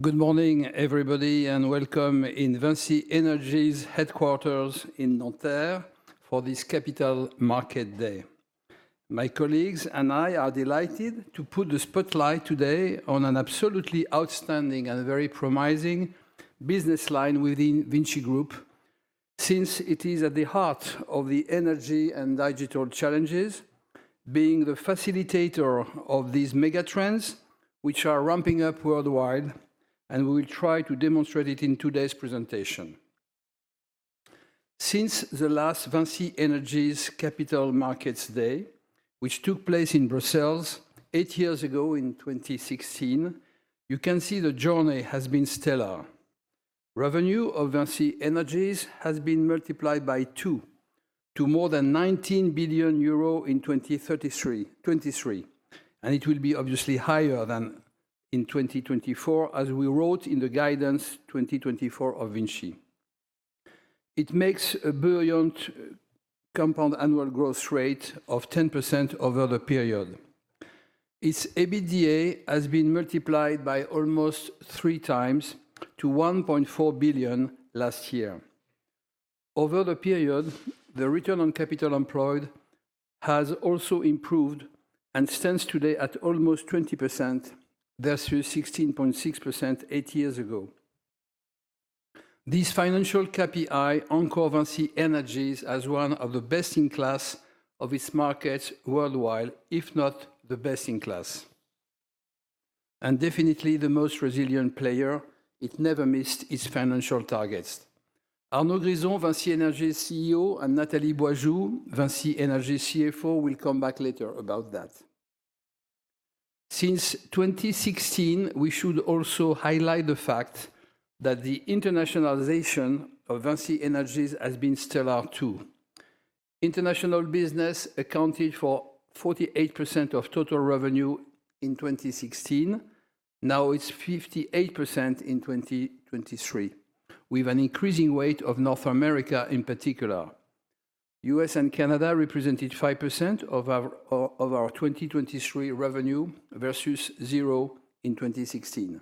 Good morning, everybody, and welcome to VINCI Energies' headquarters in Nanterre for this Capital Markets Day. My colleagues and I are delighted to put the spotlight today on an absolutely outstanding and very promising business line within VINCI Group, since it is at the heart of the energy and digital challenges, being the facilitator of these megatrends which are ramping up worldwide, and we will try to demonstrate it in today's presentation. Since the last VINCI Energies' Capital Markets Day, which took place in Brussels eight years ago in 2016, you can see the journey has been stellar. Revenue of VINCI Energies has been multiplied by two, to more than 19 billion euro in 2023, and it will be obviously higher than in 2024, as we wrote in the guidance 2024 of VINCI. It makes a brilliant compound annual growth rate of 10% over the period. Its EBITDA has been multiplied by almost three times to 1.4 billion last year. Over the period, the return on capital employed has also improved and stands today at almost 20% versus 16.6% eight years ago. This financial KPI endorses VINCI Energies as one of the best in class of its markets worldwide, if not the best in class, and definitely the most resilient player. It never missed its financial targets. Arnaud Grison, VINCI Energies' CEO, and Nathalie Boisjoux, VINCI Energies' CFO, will come back later about that. Since 2016, we should also highlight the fact that the internationalization of VINCI Energies has been stellar too. International business accounted for 48% of total revenue in 2016. Now it's 58% in 2023, with an increasing weight of North America in particular. The U.S. and Canada represented 5% of our 2023 revenue versus zero in 2016.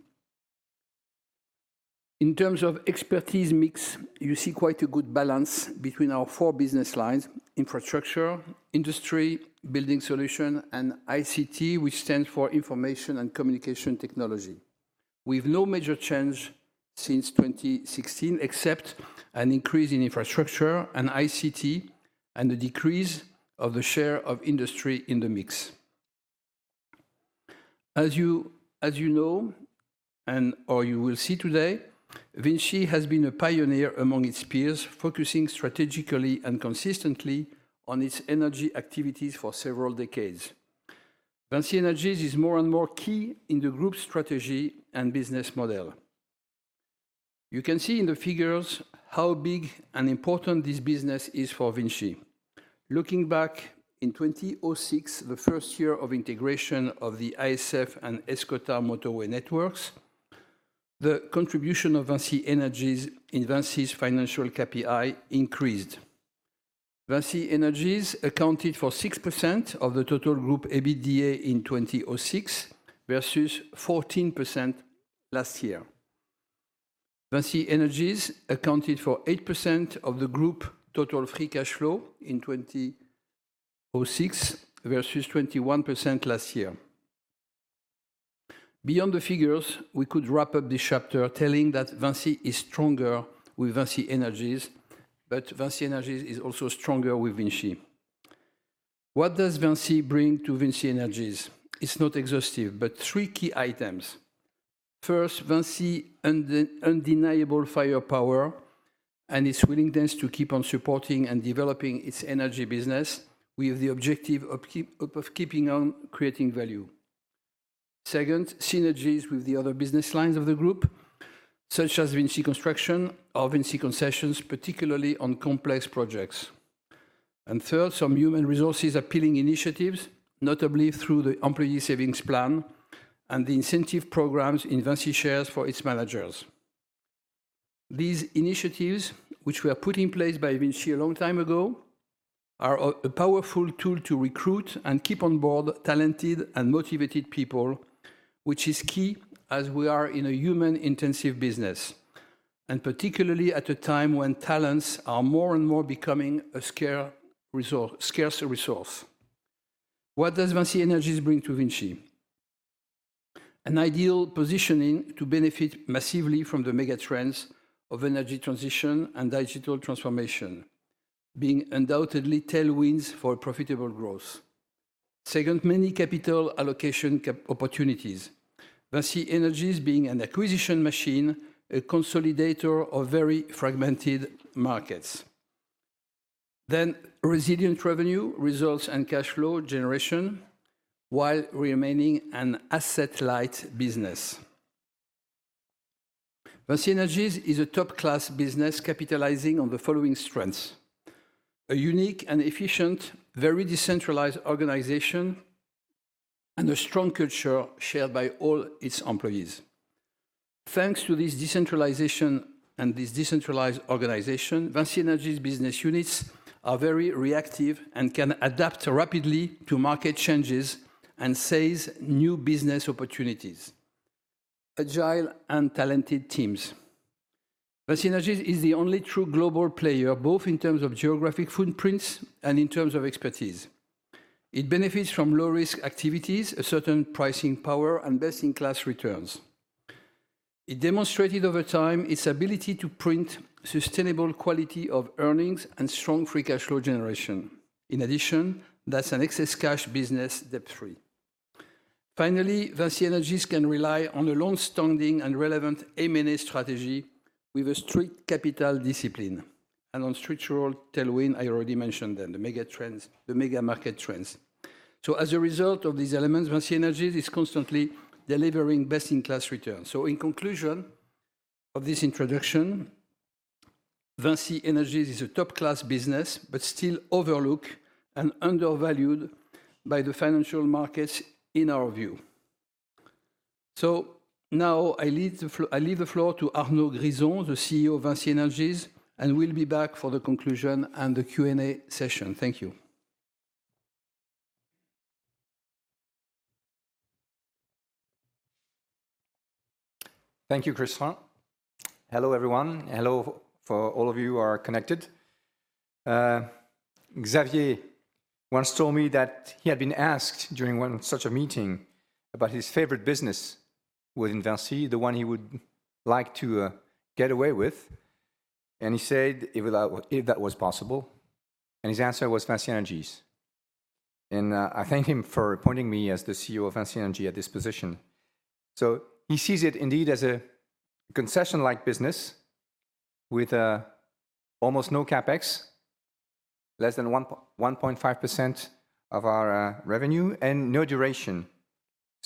In terms of expertise mix, you see quite a good balance between our four business lines: Infrastructure, Industry, Building Solutions, and ICT, which stands for Information and Communication Technology. We've had no major change since 2016, except an increase in Infrastructure and ICT, and a decrease of the share of Industry in the mix. As you know, and/or you will see today, VINCI has been a pioneer among its peers, focusing strategically and consistently on its energy activities for several decades. VINCI Energies is more and more key in the group's strategy and business model. You can see in the figures how big and important this business is for VINCI. Looking back in 2006, the first year of integration of the ASF and ESCOTA Motorway Networks, the contribution of VINCI Energies in VINCI's financial KPI increased. VINCI Energies accounted for 6% of the total group EBITDA in 2006 versus 14% last year. VINCI Energies accounted for 8% of the group total free cash flow in 2006 versus 21% last year. Beyond the figures, we could wrap up this chapter telling that VINCI is stronger with VINCI Energies, but VINCI Energies is also stronger with VINCI. What does VINCI bring to VINCI Energies? It's not exhaustive, but three key items. First, VINCI's undeniable firepower and its willingness to keep on supporting and developing its energy business with the objective of keeping on creating value. Second, synergies with the other business lines of the group, such as VINCI Construction or VINCI Concessions, particularly on complex projects. And third, some human resources appealing initiatives, notably through the Employee Savings Plan and the incentive programs VINCI shares for its managers. These initiatives, which were put in place by VINCI a long time ago, are a powerful tool to recruit and keep on board talented and motivated people, which is key as we are in a human-intensive business, and particularly at a time when talents are more and more becoming a scarce resource. What does VINCI Energies bring to VINCI? An ideal positioning to benefit massively from the megatrends of energy transition and digital transformation, being undoubtedly tailwinds for profitable growth. Second, many capital allocation opportunities, VINCI Energies being an acquisition machine, a consolidator of very fragmented markets. Then, resilient revenue, results, and cash flow generation while remaining an asset-light business. VINCI Energies is a top-class business capitalizing on the following strengths: a unique and efficient, very decentralized organization, and a strong culture shared by all its employees. Thanks to this decentralization and this decentralized organization, VINCI Energies' business units are very reactive and can adapt rapidly to market changes and seize new business opportunities. Agile and talented teams. VINCI Energies is the only true global player, both in terms of geographic footprints and in terms of expertise. It benefits from low-risk activities, a certain pricing power, and best-in-class returns. It demonstrated over time its ability to print sustainable quality of earnings and strong free cash flow generation. In addition, that's an excess cash business debt-free. Finally, VINCI Energies can rely on a long-standing and relevant M&A strategy with a strict capital discipline and on structural tailwinds I already mentioned then, the megamarket trends. So, as a result of these elements, VINCI Energies is constantly delivering best-in-class returns. In conclusion of this introduction, VINCI Energies is a top-class business but still overlooked and undervalued by the financial markets in our view. Now I leave the floor to Arnaud Grison, the CEO of VINCI Energies, and we'll be back for the conclusion and the Q&A session. Thank you. Thank you, Christian. Hello, everyone. Hello to all of you who are connected. Xavier once told me that he had been asked during one such a meeting about his favorite business within VINCI, the one he would like to get away with, and he said if that was possible, his answer was VINCI Energies, and I thank him for appointing me as the CEO of VINCI Energies at this position. He sees it indeed as a concession-like business with almost no CapEx, less than 1.5% of our revenue, and no duration,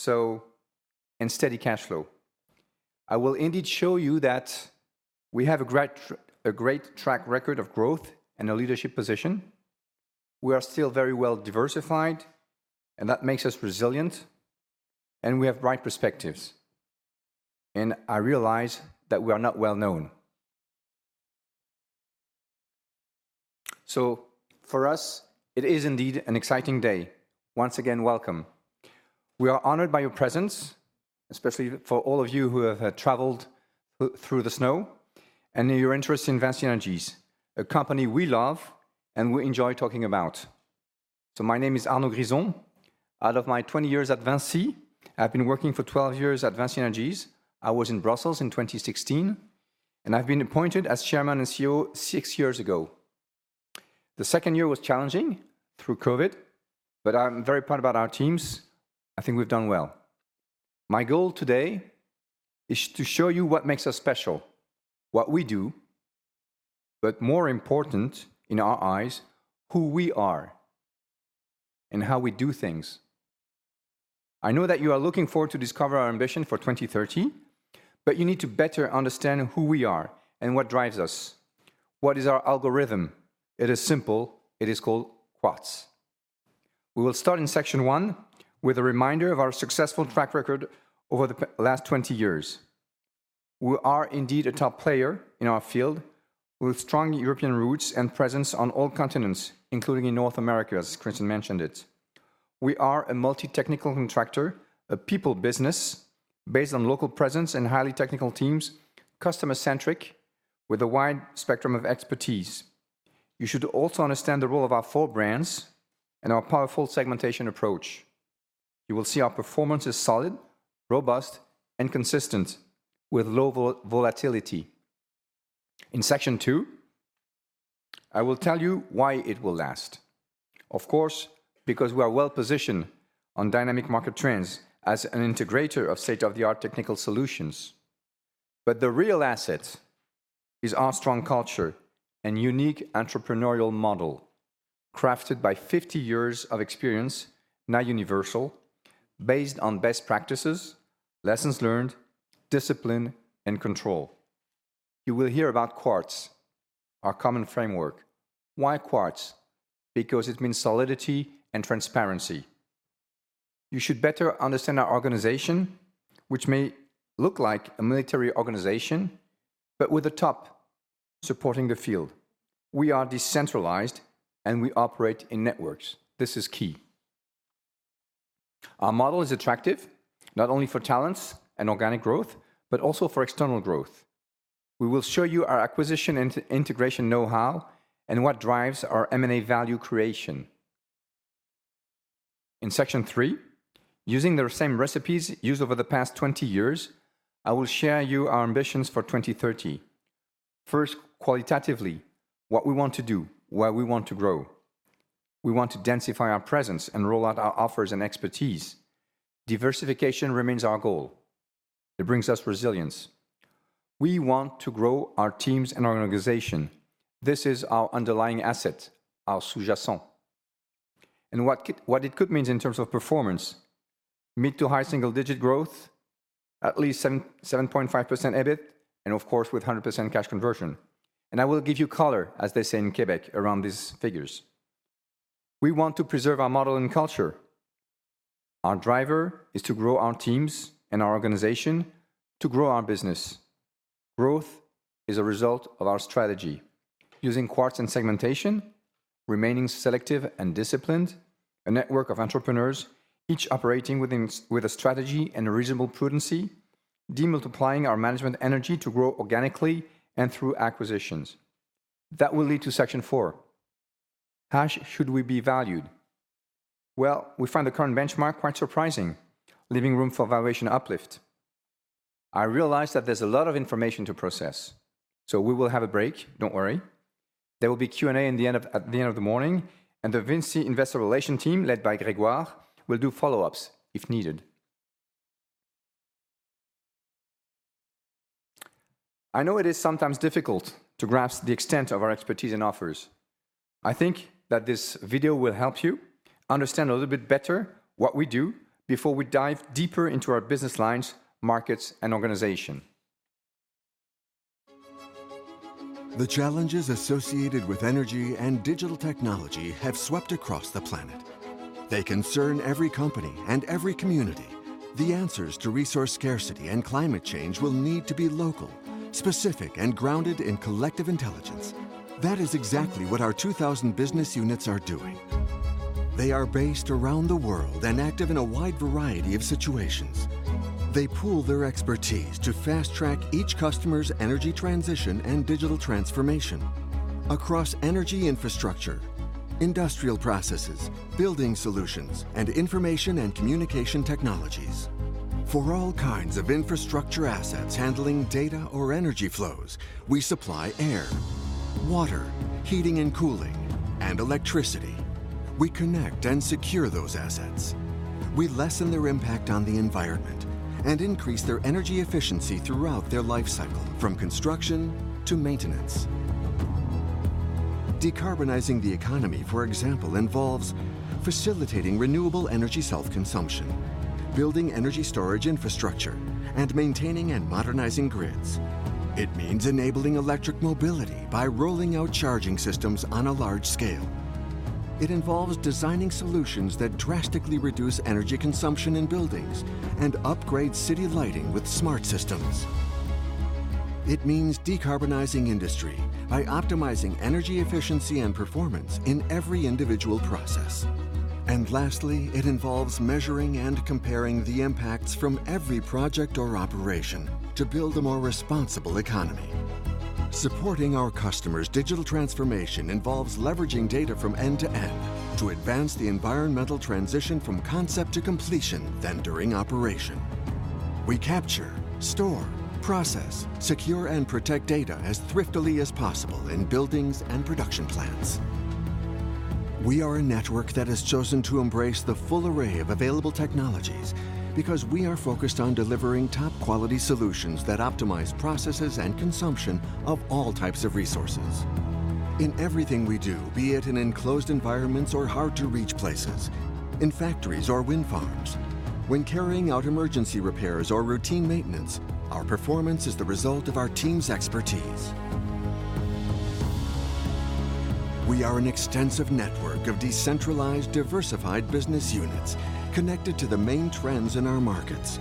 and steady cash flow. I will indeed show you that we have a great track record of growth and a leadership position. We are still very well diversified, and that makes us resilient, and we have bright perspectives. I realize that we are not well known, so for us, it is indeed an exciting day. Once again, welcome. We are honored by your presence, especially for all of you who have traveled through the snow, and your interest in VINCI Energies, a company we love and we enjoy talking about. My name is Arnaud Grison. Out of my 20 years at VINCI, I've been working for 12 years at VINCI Energies. I was in Brussels in 2016, and I've been appointed as Chairman and CEO six years ago. The second year was challenging through COVID, but I'm very proud about our teams. I think we've done well. My goal today is to show you what makes us special, what we do, but more important in our eyes, who we are and how we do things. I know that you are looking forward to discovering our ambition for 2030, but you need to better understand who we are and what drives us. What is our algorithm? It is simple. It is called Quartz. We will start in section one with a reminder of our successful track record over the last 20 years. We are indeed a top player in our field with strong European roots and presence on all continents, including in North America, as Christian mentioned it. We are a multi-technical contractor, a people business based on local presence and highly technical teams, customer-centric with a wide spectrum of expertise. You should also understand the role of our four brands and our powerful segmentation approach. You will see our performance is solid, robust, and consistent with low volatility. In section two, I will tell you why it will last. Of course, because we are well positioned on dynamic market trends as an integrator of state-of-the-art technical solutions. But the real asset is our strong culture and unique entrepreneurial model crafted by 50 years of experience, now universal, based on best practices, lessons learned, discipline, and control. You will hear about Quartz, our common framework. Why Quartz? Because it means solidity and transparency. You should better understand our organization, which may look like a military organization, but with a top supporting the field. We are decentralized, and we operate in networks. This is key. Our model is attractive not only for talents and organic growth, but also for external growth. We will show you our acquisition integration know-how and what drives our M&A value creation. In section three, using the same recipes used over the past 20 years, I will share with you our ambitions for 2030. First, qualitatively, what we want to do, where we want to grow. We want to densify our presence and roll out our offers and expertise. Diversification remains our goal. It brings us resilience. We want to grow our teams and our organization. This is our underlying asset, our sous-jacent. And what it could mean in terms of performance: mid to high single-digit growth, at least 7.5% EBIT, and of course, with 100% cash conversion. And I will give you color, as they say in Quebec, around these figures. We want to preserve our model and culture. Our driver is to grow our teams and our organization, to grow our business. Growth is a result of our strategy. Using Quartz and segmentation, remaining selective and disciplined, a network of entrepreneurs, each operating with a strategy and reasonable prudency, demultiplying our management energy to grow organically and through acquisitions. That will lead to section four. How should we be valued? We find the current benchmark quite surprising, leaving room for valuation uplift. I realize that there's a lot of information to process, so we will have a break. Don't worry. There will be Q&A at the end of the morning, and the VINCI Investor Relations team, led by Grégoire, will do follow-ups if needed. I know it is sometimes difficult to grasp the extent of our expertise and offers. I think that this video will help you understand a little bit better what we do before we dive deeper into our business lines, markets, and organization. The challenges associated with energy and digital technology have swept across the planet. They concern every company and every community. The answers to resource scarcity and climate change will need to be local, specific, and grounded in collective intelligence. That is exactly what our 2,000 business units are doing. They are based around the world and active in a wide variety of situations. They pool their expertise to fast-track each customer's energy transition and digital transformation across energy infrastructure, industrial processes, Building Solutions, and information and communication technologies. For all kinds of infrastructure assets handling data or energy flows, we supply air, water, heating and cooling, and electricity. We connect and secure those assets. We lessen their impact on the environment and increase their energy efficiency throughout their life cycle, from construction to maintenance. Decarbonizing the economy, for example, involves facilitating renewable energy self-consumption, building energy storage infrastructure, and maintaining and modernizing grids. It means enabling electric mobility by rolling out charging systems on a large scale. It involves designing solutions that drastically reduce energy consumption in buildings and upgrade city lighting with smart systems. It means decarbonizing industry by optimizing energy efficiency and performance in every individual process. And lastly, it involves measuring and comparing the impacts from every project or operation to build a more responsible economy. Supporting our customers' digital transformation involves leveraging data from end to end to advance the environmental transition from concept to completion, then during operation. We capture, store, process, secure, and protect data as thriftily as possible in buildings and production plants. We are a network that has chosen to embrace the full array of available technologies because we are focused on delivering top-quality solutions that optimize processes and consumption of all types of resources. In everything we do, be it in enclosed environments or hard-to-reach places, in factories or wind farms, when carrying out emergency repairs or routine maintenance, our performance is the result of our team's expertise. We are an extensive network of decentralized, diversified business units connected to the main trends in our markets.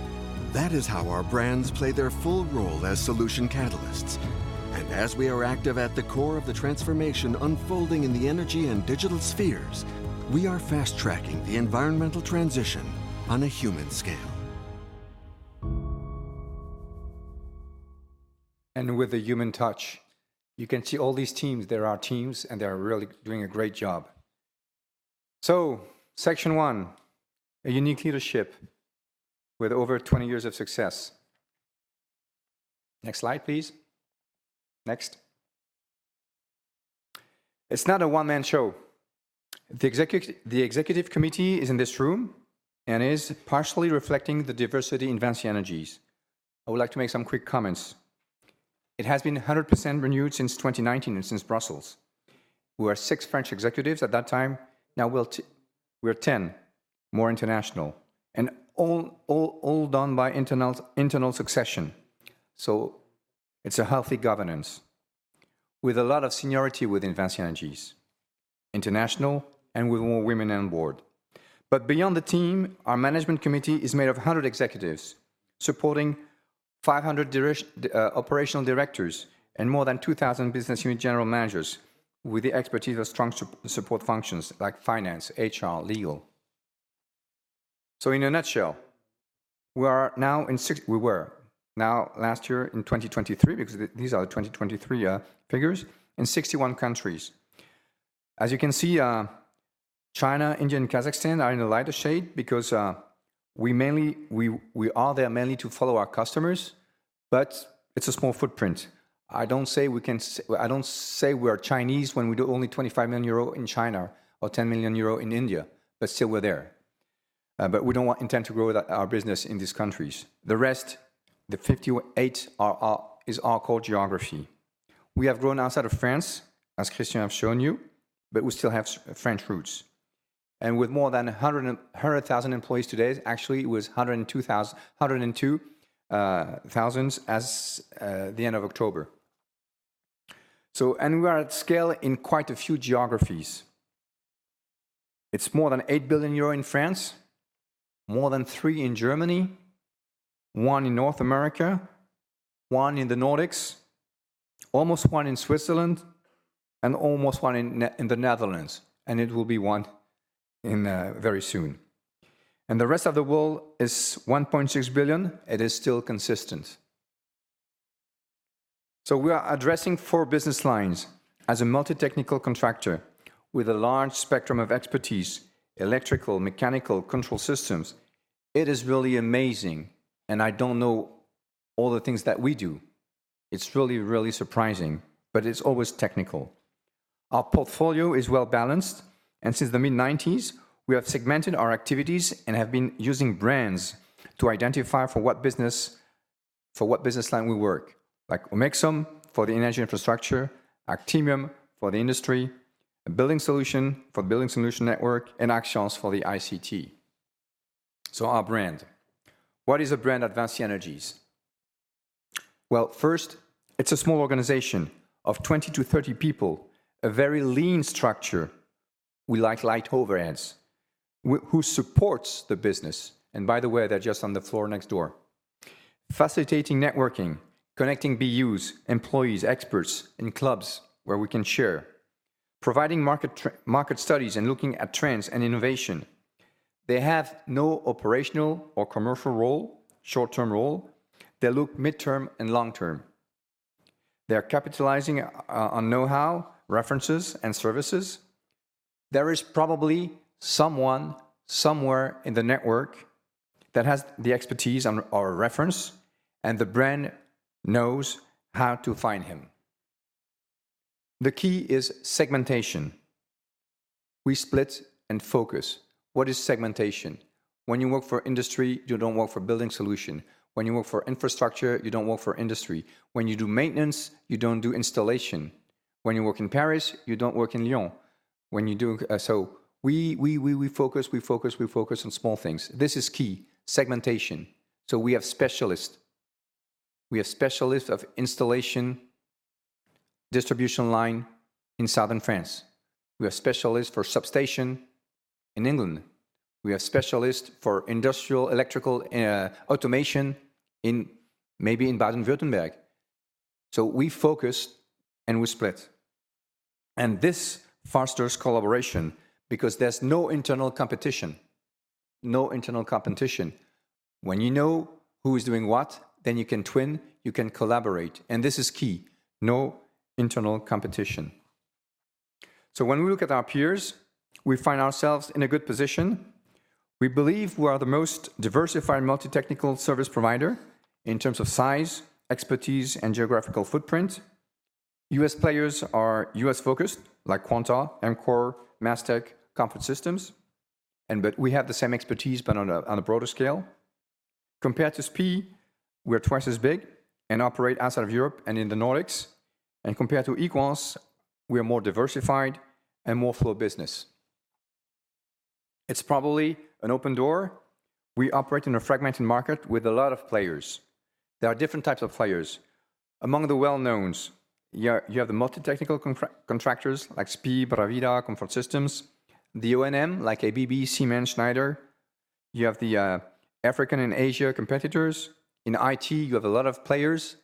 That is how our brands play their full role as solution catalysts. And as we are active at the core of the transformation unfolding in the energy and digital spheres, we are fast-tracking the environmental transition on a human scale. And with a human touch, you can see all these teams. They're our teams, and they're really doing a great job. So section one, a unique leadership with over 20 years of success. Next slide, please. Next. It's not a one-man show. The executive committee is in this room and is partially reflecting the diversity in VINCI Energies. I would like to make some quick comments. It has been 100% renewed since 2019 and since Brussels. We were six French executives at that time. Now we're 10 more international, and all done by internal succession. So it's a healthy governance with a lot of seniority within VINCI Energies, international and with more women on board. But beyond the team, our management committee is made of 100 executives supporting 500 operational directors and more than 2,000 business unit general managers with the expertise of strong support functions like finance, HR, legal. So in a nutshell, we are now in six—we were now last year in 2023, because these are the 2023 figures—in 61 countries. As you can see, China, India, and Kazakhstan are in a lighter shade because we are there mainly to follow our customers, but it's a small footprint. I don't say we can—I don't say we are Chinese when we do only 25 million euro in China or 10 million euro in India, but still we're there. But we don't intend to grow our business in these countries. The rest, the 58, is our core geography. We have grown outside of France, as Christian has shown you, but we still have French roots. And with more than 100,000 employees today, actually, it was 102,000 as of the end of October. And we are at scale in quite a few geographies. It's more than 8 billion euro in France, more than 3 billion in Germany, 1 billion in North America, 1 billion in the Nordics, almost 1 billion in Switzerland, and almost 1 billion in the Netherlands, and it will be 1 billion very soon, and the rest of the world is 1.6 billion. It is still consistent, so we are addressing four business lines as a multi-technical contractor with a large spectrum of expertise: electrical, mechanical, control systems. It is really amazing, and I don't know all the things that we do. It's really, really surprising, but it's always technical. Our portfolio is well balanced, and since the mid-1990s, we have segmented our activities and have been using brands to identify for what business line we work, like Omexom for the energy infrastructure, Actemium for the industry, Building Solutions for the Building Solutions network, and Axians for the ICT, so our brand. What is a brand at VINCI Energies? Well, first, it's a small organization of 20-30 people, a very lean structure. We like light overheads, who supports the business. And by the way, they're just on the floor next door. Facilitating networking, connecting BUs, employees, experts, and clubs where we can share. Providing market studies and looking at trends and innovation. They have no operational or commercial role, short-term role. They look midterm and long-term. They're capitalizing on know-how, references, and services. There is probably someone somewhere in the network that has the expertise or reference, and the brand knows how to find him. The key is segmentation. We split and focus. What is segmentation? When you work for industry, you don't work for Building Solutions. When you work for infrastructure, you don't work for industry. When you do maintenance, you don't do installation. When you work in Paris, you don't work in Lyon. When you do, so we focus, we focus, we focus on small things. This is key: segmentation. So we have specialists. We have specialists of installation, distribution line in southern France. We have specialists for substation in England. We have specialists for industrial electrical automation maybe in Baden-Württemberg. So we focus and we split. And this fosters collaboration because there's no internal competition, no internal competition. When you know who is doing what, then you can twin, you can collaborate. And this is key: no internal competition. So when we look at our peers, we find ourselves in a good position. We believe we are the most diversified multi-technical service provider in terms of size, expertise, and geographical footprint. U.S. players are U.S.-focused, like Quanta, EMCOR, MasTec, Comfort Systems. But we have the same expertise, but on a broader scale. Compared to SPIE, we're twice as big and operate outside of Europe and in the Nordics. And compared to Equans, we are more diversified and more for business. It's probably an open door. We operate in a fragmented market with a lot of players. There are different types of players. Among the well-knowns, you have the multi-technical contractors like SPIE, Bravida, Comfort Systems, the O&M like ABB, Siemens, Schneider. You have the African and Asia competitors. In IT, you have a lot of players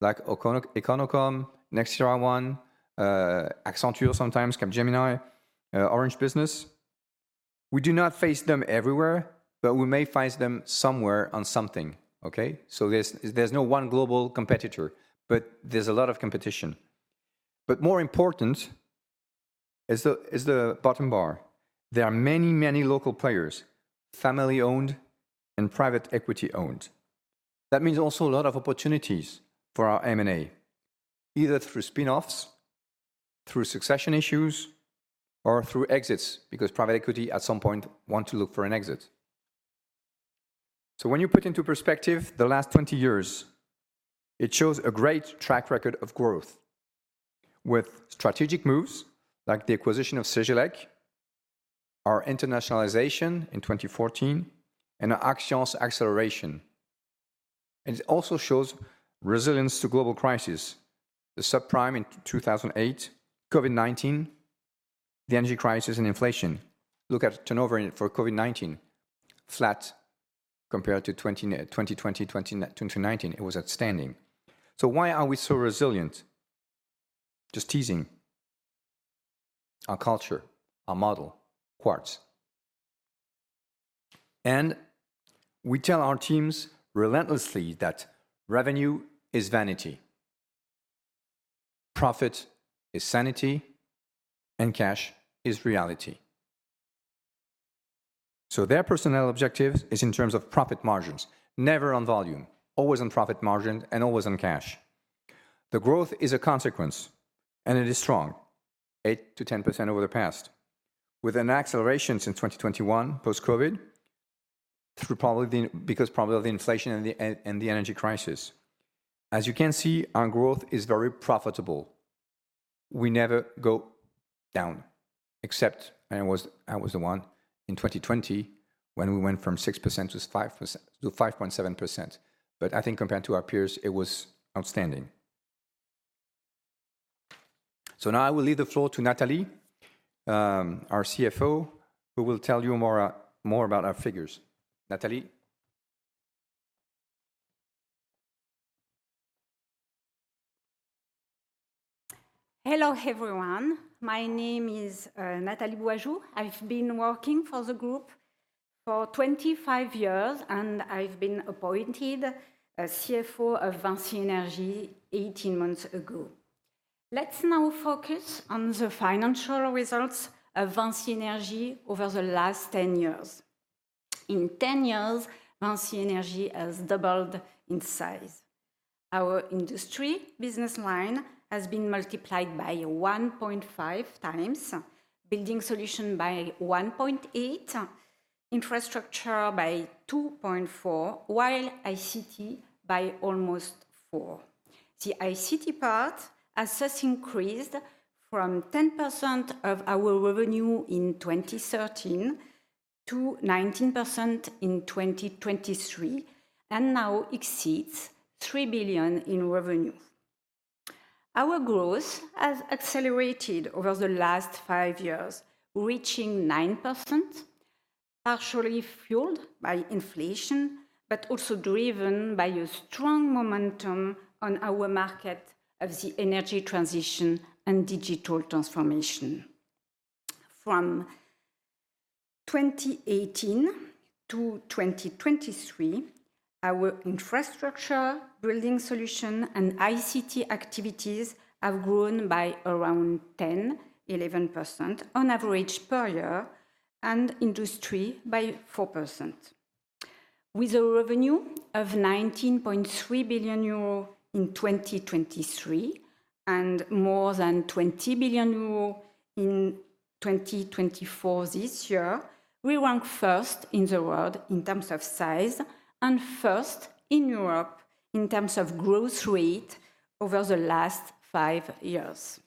like Econocom, NextiraOne, Accenture sometimes, Capgemini, Orange Business. We do not face them everywhere, but we may face them somewhere on something. Okay? So there's no one global competitor, but there's a lot of competition. But more important is the bottom bar. There are many, many local players, family-owned and private equity-owned. That means also a lot of opportunities for our M&A, either through spinoffs, through succession issues, or through exits, because private equity at some point wants to look for an exit. So when you put into perspective the last 20 years, it shows a great track record of growth with strategic moves like the acquisition of Cegelec, our internationalization in 2014, and our Axians acceleration. And it also shows resilience to global crises: the subprime in 2008, COVID-19, the energy crisis, and inflation. Look at turnover for COVID-19: flat compared to 2020, 2019. It was outstanding. So why are we so resilient? Just teasing. Our culture, our model, Quartz. And we tell our teams relentlessly that revenue is vanity, profit is sanity, and cash is reality. So their personal objective is in terms of profit margins, never on volume, always on profit margins, and always on cash. The growth is a consequence, and it is strong, 8%-10% over the past, with an acceleration since 2021 post-COVID, probably because of the inflation and the energy crisis. As you can see, our growth is very profitable. We never go down, except I was the one in 2020 when we went from 6%-5.7%. But I think compared to our peers, it was outstanding. So now I will leave the floor to Nathalie, our CFO, who will tell you more about our figures. Nathalie. Hello everyone. My name is Nathalie Boijoux. I've been working for the group for 25 years, and I've been appointed CFO of VINCI Energies 18 months ago. Let's now focus on the financial results of VINCI Energies over the last 10 years. In 10 years, VINCI Energies has doubled in size. Our industry business line has been multiplied by 1.5 times, Building Solutions by 1.8, infrastructure by 2.4, while ICT by almost 4. The ICT part has just increased from 10% of our revenue in 2013 to 19% in 2023, and now exceeds 3 billion in revenue. Our growth has accelerated over the last five years, reaching 9%, partially fueled by inflation, but also driven by a strong momentum on our market of the energy transition and digital transformation. From 2018 to 2023, our infrastructure, Building Solutions, and ICT activities have grown by around 10%-11% on average per year, and industry by 4%. With a revenue of 19.3 billion euro in 2023 and more than 20 billion euro in 2024 this year, we rank first in the world in terms of size and first in Europe in terms of growth rate over the last five years.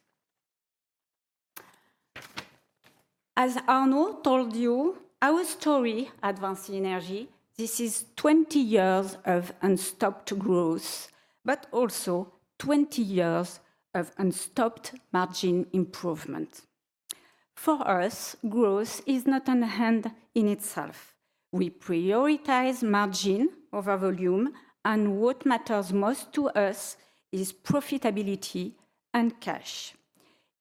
As Arnaud told you, our story at VINCI Energies, this is 20 years of uninterrupted growth, but also 20 years of uninterrupted margin improvement. For us, growth is not an end in itself. We prioritize margin over volume, and what matters most to us is profitability and cash.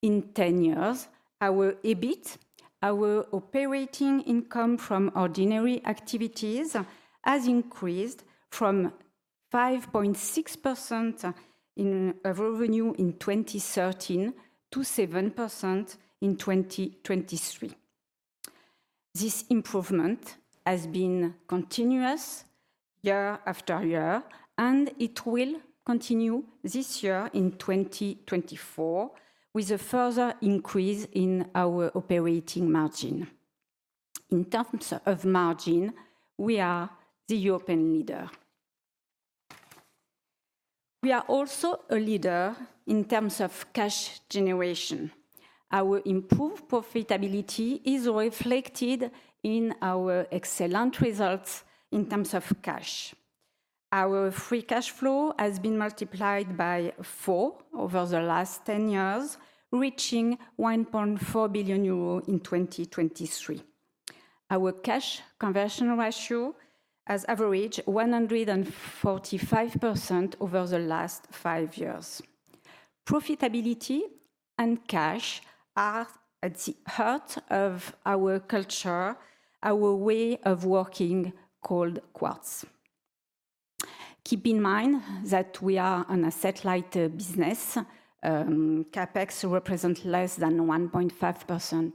In 10 years, our EBIT, our operating income from ordinary activities, has increased from 5.6% in revenue in 2013 to 7% in 2023. This improvement has been continuous year after year, and it will continue this year in 2024 with a further increase in our operating margin. In terms of margin, we are the European leader. We are also a leader in terms of cash generation. Our improved profitability is reflected in our excellent results in terms of cash. Our free cash flow has been multiplied by 4 over the last 10 years, reaching 1.4 billion euros in 2023. Our cash conversion ratio has averaged 145% over the last five years. Profitability and cash are at the heart of our culture, our way of working called Quartz. Keep in mind that we are a satellite business. CapEx represents less than 1.5%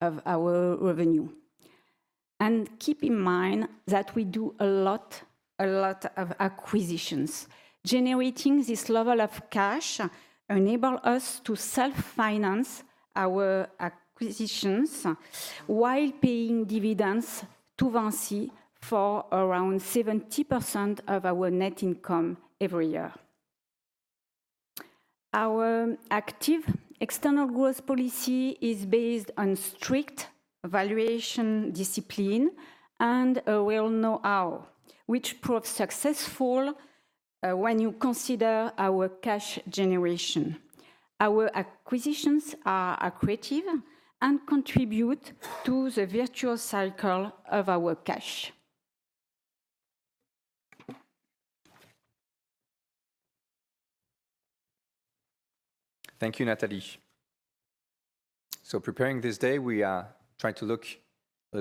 of our revenue. And keep in mind that we do a lot of acquisitions. Generating this level of cash enables us to self-finance our acquisitions while paying dividends to VINCI for around 70% of our net income every year. Our active external growth policy is based on strict valuation discipline and a well-known ROCE, which proves successful when you consider our cash generation. Our acquisitions are accretive and contribute to the virtuous cycle of our cash. Thank you, Nathalie. Preparing this day, we are trying to look a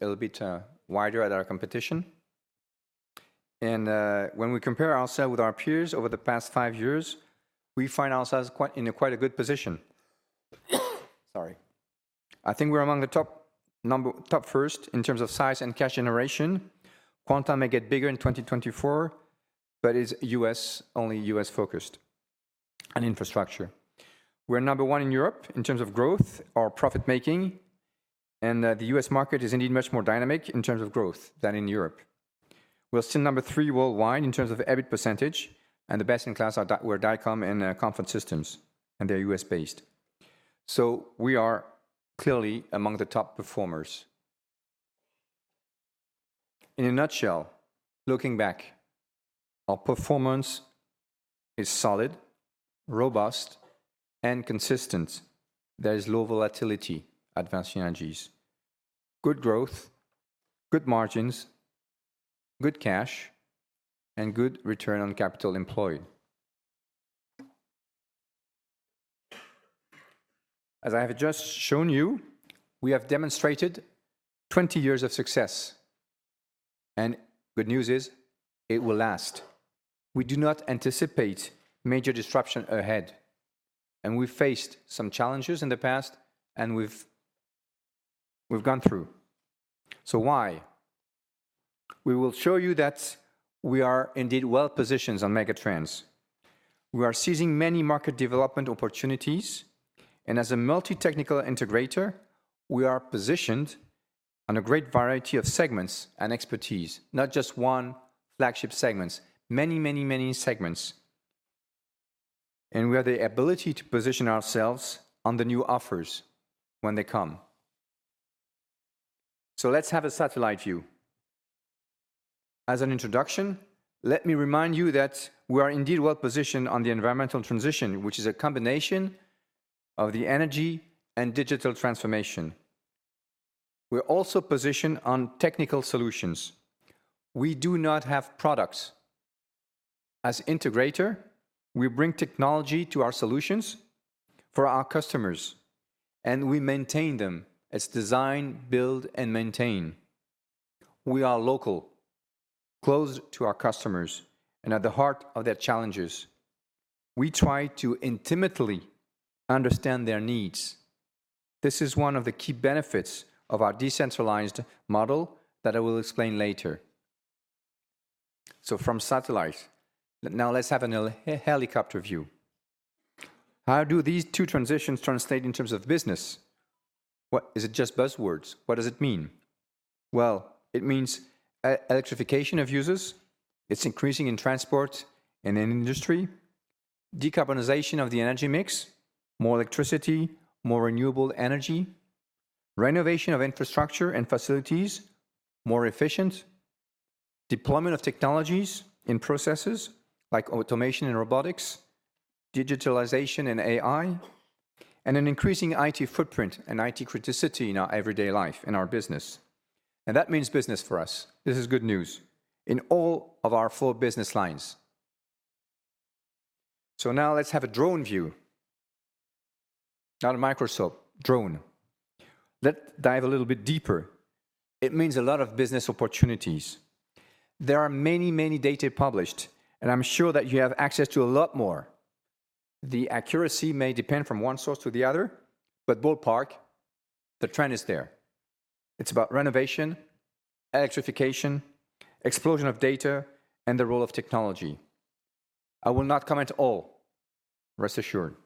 little bit wider at our competition. When we compare ourselves with our peers over the past five years, we find ourselves in quite a good position. Sorry. I think we're among the top first in terms of size and cash generation. Quanta may get bigger in 2024, but it's U.S., only U.S.-focused and infrastructure. We're number one in Europe in terms of growth or profit-making, and the U.S. market is indeed much more dynamic in terms of growth than in Europe. We're still number three worldwide in terms of EBIT percentage, and the best in class are Dycom and Comfort Systems, and they're U.S.-based. We are clearly among the top performers. In a nutshell, looking back, our performance is solid, robust, and consistent. There is low volatility at VINCI Energies. Good growth, good margins, good cash, and good return on capital employed. As I have just shown you, we have demonstrated 20 years of success. And the good news is it will last. We do not anticipate major disruption ahead. And we've faced some challenges in the past, and we've gone through. So why? We will show you that we are indeed well-positioned on megatrends. We are seizing many market development opportunities. And as a multi-technical integrator, we are positioned on a great variety of segments and expertise, not just one flagship segment, many, many, many segments. And we have the ability to position ourselves on the new offers when they come. So let's have a satellite view. As an introduction, let me remind you that we are indeed well-positioned on the environmental transition, which is a combination of the energy and digital transformation. We're also positioned on technical solutions. We do not have products. As integrator, we bring technology to our solutions for our customers, and we maintain them as design, build, and maintain. We are local, close to our customers, and at the heart of their challenges. We try to intimately understand their needs. This is one of the key benefits of our decentralized model that I will explain later. So from satellite, now let's have a helicopter view. How do these two transitions translate in terms of business? Is it just buzzwords? What does it mean? Well, it means electrification of users. It's increasing in transport and in industry. Decarbonization of the energy mix, more electricity, more renewable energy. Renovation of infrastructure and facilities, more efficient. Deployment of technologies in processes like automation and robotics, digitalization and AI, and an increasing IT footprint and IT criticity in our everyday life and our business. And that means business for us. This is good news in all of our four business lines. So now let's have a drone view, not a microscope drone. Let's dive a little bit deeper. It means a lot of business opportunities. There are many, many data published, and I'm sure that you have access to a lot more. The accuracy may depend from one source to the other, but ballpark, the trend is there. It's about renovation, electrification, explosion of data, and the role of technology. I will not comment all, rest assured.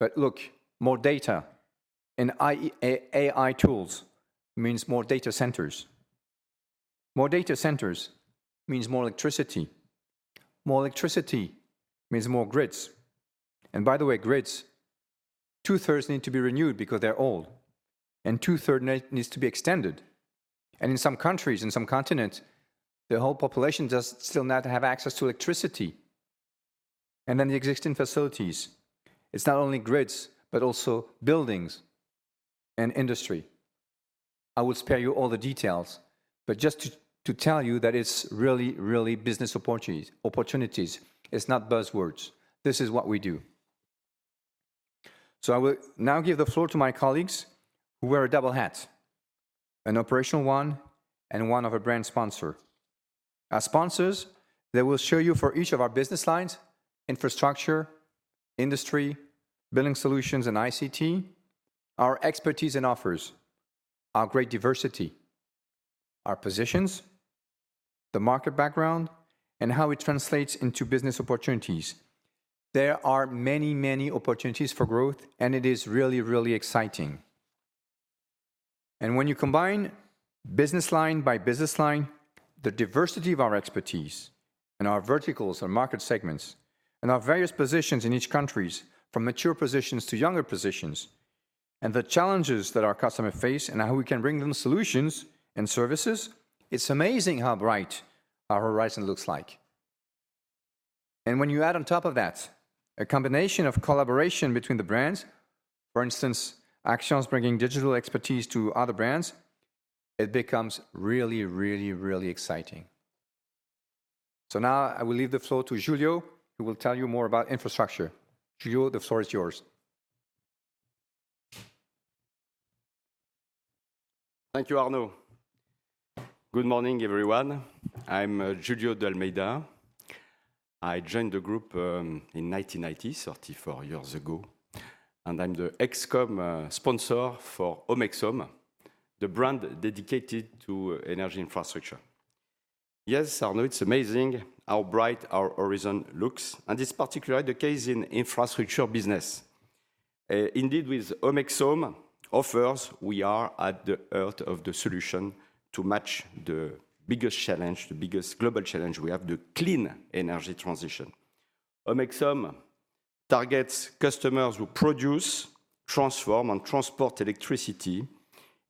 But look, more data and AI tools means more data centers. More data centers means more electricity. More electricity means more grids. And by the way, grids, two-thirds need to be renewed because they're old, and two-thirds needs to be extended. In some countries, in some continents, the whole population does still not have access to electricity. Then the existing facilities, it's not only grids, but also buildings and industry. I will spare you all the details, but just to tell you that it's really, really business opportunities. It's not buzzwords. This is what we do. I will now give the floor to my colleagues who wear a double hat, an operational one and one of a brand sponsor. Our sponsors, they will show you for each of our business lines, infrastructure, industry, Building Solutions and ICT, our expertise and offers, our great diversity, our positions, the market background, and how it translates into business opportunities. There are many, many opportunities for growth, and it is really, really exciting. When you combine business line by business line, the diversity of our expertise and our verticals and market segments and our various positions in each country, from mature positions to younger positions, and the challenges that our customers face and how we can bring them solutions and services, it's amazing how bright our horizon looks like. When you add on top of that a combination of collaboration between the brands, for instance, Axians bringing digital expertise to other brands, it becomes really, really, really exciting. Now I will leave the floor to Julio, who will tell you more about infrastructure. Julio, the floor is yours. Thank you, Arnaud. Good morning, everyone. I'm Julio de Almeida. I joined the group in 1990, 34 years ago, and I'm the Omexom sponsor for Omexom, the brand dedicated to energy infrastructure. Yes, Arnaud, it's amazing how bright our horizon looks, and it's particularly the case in infrastructure business. Indeed, with Omexom offers, we are at the heart of the solution to match the biggest challenge, the biggest global challenge we have, the clean energy transition. Omexom targets customers who produce, transform, and transport electricity,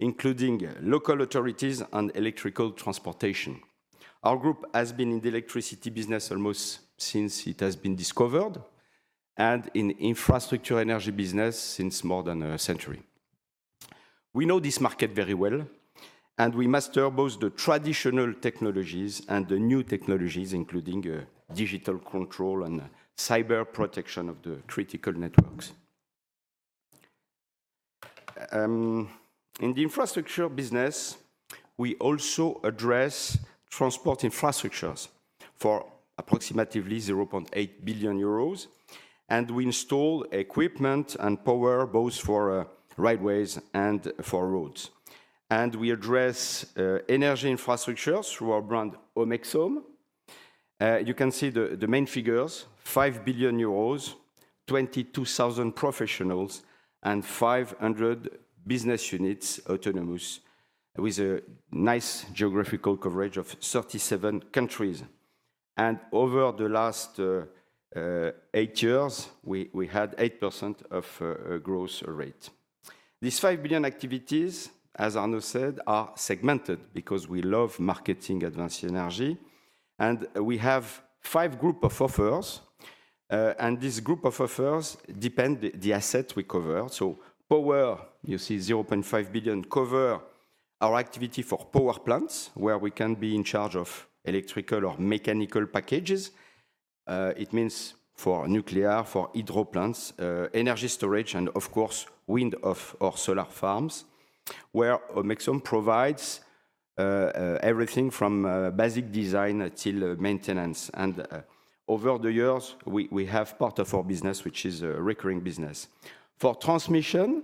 including local authorities and electrical transportation. Our group has been in the electricity business almost since it has been discovered and in infrastructure energy business since more than a century. We know this market very well, and we master both the traditional technologies and the new technologies, including digital control and cyber protection of the critical networks. In the infrastructure business, we also address transport infrastructures for approximately 0.8 billion euros, and we install equipment and power both for railways and for roads. We address energy infrastructures through our brand Omexom. You can see the main figures: 5 billion euros, 22,000 professionals, and 500 business units autonomous with a nice geographical coverage of 37 countries. Over the last eight years, we had 8% of a growth rate. These 5 billion activities, as Arnaud said, are segmented because we love marketing advanced energy, and we have five groups of offers, and this group of offers depends on the assets we cover. Power, you see 0.5 billion, covers our activity for power plants where we can be in charge of electrical or mechanical packages. It means for nuclear, for hydro plants, energy storage, and of course, wind or solar farms where Omexom provides everything from basic design to maintenance. Over the years, we have part of our business, which is a recurring business. For transmission,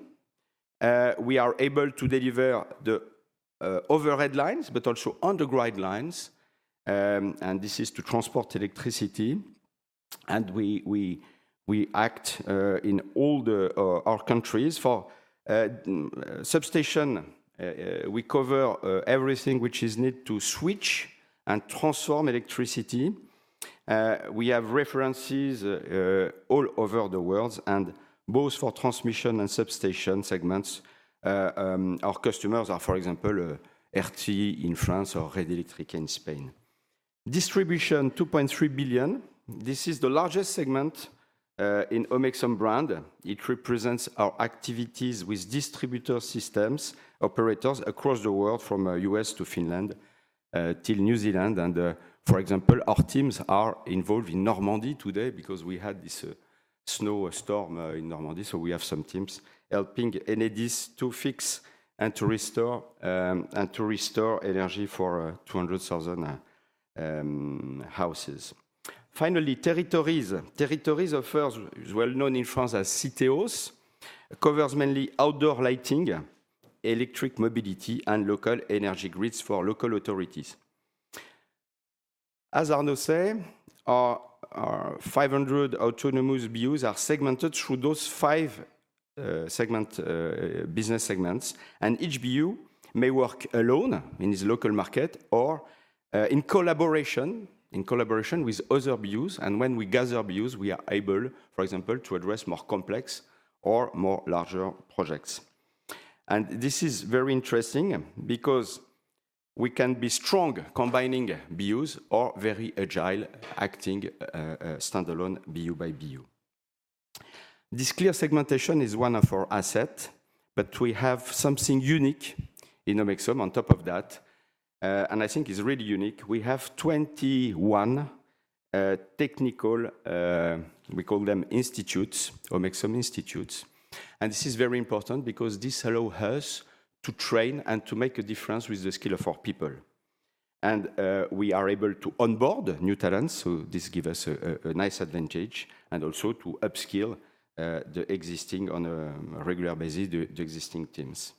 we are able to deliver the overhead lines, but also underground lines, and this is to transport electricity. We act in all our countries. For substation, we cover everything which is needed to switch and transform electricity. We have references all over the world, and both for transmission and substation segments, our customers are, for example, RTE in France or Red Eléctrica in Spain. Distribution, 2.3 billion. This is the largest segment in Omexom brand. It represents our activities with distribution system operators across the world from the U.S. to Finland to New Zealand. For example, our teams are involved in Normandy today because we had this snowstorm in Normandy. We have some teams helping Enedis to fix and to restore energy for 200,000 houses. Finally, territories. Territories offers, well known in France as Citeos, covers mainly outdoor lighting, electric mobility, and local energy grids for local authorities. As Arnaud said, our 500 autonomous BUs are segmented through those five business segments, and each BU may work alone in its local market or in collaboration with other BUs. When we gather BUs, we are able, for example, to address more complex or more larger projects. This is very interesting because we can be strong combining BUs or very agile acting standalone BU by BU. This clear segmentation is one of our assets, but we have something unique in Omexom on top of that, and I think it's really unique. We have 21 technical, we call them institutes, Omexom Institutes. And this is very important because this allows us to train and to make a difference with the skill of our people. And we are able to onboard new talents, so this gives us a nice advantage and also to upskill the existing on a regular basis, the existing teams.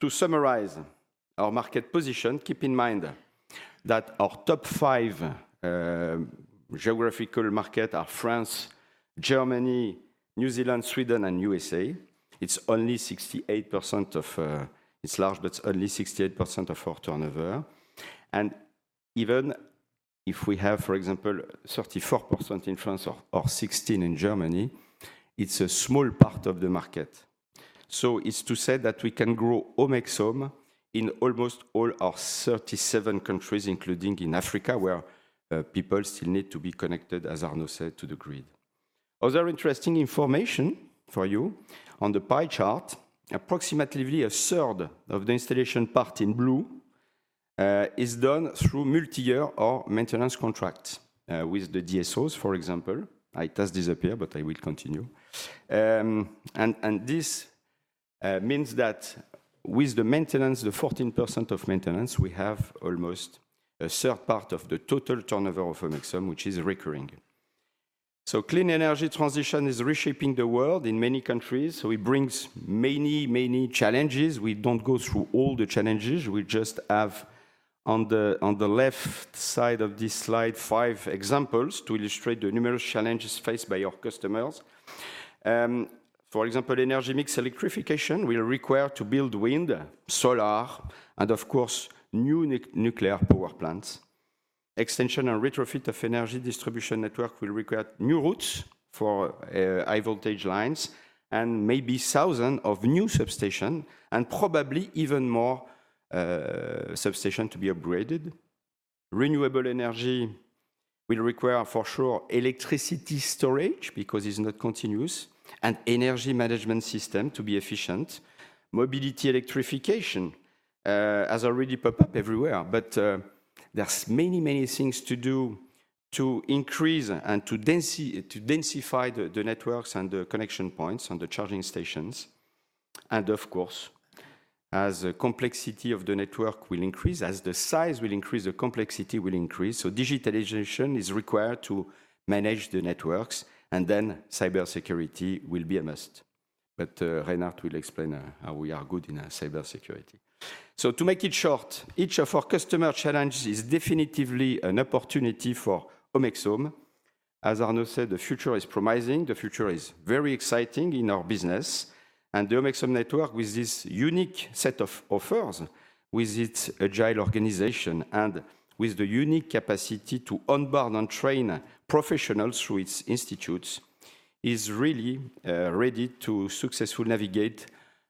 To summarize our market position, keep in mind that our top five geographical markets are France, Germany, New Zealand, Sweden, and USA. It's only 68% of its large, but it's only 68% of our turnover. And even if we have, for example, 34% in France or 16% in Germany, it's a small part of the market. So it's to say that we can grow Omexom in almost all our 37 countries, including in Africa, where people still need to be connected, as Arnaud said, to the grid. Other interesting information for you on the pie chart, approximately a third of the installation part in blue is done through multi-year or maintenance contracts with the DSOs, for example. I just disappeared, but I will continue. And this means that with the maintenance, the 14% of maintenance, we have almost a third part of the total turnover of Omexom, which is recurring. So clean energy transition is reshaping the world in many countries. So it brings many, many challenges. We don't go through all the challenges. We just have on the left side of this slide five examples to illustrate the numerous challenges faced by our customers. For example, energy mix electrification will require to build wind, solar, and of course, new nuclear power plants. Extension and retrofit of energy distribution network will require new routes for high-voltage lines and maybe thousands of new substations and probably even more substations to be upgraded. Renewable energy will require, for sure, electricity storage because it's not continuous and energy management system to be efficient. Mobility electrification has already popped up everywhere, but there's many, many things to do to increase and to densify the networks and the connection points and the charging stations, and of course, as the complexity of the network will increase, as the size will increase, the complexity will increase, so digitalization is required to manage the networks, and then cybersecurity will be a must, but Reinhard will explain how we are good in cybersecurity, so to make it short, each of our customer challenges is definitely an opportunity for Omexom. As Arnaud said, the future is promising. The future is very exciting in our business. The Omexom network, with this unique set of offers, with its agile organization and with the unique capacity to onboard and train professionals through its institutes, is really ready to successfully navigate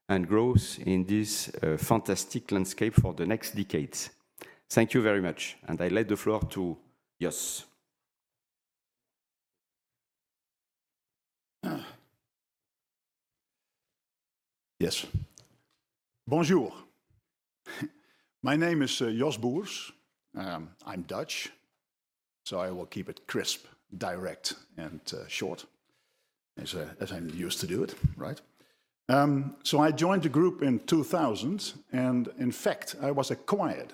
and grow in this fantastic landscape for the next decades. Thank you very much, and I lend the floor to Jos. Yes. Bonjour. My name is Jos Boers. I'm Dutch, so I will keep it crisp, direct, and short as I'm used to do it, right? I joined the group in 2000, and in fact, I was acquired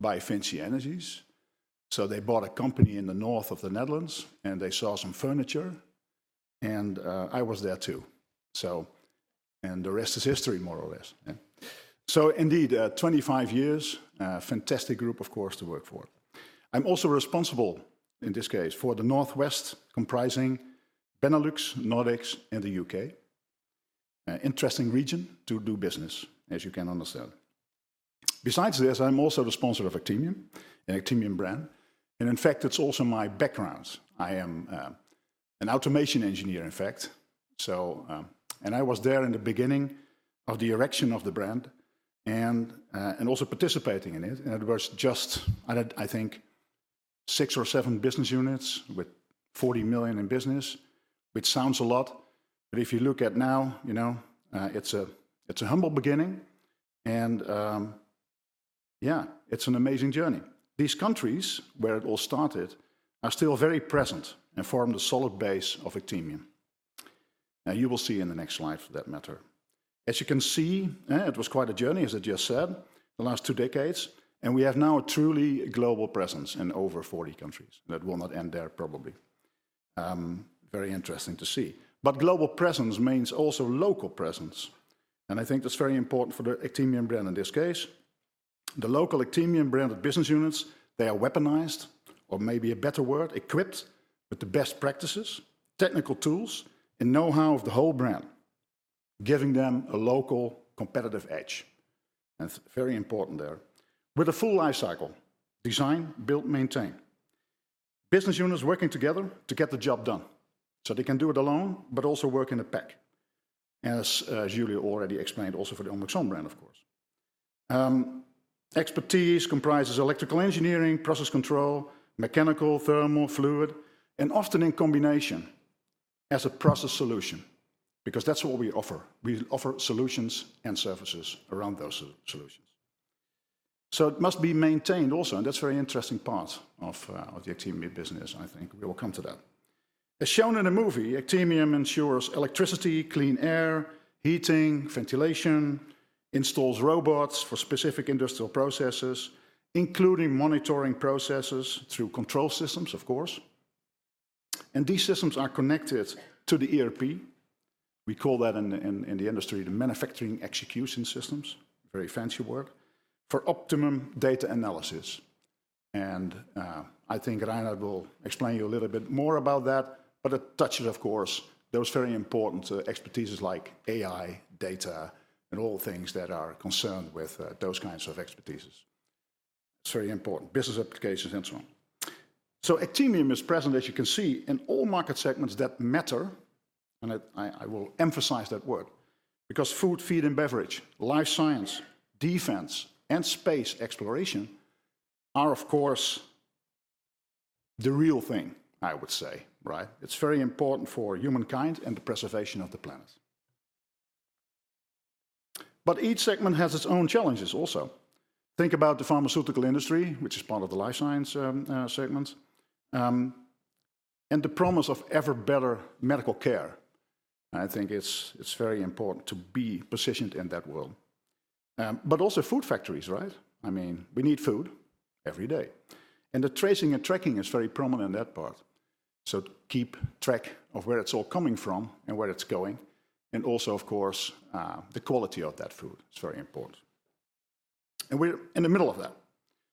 by VINCI Energies. They bought a company in the north of the Netherlands, and they saw some potential, and I was there too. The rest is history, more or less. Indeed, 25 years, fantastic group, of course, to work for. I'm also responsible, in this case, for the northwest comprising Benelux, Nordics, and the U.K. Interesting region to do business, as you can understand. Besides this, I'm also the sponsor of Actemium, an Actemium brand. And in fact, it's also my background. I am an automation engineer, in fact. And I was there in the beginning of the erection of the brand and also participating in it. And it was just, I think, six or seven business units with 40 million in business, which sounds a lot. But if you look at now, it's a humble beginning. And yeah, it's an amazing journey. These countries where it all started are still very present and form the solid base of Actemium. Now you will see in the next slide, for that matter. As you can see, it was quite a journey, as I just said, the last two decades. We have now a truly global presence in over 40 countries. That will not end there, probably. Very interesting to see. Global presence means also local presence. I think that's very important for the Actemium brand in this case. The local Actemium brand of business units, they are weaponized, or maybe a better word, equipped with the best practices, technical tools, and know-how of the whole brand, giving them a local competitive edge. That's very important there. With a full lifecycle, design, build, maintain. Business units working together to get the job done. They can do it alone, but also work in a pack. As Julio already explained, also for the Omexom brand, of course. Expertise comprises electrical engineering, process control, mechanical, thermal, fluid, and often in combination as a process solution, because that's what we offer. We offer solutions and services around those solutions. It must be maintained also, and that's a very interesting part of the Actemium business, I think. We will come to that. As shown in the movie, Actemium ensures electricity, clean air, heating, ventilation, installs robots for specific industrial processes, including monitoring processes through control systems, of course. These systems are connected to the ERP. We call that in the industry the manufacturing execution systems, very fancy word, for optimum data analysis. I think Reinhard will explain you a little bit more about that, but it touches, of course, those very important expertises like AI, data, and all things that are concerned with those kinds of expertises. It's very important. Business applications and so on. Actemium is present, as you can see, in all market segments that matter. I will emphasize that word because food, feed, and beverage, life science, defense, and space exploration are, of course, the real thing, I would say, right? It's very important for humankind and the preservation of the planet. But each segment has its own challenges also. Think about the pharmaceutical industry, which is part of the life science segment, and the promise of ever better medical care. I think it's very important to be positioned in that world. But also food factories, right? I mean, we need food every day. And the tracing and tracking is very prominent in that part. So keep track of where it's all coming from and where it's going. And also, of course, the quality of that food is very important. And we're in the middle of that.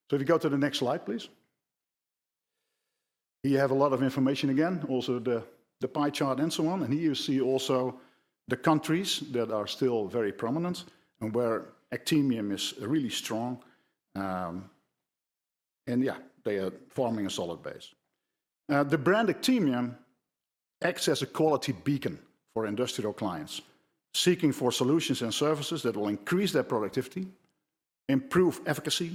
So if you go to the next slide, please. You have a lot of information again, also the pie chart and so on, and here you see also the countries that are still very prominent and where Actemium is really strong, and yeah, they are forming a solid base. The brand Actemium acts as a quality beacon for industrial clients seeking for solutions and services that will increase their productivity, improve efficacy,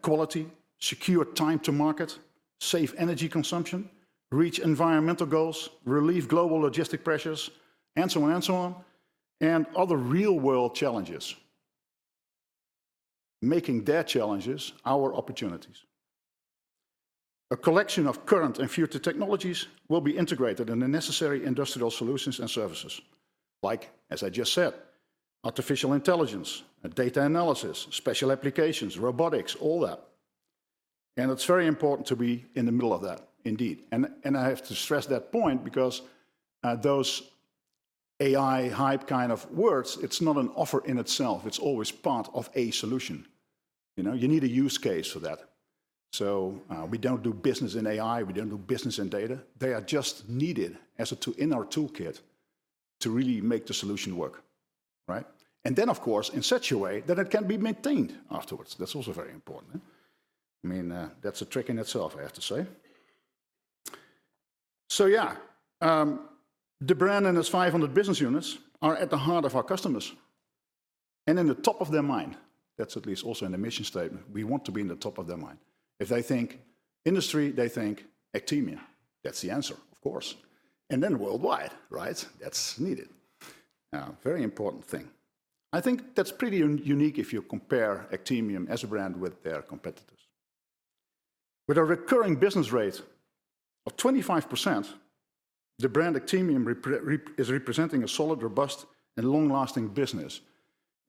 quality, secure time to market, save energy consumption, reach environmental goals, relieve global logistics pressures, and so on and so on, and other real-world challenges, making their challenges our opportunities. A collection of current and future technologies will be integrated in the necessary industrial solutions and services, like, as I just said, artificial intelligence, data analysis, special applications, robotics, all that, and it's very important to be in the middle of that, indeed. And I have to stress that point because those AI hype kind of words, it's not an offer in itself. It's always part of a solution. You need a use case for that. So we don't do business in AI. We don't do business in data. They are just needed as a tool in our toolkit to really make the solution work, right? And then, of course, in such a way that it can be maintained afterwards. That's also very important. I mean, that's a trick in itself, I have to say. So yeah, the brand and its 500 business units are at the heart of our customers. And in the top of their mind, that's at least also in the mission statement, we want to be in the top of their mind. If they think industry, they think Actemium. That's the answer, of course. And then worldwide, right? That's needed. Very important thing. I think that's pretty unique if you compare Actemium as a brand with their competitors. With a recurring business rate of 25%, the brand Actemium is representing a solid, robust, and long-lasting business.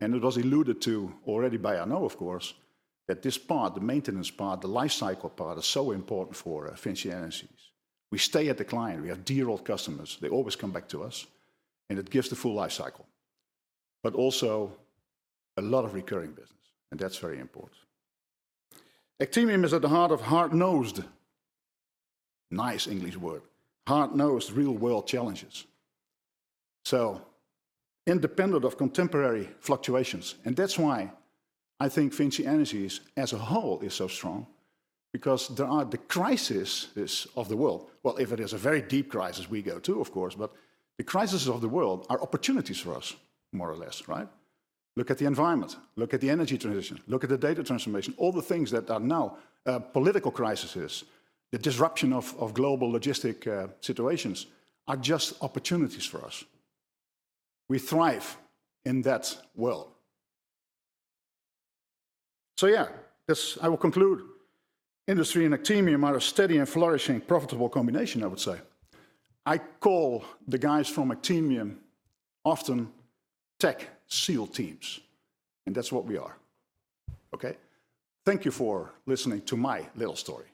And it was alluded to already by Arnaud, of course, that this part, the maintenance part, the life cycle part, is so important for VINCI Energies. We stay at the client. We have dear old customers. They always come back to us. And it gives the full life cycle. But also a lot of recurring business. And that's very important. Actemium is at the heart of hard-nosed nice English word, hard-nosed real-world challenges. So independent of contemporary fluctuations. And that's why I think VINCI Energies as a whole is so strong because there are the crises of the world. If it is a very deep crisis, we go to, of course, but the crises of the world are opportunities for us, more or less, right? Look at the environment. Look at the energy transition. Look at the data transformation. All the things that are now political crises, the disruption of global logistic situations are just opportunities for us. We thrive in that world. So yeah, I will conclude industry and Actemium are a steady and flourishing, profitable combination, I would say. I call the guys from Actemium often tech SEAL teams. And that's what we are. Okay? Thank you for listening to my little story.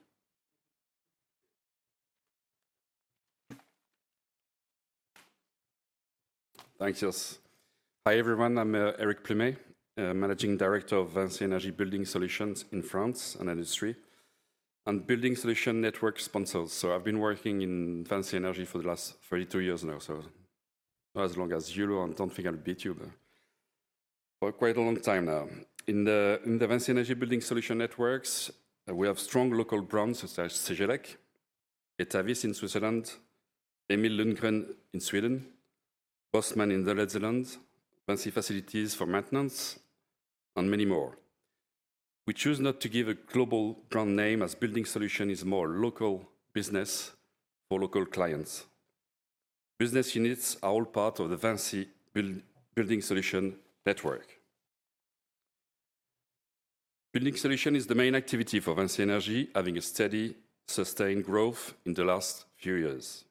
Thanks, Jos. Hi everyone. I'm Eric Plumey, Managing Director of VINCI Energies Building Solutions in France and industry and Building Solutions network sponsor. I've been working in VINCI Energies for the last 32 years now, so as long as you and don't think I'll beat you for quite a long time now. In the VINCI Energies Building Solutions Network, we have strong local brands such as Cegelec, ETAVIS in Switzerland, Emil Lundgren in Sweden, Bosman in the Netherlands, VINCI Facilities for maintenance, and many more. We choose not to give a global brand name as Building Solutions is more local business for local clients. Business units are all part of the VINCI Energies Building Solutions Network. Building Solutions is the main activity for VINCI Energies, having a steady, sustained growth in the last few years.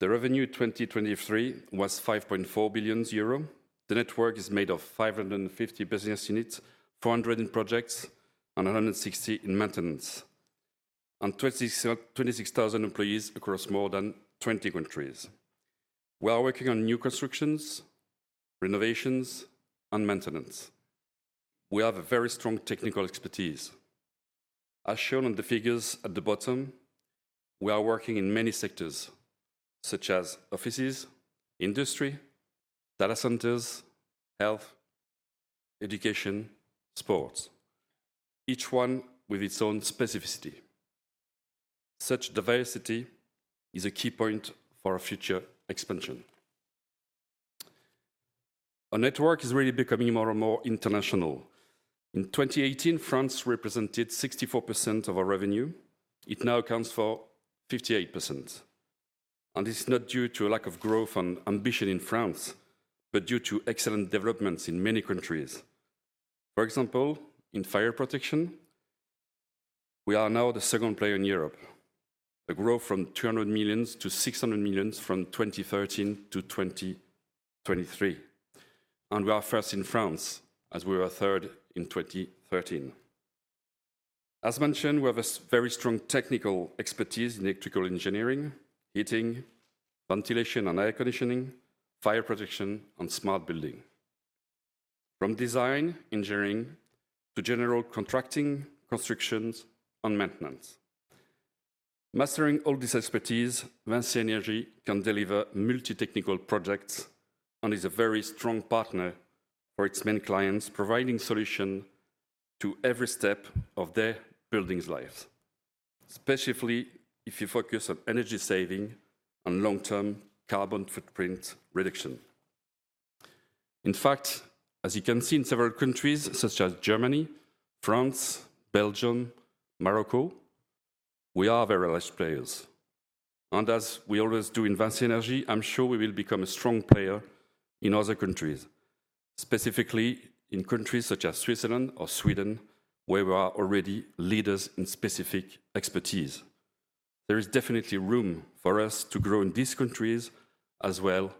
The revenue in 2023 was 5.4 billion euro. The network is made of 550 business units, 400 in projects, and 160 in maintenance, and 26,000 employees across more than 20 countries. We are working on new constructions, renovations, and maintenance. We have a very strong technical expertise. As shown on the figures at the bottom, we are working in many sectors such as offices, industry, data centers, health, education, sports, each one with its own specificity. Such diversity is a key point for our future expansion. Our network is really becoming more and more international. In 2018, France represented 64% of our revenue. It now accounts for 58%. This is not due to a lack of growth and ambition in France, but due to excellent developments in many countries. For example, in fire protection, we are now the second player in Europe, a growth from 200 million to 600 million from 2013 to 2023. We are first in France as we were third in 2013. As mentioned, we have a very strong technical expertise in electrical engineering, heating, ventilation and air conditioning, fire protection, and smart building. From design engineering to general contracting, constructions, and maintenance. Mastering all this expertise, VINCI Energies can deliver multi-technical projects and is a very strong partner for its main clients, providing solution to every step of their building's life, specifically if you focus on energy saving and long-term carbon footprint reduction. In fact, as you can see in several countries such as Germany, France, Belgium, Morocco, we are very large players, and as we always do in VINCI Energies, I'm sure we will become a strong player in other countries, specifically in countries such as Switzerland or Sweden, where we are already leaders in specific expertise. There is definitely room for us to grow in these countries as well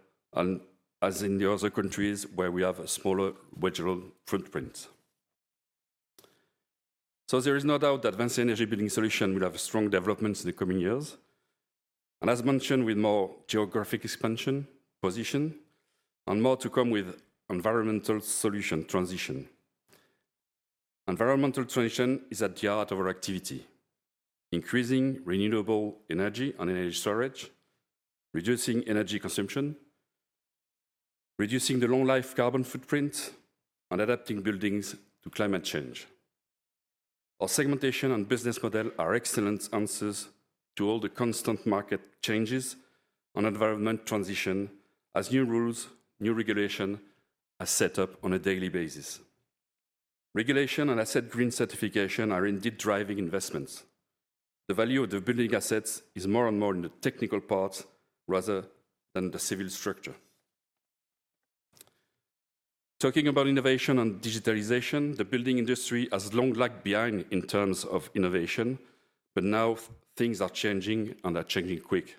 as in the other countries where we have a smaller regional footprint. So there is no doubt that VINCI Energies Building Solutions will have strong developments in the coming years. And as mentioned, with more geographic expansion, position, and more to come with environmental solution transition. Environmental transition is at the heart of our activity, increasing renewable energy and energy storage, reducing energy consumption, reducing the long-life carbon footprint, and adapting buildings to climate change. Our segmentation and business model are excellent answers to all the constant market changes and environmental transition as new rules, new regulations are set up on a daily basis. Regulation and asset green certification are indeed driving investments. The value of the building assets is more and more in the technical part rather than the civil structure. Talking about innovation and digitalization, the building industry has long lagged behind in terms of innovation, but now things are changing and are changing quick.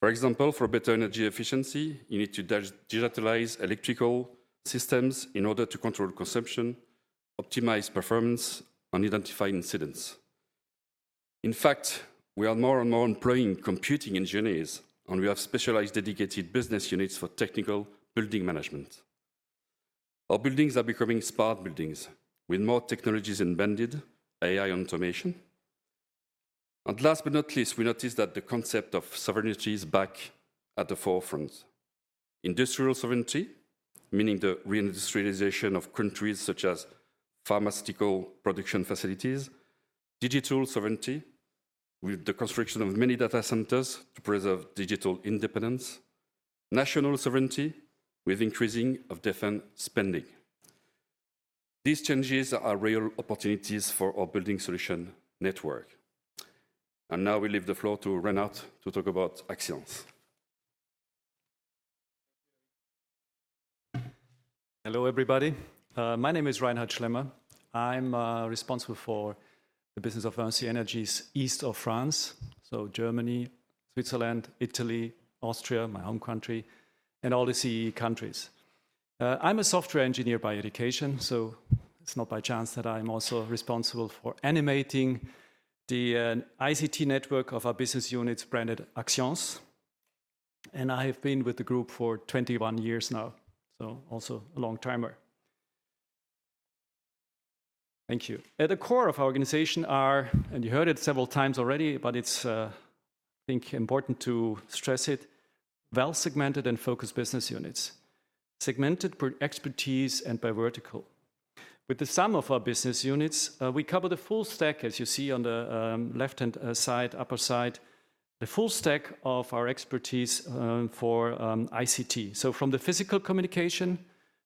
For example, for better energy efficiency, you need to digitalize electrical systems in order to control consumption, optimize performance, and identify incidents. In fact, we are more and more employing computing engineers, and we have specialized dedicated business units for technical building management. Our buildings are becoming smart buildings with more technologies embedded, AI, and automation, and last but not least, we notice that the concept of sovereignty is back at the forefront. Industrial sovereignty, meaning the reindustrialization of countries such as pharmaceutical production facilities, digital sovereignty with the construction of many data centers to preserve digital independence, national sovereignty with increasing of defense spending. These changes are real opportunities for our Building Solutions network. Now we leave the floor to Reinhard to talk about Axians. Hello everybody. My name is Reinhard Schlemmer. I'm responsible for the business of VINCI Energies east of France, so Germany, Switzerland, Italy, Austria, my home country, and all the CEE countries. I'm a software engineer by education, so it's not by chance that I'm also responsible for animating the ICT network of our business units branded Axians. I have been with the group for 21 years now, so also a long-timer. Thank you. At the core of our organization are, and you heard it several times already, but it's, I think, important to stress it, well-segmented and focused business units, segmented per expertise and by vertical. With the sum of our business units, we cover the full stack, as you see on the left-hand side, upper side, the full stack of our expertise for ICT. From the physical communication,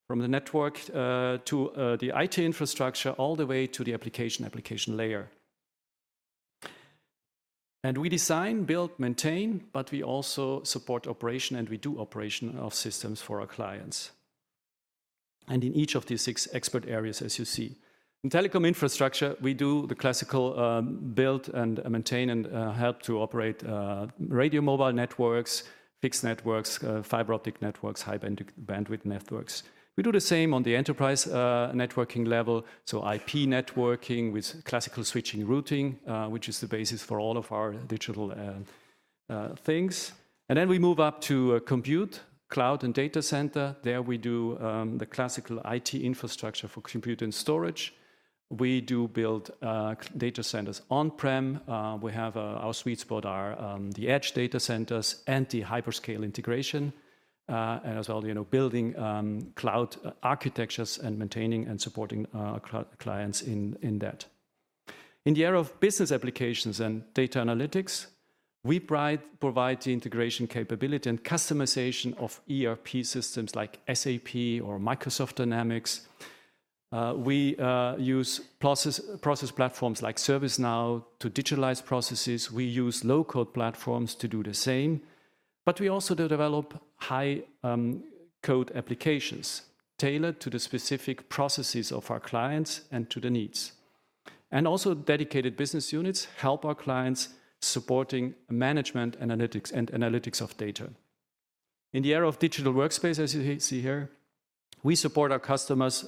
from the network to the IT infrastructure, all the way to the application layer. We design, build, maintain, but we also support operation and we do operation of systems for our clients. In each of these six expert areas, as you see. In telecom infrastructure, we do the classical build and maintain and help to operate radio mobile networks, fixed networks, fiber optic networks, high bandwidth networks. We do the same on the enterprise networking level, so IP networking with classical switching routing, which is the basis for all of our digital things. Then we move up to compute, cloud, and data center. There we do the classical IT infrastructure for compute and storage. We do build data centers on-prem. We have our sweet spot, the edge data centers and the hyperscale integration, and as well, you know, building cloud architectures and maintaining and supporting clients in that. In the area of business applications and data analytics, we provide the integration capability and customization of ERP systems like SAP or Microsoft Dynamics. We use process platforms like ServiceNow to digitalize processes. We use low-code platforms to do the same, but we also develop high-code applications tailored to the specific processes of our clients and to the needs, and also dedicated business units help our clients supporting management analytics and analytics of data. In the area of digital workspace, as you see here, we support our customers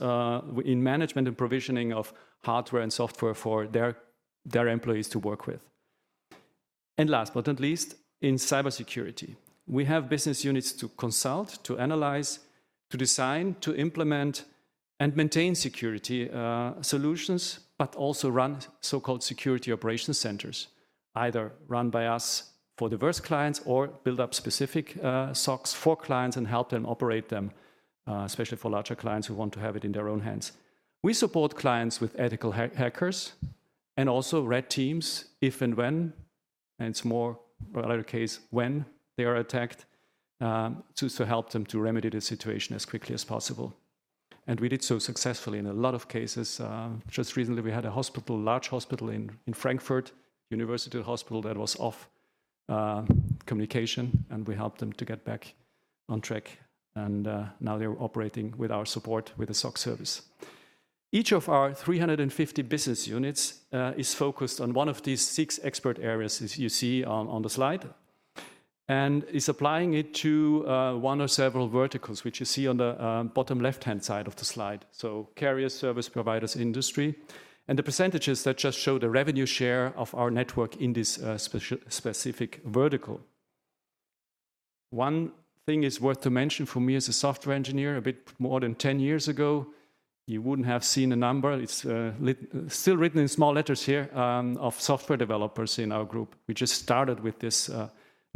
in management and provisioning of hardware and software for their employees to work with. Last but not least, in cybersecurity, we have business units to consult, to analyze, to design, to implement, and maintain security solutions, but also run so-called security operation centers, either run by us for diverse clients or build up specific SOCs for clients and help them operate them, especially for larger clients who want to have it in their own hands. We support clients with ethical hackers and also red teams if and when, and it's more or less the case when they are attacked to help them to remedy the situation as quickly as possible. We did so successfully in a lot of cases. Just recently, we had a hospital, a large hospital in Frankfurt, a university hospital that was off communication, and we helped them to get back on track. Now they're operating with our support with a SOC service. Each of our 350 business units is focused on one of these six expert areas, as you see on the slide, and is applying it to one or several verticals, which you see on the bottom left-hand side of the slide. So carriers, service providers, industry, and the percentages that just show the revenue share of our network in this specific vertical. One thing is worth to mention for me as a software engineer, a bit more than 10 years ago, you wouldn't have seen a number. It's still written in small letters here of software developers in our group. We just started with this.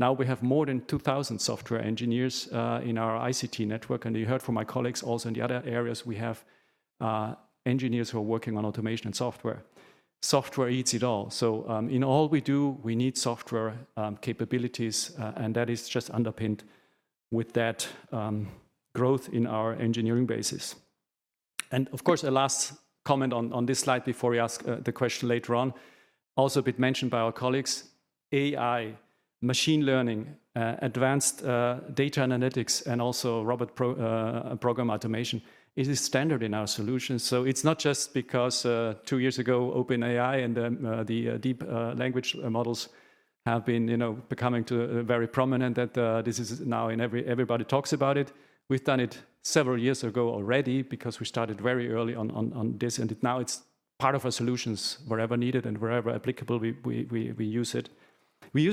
Now we have more than 2,000 software engineers in our ICT network. And you heard from my colleagues also in the other areas, we have engineers who are working on automation and software. Software eats it all. So in all we do, we need software capabilities, and that is just underpinned with that growth in our engineering basis. And of course, a last comment on this slide before we ask the question later on, also a bit mentioned by our colleagues, AI, machine learning, advanced data analytics, and also robotic process automation is a standard in our solutions. So it's not just because two years ago OpenAI and the large language models have been becoming very prominent that this is now what everybody talks about it. We've done it several years ago already because we started very early on this, and now it's part of our solutions wherever needed and wherever applicable, we use it. We use it, we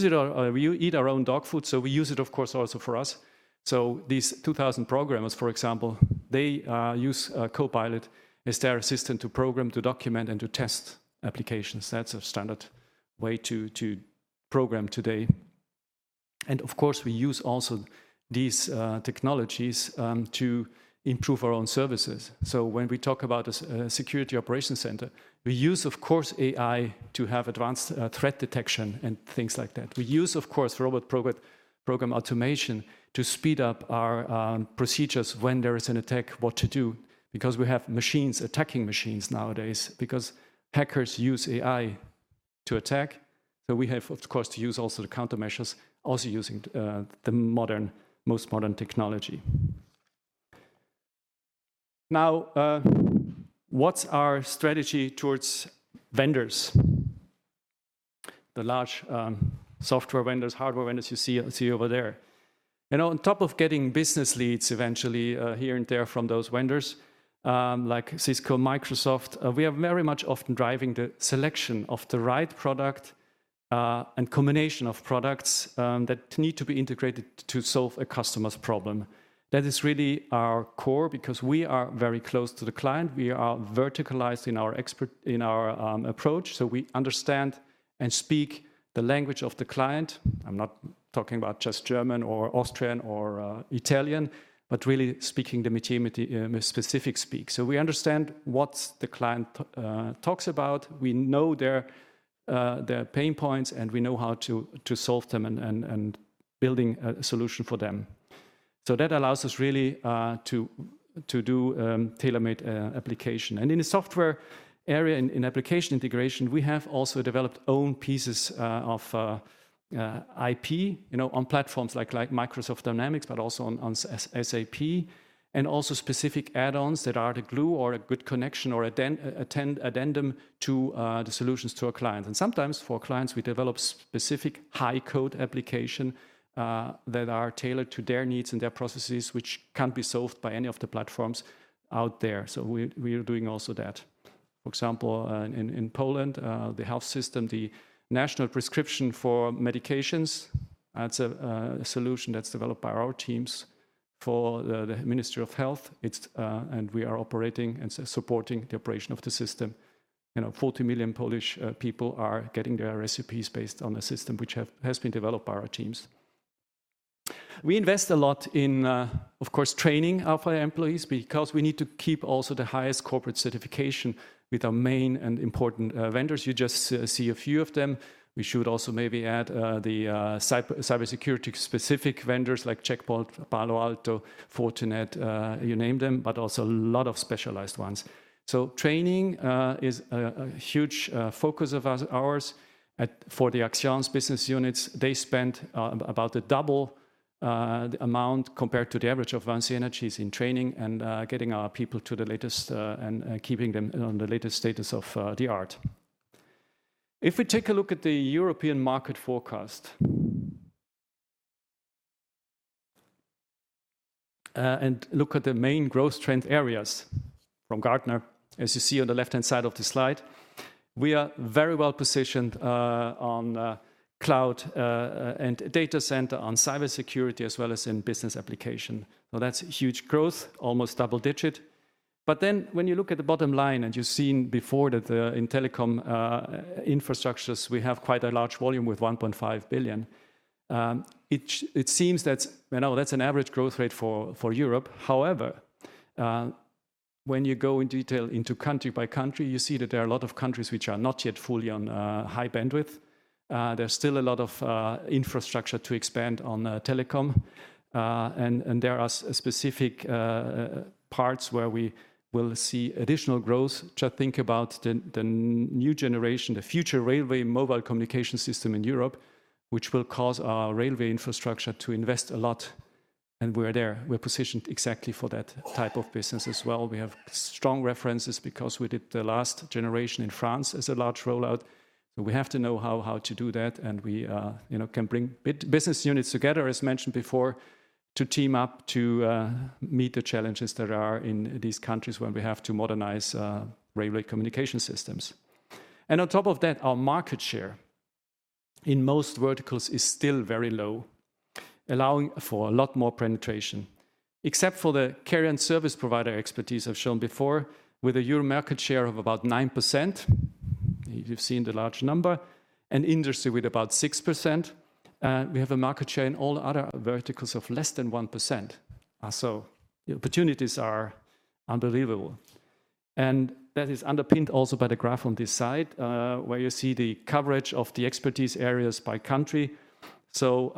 eat our own dog food, so we use it, of course, also for us. So these 2,000 programmers, for example, they use Copilot as their assistant to program, to document, and to test applications. That's a standard way to program today. And of course, we use also these technologies to improve our own services. So when we talk about a security operations center, we use, of course, AI to have advanced threat detection and things like that. We use, of course, robotic process automation to speed up our procedures when there is an attack, what to do, because we have machines attacking machines nowadays, because hackers use AI to attack. So we have, of course, to use also the countermeasures, also using the most modern technology. Now, what's our strategy towards vendors, the large software vendors, hardware vendors you see over there? On top of getting business leads eventually here and there from those vendors like Cisco, Microsoft, we are very much often driving the selection of the right product and combination of products that need to be integrated to solve a customer's problem. That is really our core because we are very close to the client. We are verticalized in our approach, so we understand and speak the language of the client. I'm not talking about just German or Austrian or Italian, but really speaking the specific speak. So we understand what the client talks about. We know their pain points and we know how to solve them and building a solution for them. So that allows us really to do tailor-made application. In the software area, in application integration, we have also developed own pieces of IP on platforms like Microsoft Dynamics, but also on SAP, and also specific add-ons that are the glue or a good connection or addendum to the solutions to our clients. Sometimes for clients, we develop specific high-code applications that are tailored to their needs and their processes, which can't be solved by any of the platforms out there. We are doing also that. For example, in Poland, the health system, the national prescription for medications, that's a solution that's developed by our teams for the Ministry of Health. We are operating and supporting the operation of the system. 40 million Polish people are getting their prescriptions based on the system, which has been developed by our teams. We invest a lot in, of course, training of our employees because we need to keep also the highest corporate certification with our main and important vendors. You just see a few of them. We should also maybe add the cybersecurity-specific vendors like Check Point, Palo Alto, Fortinet, you name them, but also a lot of specialized ones. So training is a huge focus of ours for the Axians business units. They spend about the double amount compared to the average of VINCI Energies in training and getting our people to the latest and keeping them on the latest state of the art. If we take a look at the European market forecast and look at the main growth trend areas from Gartner, as you see on the left-hand side of the slide, we are very well positioned on cloud and data center, on cybersecurity, as well as in business application. So that's huge growth, almost double-digit. But then when you look at the bottom line and you've seen before that in telecom infrastructures, we have quite a large volume with 1.5 billion. It seems that's an average growth rate for Europe. However, when you go in detail into country by country, you see that there are a lot of countries which are not yet fully on high bandwidth. There's still a lot of infrastructure to expand on telecom. And there are specific parts where we will see additional growth. Just think about the new generation, the future railway mobile communication system in Europe, which will cause our railway infrastructure to invest a lot. And we're there. We're positioned exactly for that type of business as well. We have strong references because we did the last generation in France as a large rollout. So we have to know how to do that. And we can bring business units together, as mentioned before, to team up to meet the challenges that are in these countries when we have to modernize railway communication systems. And on top of that, our market share in most verticals is still very low, allowing for a lot more penetration, except for the carrier and service provider expertise I've shown before, with a euro market share of about 9%. You've seen the large number, an industry with about 6%. We have a market share in all other verticals of less than 1%. So the opportunities are unbelievable. And that is underpinned also by the graph on this side, where you see the coverage of the expertise areas by country. So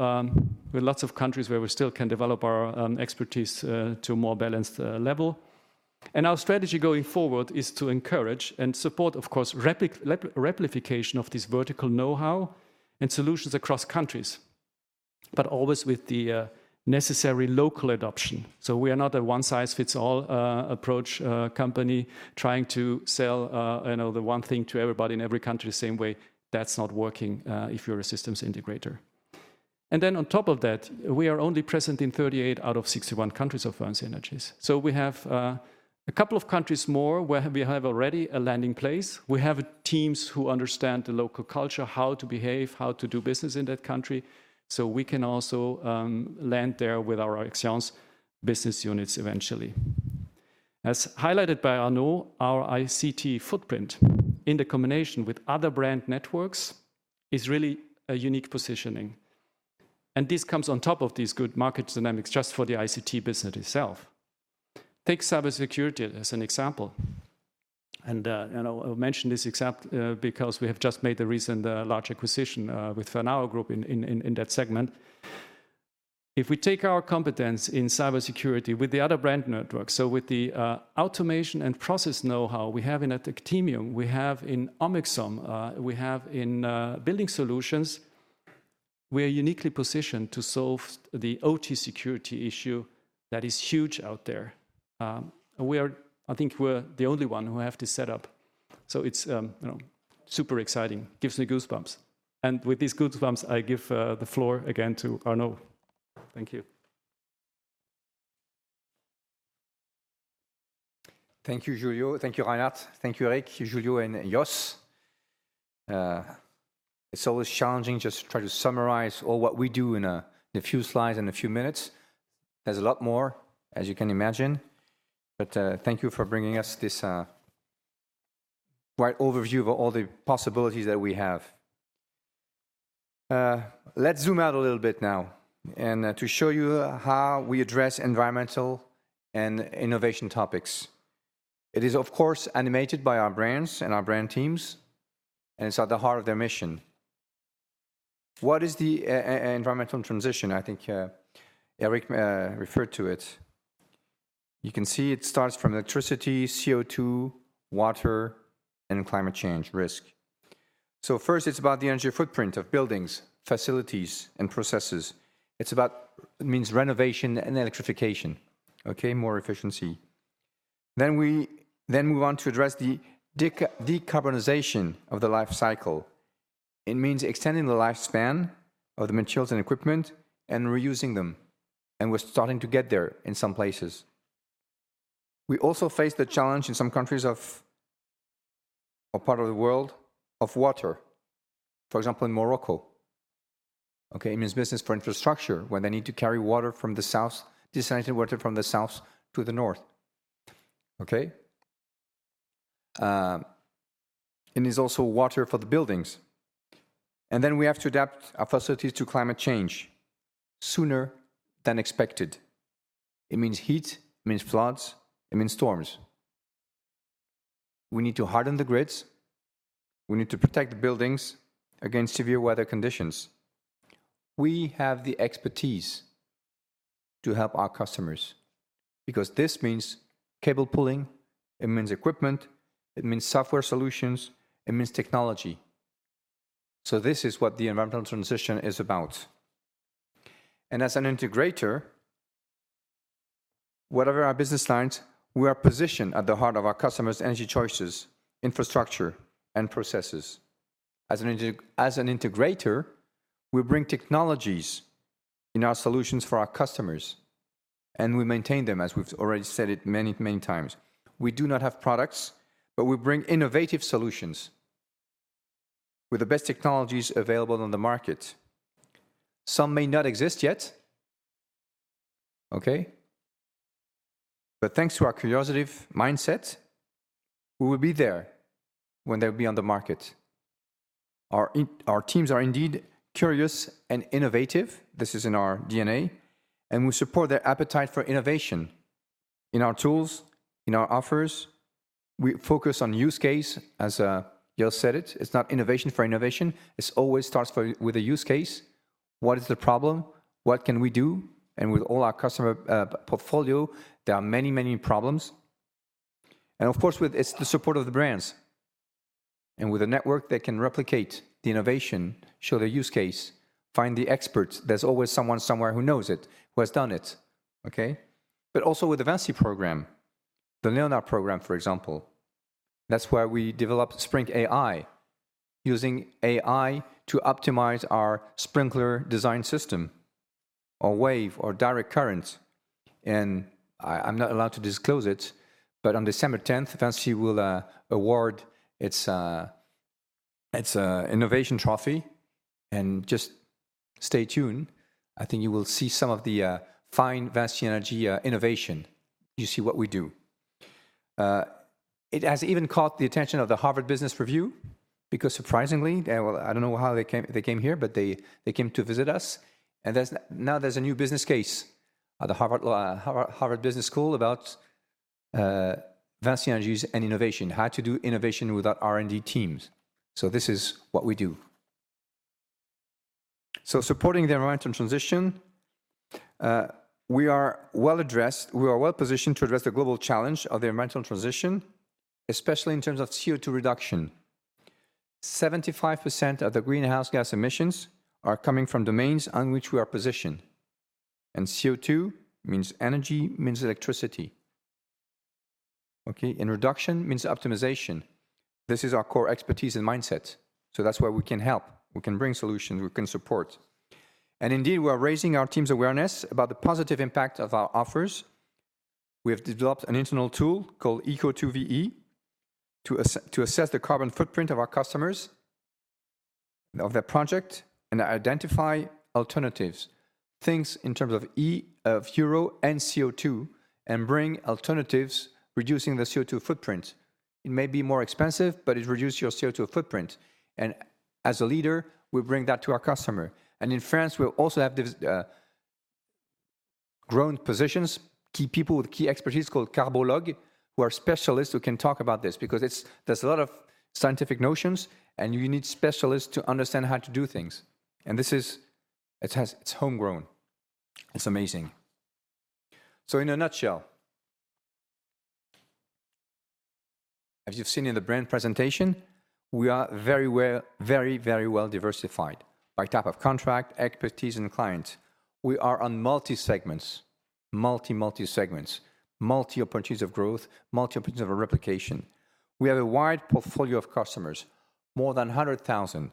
we have lots of countries where we still can develop our expertise to a more balanced level. Our strategy going forward is to encourage and support, of course, replication of this vertical know-how and solutions across countries, but always with the necessary local adoption. We are not a one-size-fits-all approach company trying to sell the one thing to everybody in every country the same way. That's not working if you're a systems integrator. Then on top of that, we are only present in 38 out of 61 countries of VINCI Energies. We have a couple of countries more where we have already a landing place. We have teams who understand the local culture, how to behave, how to do business in that country. We can also land there with our Axians business units eventually. As highlighted by Arnaud, our ICT footprint in the combination with other brand networks is really a unique positioning. This comes on top of these good market dynamics just for the ICT business itself. Take cybersecurity as an example. I'll mention this example because we have just made a recent large acquisition with Fernao Networks in that segment. If we take our competence in cybersecurity with the other brand networks, so with the automation and process know-how we have in Actemium, we have in Omexom, we have in Building Solutions, we are uniquely positioned to solve the OT security issue that is huge out there. I think we're the only one who have this setup. So it's super exciting. Gives me goosebumps. With these goosebumps, I give the floor again to Arnaud. Thank you. Thank you, Julio. Thank you, Reinhard. Thank you, Eric, Julio, and Jos. It's always challenging just to try to summarize all what we do in a few slides and a few minutes. There's a lot more, as you can imagine. But thank you for bringing us this bright overview of all the possibilities that we have. Let's zoom out a little bit now and to show you how we address environmental and innovation topics. It is, of course, animated by our brands and our brand teams, and it's at the heart of their mission. What is the environmental transition? I think Eric referred to it. You can see it starts from electricity, CO2, water, and climate change risk. So first, it's about the energy footprint of buildings, facilities, and processes. It means renovation and electrification, okay, more efficiency. Then we move on to address the decarbonization of the life cycle. It means extending the lifespan of the materials and equipment and reusing them. And we're starting to get there in some places. We also face the challenge in some countries or parts of the world of water, for example, in Morocco. Okay, it means business for infrastructure when they need to carry water from the south, desalinated water from the south to the north. Okay. It is also water for the buildings. And then we have to adapt our facilities to climate change sooner than expected. It means heat, it means floods, it means storms. We need to harden the grids. We need to protect the buildings against severe weather conditions. We have the expertise to help our customers because this means cable pulling, it means equipment, it means software solutions, it means technology. So this is what the environmental transition is about. As an integrator, whatever our business lines, we are positioned at the heart of our customers' energy choices, infrastructure, and processes. As an integrator, we bring technologies in our solutions for our customers, and we maintain them, as we've already said it many, many times. We do not have products, but we bring innovative solutions with the best technologies available on the market. Some may not exist yet, okay? But thanks to our curiosity mindset, we will be there when they'll be on the market. Our teams are indeed curious and innovative. This is in our DNA. We support their appetite for innovation in our tools, in our offers. We focus on use case, as Jos said it. It's not innovation for innovation. It always starts with a use case. What is the problem? What can we do? With all our customer portfolio, there are many, many problems. Of course, it's the support of the brands. With a network, they can replicate the innovation, show the use case, find the experts. There's always someone somewhere who knows it, who has done it, okay? But also with the VINCI program, the Leonard program, for example, that's where we developed Sprink AI, using AI to optimize our sprinkler design system or wave or direct current. I'm not allowed to disclose it, but on December 10th, VINCI will award its innovation trophy. Just stay tuned. I think you will see some of the fine VINCI Energies innovation. You see what we do. It has even caught the attention of the Harvard Business Review because surprisingly, I don't know how they came here, but they came to visit us. Now there's a new business case at the Harvard Business School about VINCI Energies and innovation, how to do innovation without R&D teams. This is what we do. Supporting the environmental transition, we are well addressed. We are well positioned to address the global challenge of the environmental transition, especially in terms of CO2 reduction. 75% of the greenhouse gas emissions are coming from domains on which we are positioned. CO2 means energy, means electricity. Okay? Reduction means optimization. This is our core expertise and mindset. That's where we can help. We can bring solutions. We can support. Indeed, we are raising our team's awareness about the positive impact of our offers. We have developed an internal tool called Eco2VE to assess the carbon footprint of our customers, of their project, and identify alternatives, things in terms of euro and CO2, and bring alternatives, reducing the CO2 footprint. It may be more expensive, but it reduces your CO2 footprint, and as a leader, we bring that to our customer, and in France, we also have grown positions, key people with key expertise called CarboLog, who are specialists who can talk about this because there's a lot of scientific notions, and you need specialists to understand how to do things, and this is, it's homegrown. It's amazing, so in a nutshell, as you've seen in the brand presentation, we are very, very well diversified by type of contract, expertise, and clients. We are on multi-segments, multi-segments, multi-opportunities of growth, multi-opportunities of replication. We have a wide portfolio of customers, more than 100,000.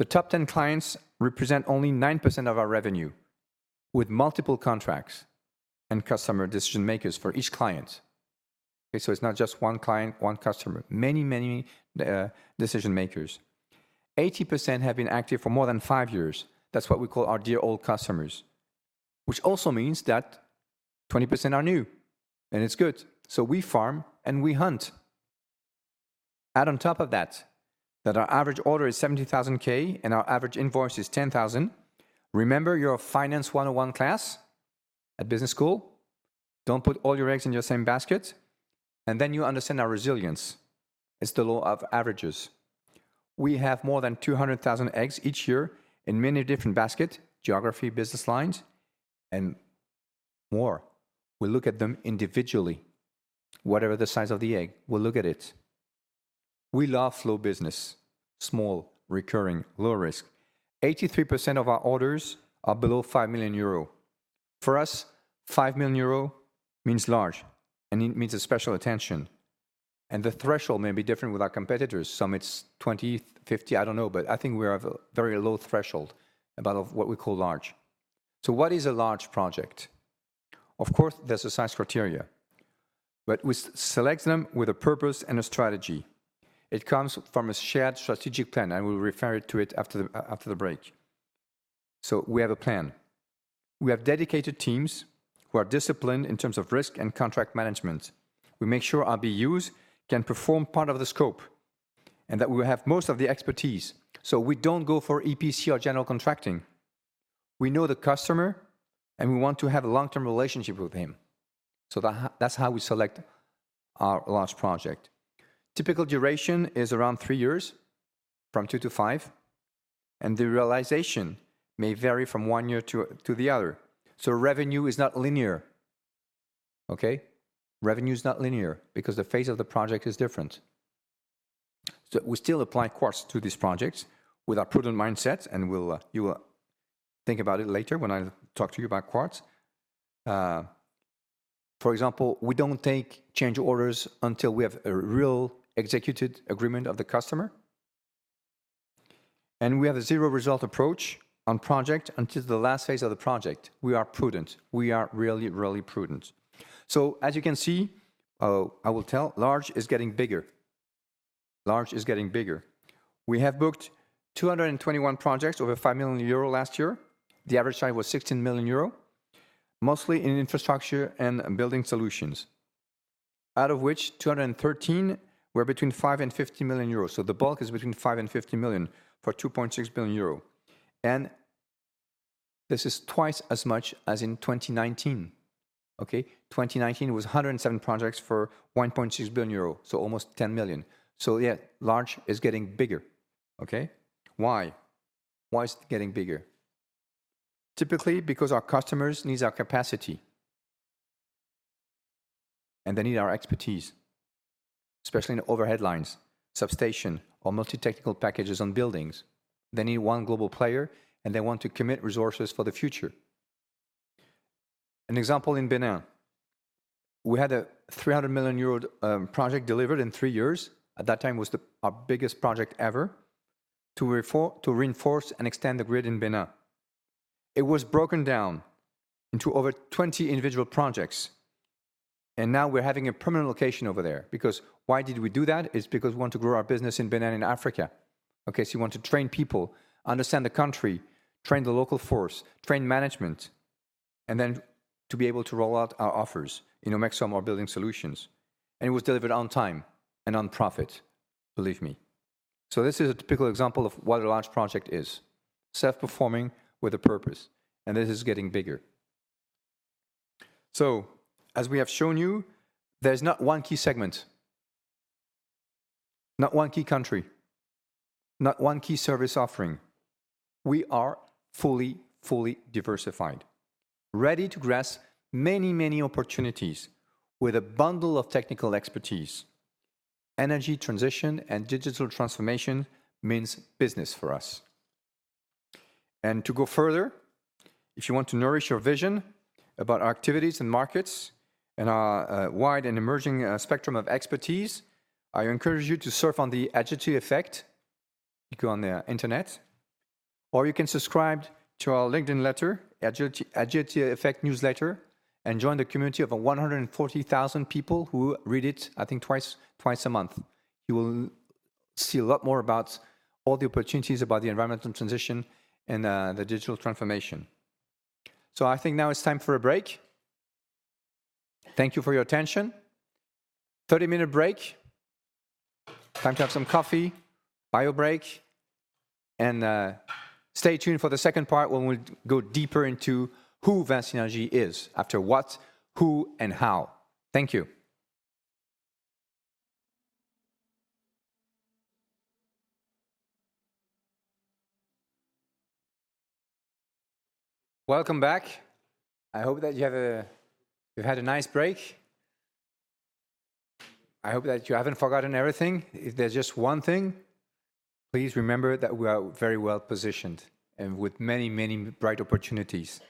The top 10 clients represent only 9% of our revenue with multiple contracts and customer decision makers for each client. Okay? So it's not just one client, one customer, many, many decision makers. 80% have been active for more than five years. That's what we call our dear old customers, which also means that 20% are new. And it's good. So we farm and we hunt. Add on top of that that our average order is 70,000 and our average invoice is 10,000. Remember your finance 101 class at business school? Don't put all your eggs in your same basket. And then you understand our resilience. It's the law of averages. We have more than 200,000 eggs each year in many different baskets, geography, business lines, and more. We look at them individually, whatever the size of the egg, we'll look at it. We love slow business, small, recurring, low risk. 83% of our orders are below 5 million euro. For us, 5 million euro means large, and it means a special attention. And the threshold may be different with our competitors. Some it's 20, 50, I don't know, but I think we have a very low threshold about what we call large. So what is a large project? Of course, there's a size criteria, but we select them with a purpose and a strategy. It comes from a shared strategic plan, and we'll refer to it after the break. So we have a plan. We have dedicated teams who are disciplined in terms of risk and contract management. We make sure our BUs can perform part of the scope and that we have most of the expertise. So we don't go for EPC or general contracting. We know the customer, and we want to have a long-term relationship with him. So that's how we select our large project. Typical duration is around three years from two to five, and the realization may vary from one year to the other. So revenue is not linear, okay? Revenue is not linear because the phase of the project is different. So we still apply Quartz to these projects with our prudent mindset, and you will think about it later when I talk to you about Quartz. For example, we don't take change orders until we have a real executed agreement of the customer. And we have a zero result approach on project until the last phase of the project. We are prudent. We are really, really prudent. So as you can see, I will tell large is getting bigger. Large is getting bigger. We have booked 221 projects over 5 million euro last year. The average size was 16 million euro, mostly in infrastructure and Building Solutions, out of which 213 were between 5 and 50 million euros. So the bulk is between 5 and 50 million for 2.6 billion euro. And this is twice as much as in 2019, okay? 2019 was 107 projects for 1.6 billion euro, so almost 10 million. So yeah, large is getting bigger, okay? Why? Why is it getting bigger? Typically because our customers need our capacity, and they need our expertise, especially in overhead lines, substation, or multi-technical packages on buildings. They need one global player, and they want to commit resources for the future. An example in Benin. We had a 300 million euro project delivered in three years. At that time, it was our biggest project ever to reinforce and extend the grid in Benin. It was broken down into over 20 individual projects, and now we're having a permanent location over there. Because why did we do that? It's because we want to grow our business in Benin and Africa. Okay, so we want to train people, understand the country, train the local force, train management, and then to be able to roll out our offers in Omexom or Building Solutions, and it was delivered on time and on profit, believe me. This is a typical example of what a large project is: self-performing with a purpose, and this is getting bigger. As we have shown you, there's not one key segment, not one key country, not one key service offering. We are fully, fully diversified, ready to grasp many, many opportunities with a bundle of technical expertise. Energy transition and digital transformation means business for us. To go further, if you want to nourish your vision about our activities and markets and our wide and emerging spectrum of expertise, I encourage you to surf on The Agility Effect. You can go on the internet, or you can subscribe to our LinkedIn letter, The Agility Effect newsletter, and join the community of 140,000 people who read it, I think, twice a month. You will see a lot more about all the opportunities about the environmental transition and the digital transformation. I think now it's time for a break. Thank you for your attention. 30-minute break, time to have some coffee, bio break, and stay tuned for the second part when we go deeper into who VINCI Energies is, after what, who, and how. Thank you. Welcome back. I hope that you've had a nice break. I hope that you haven't forgotten everything. If there's just one thing, please remember that we are very well positioned and with many, many bright opportunities.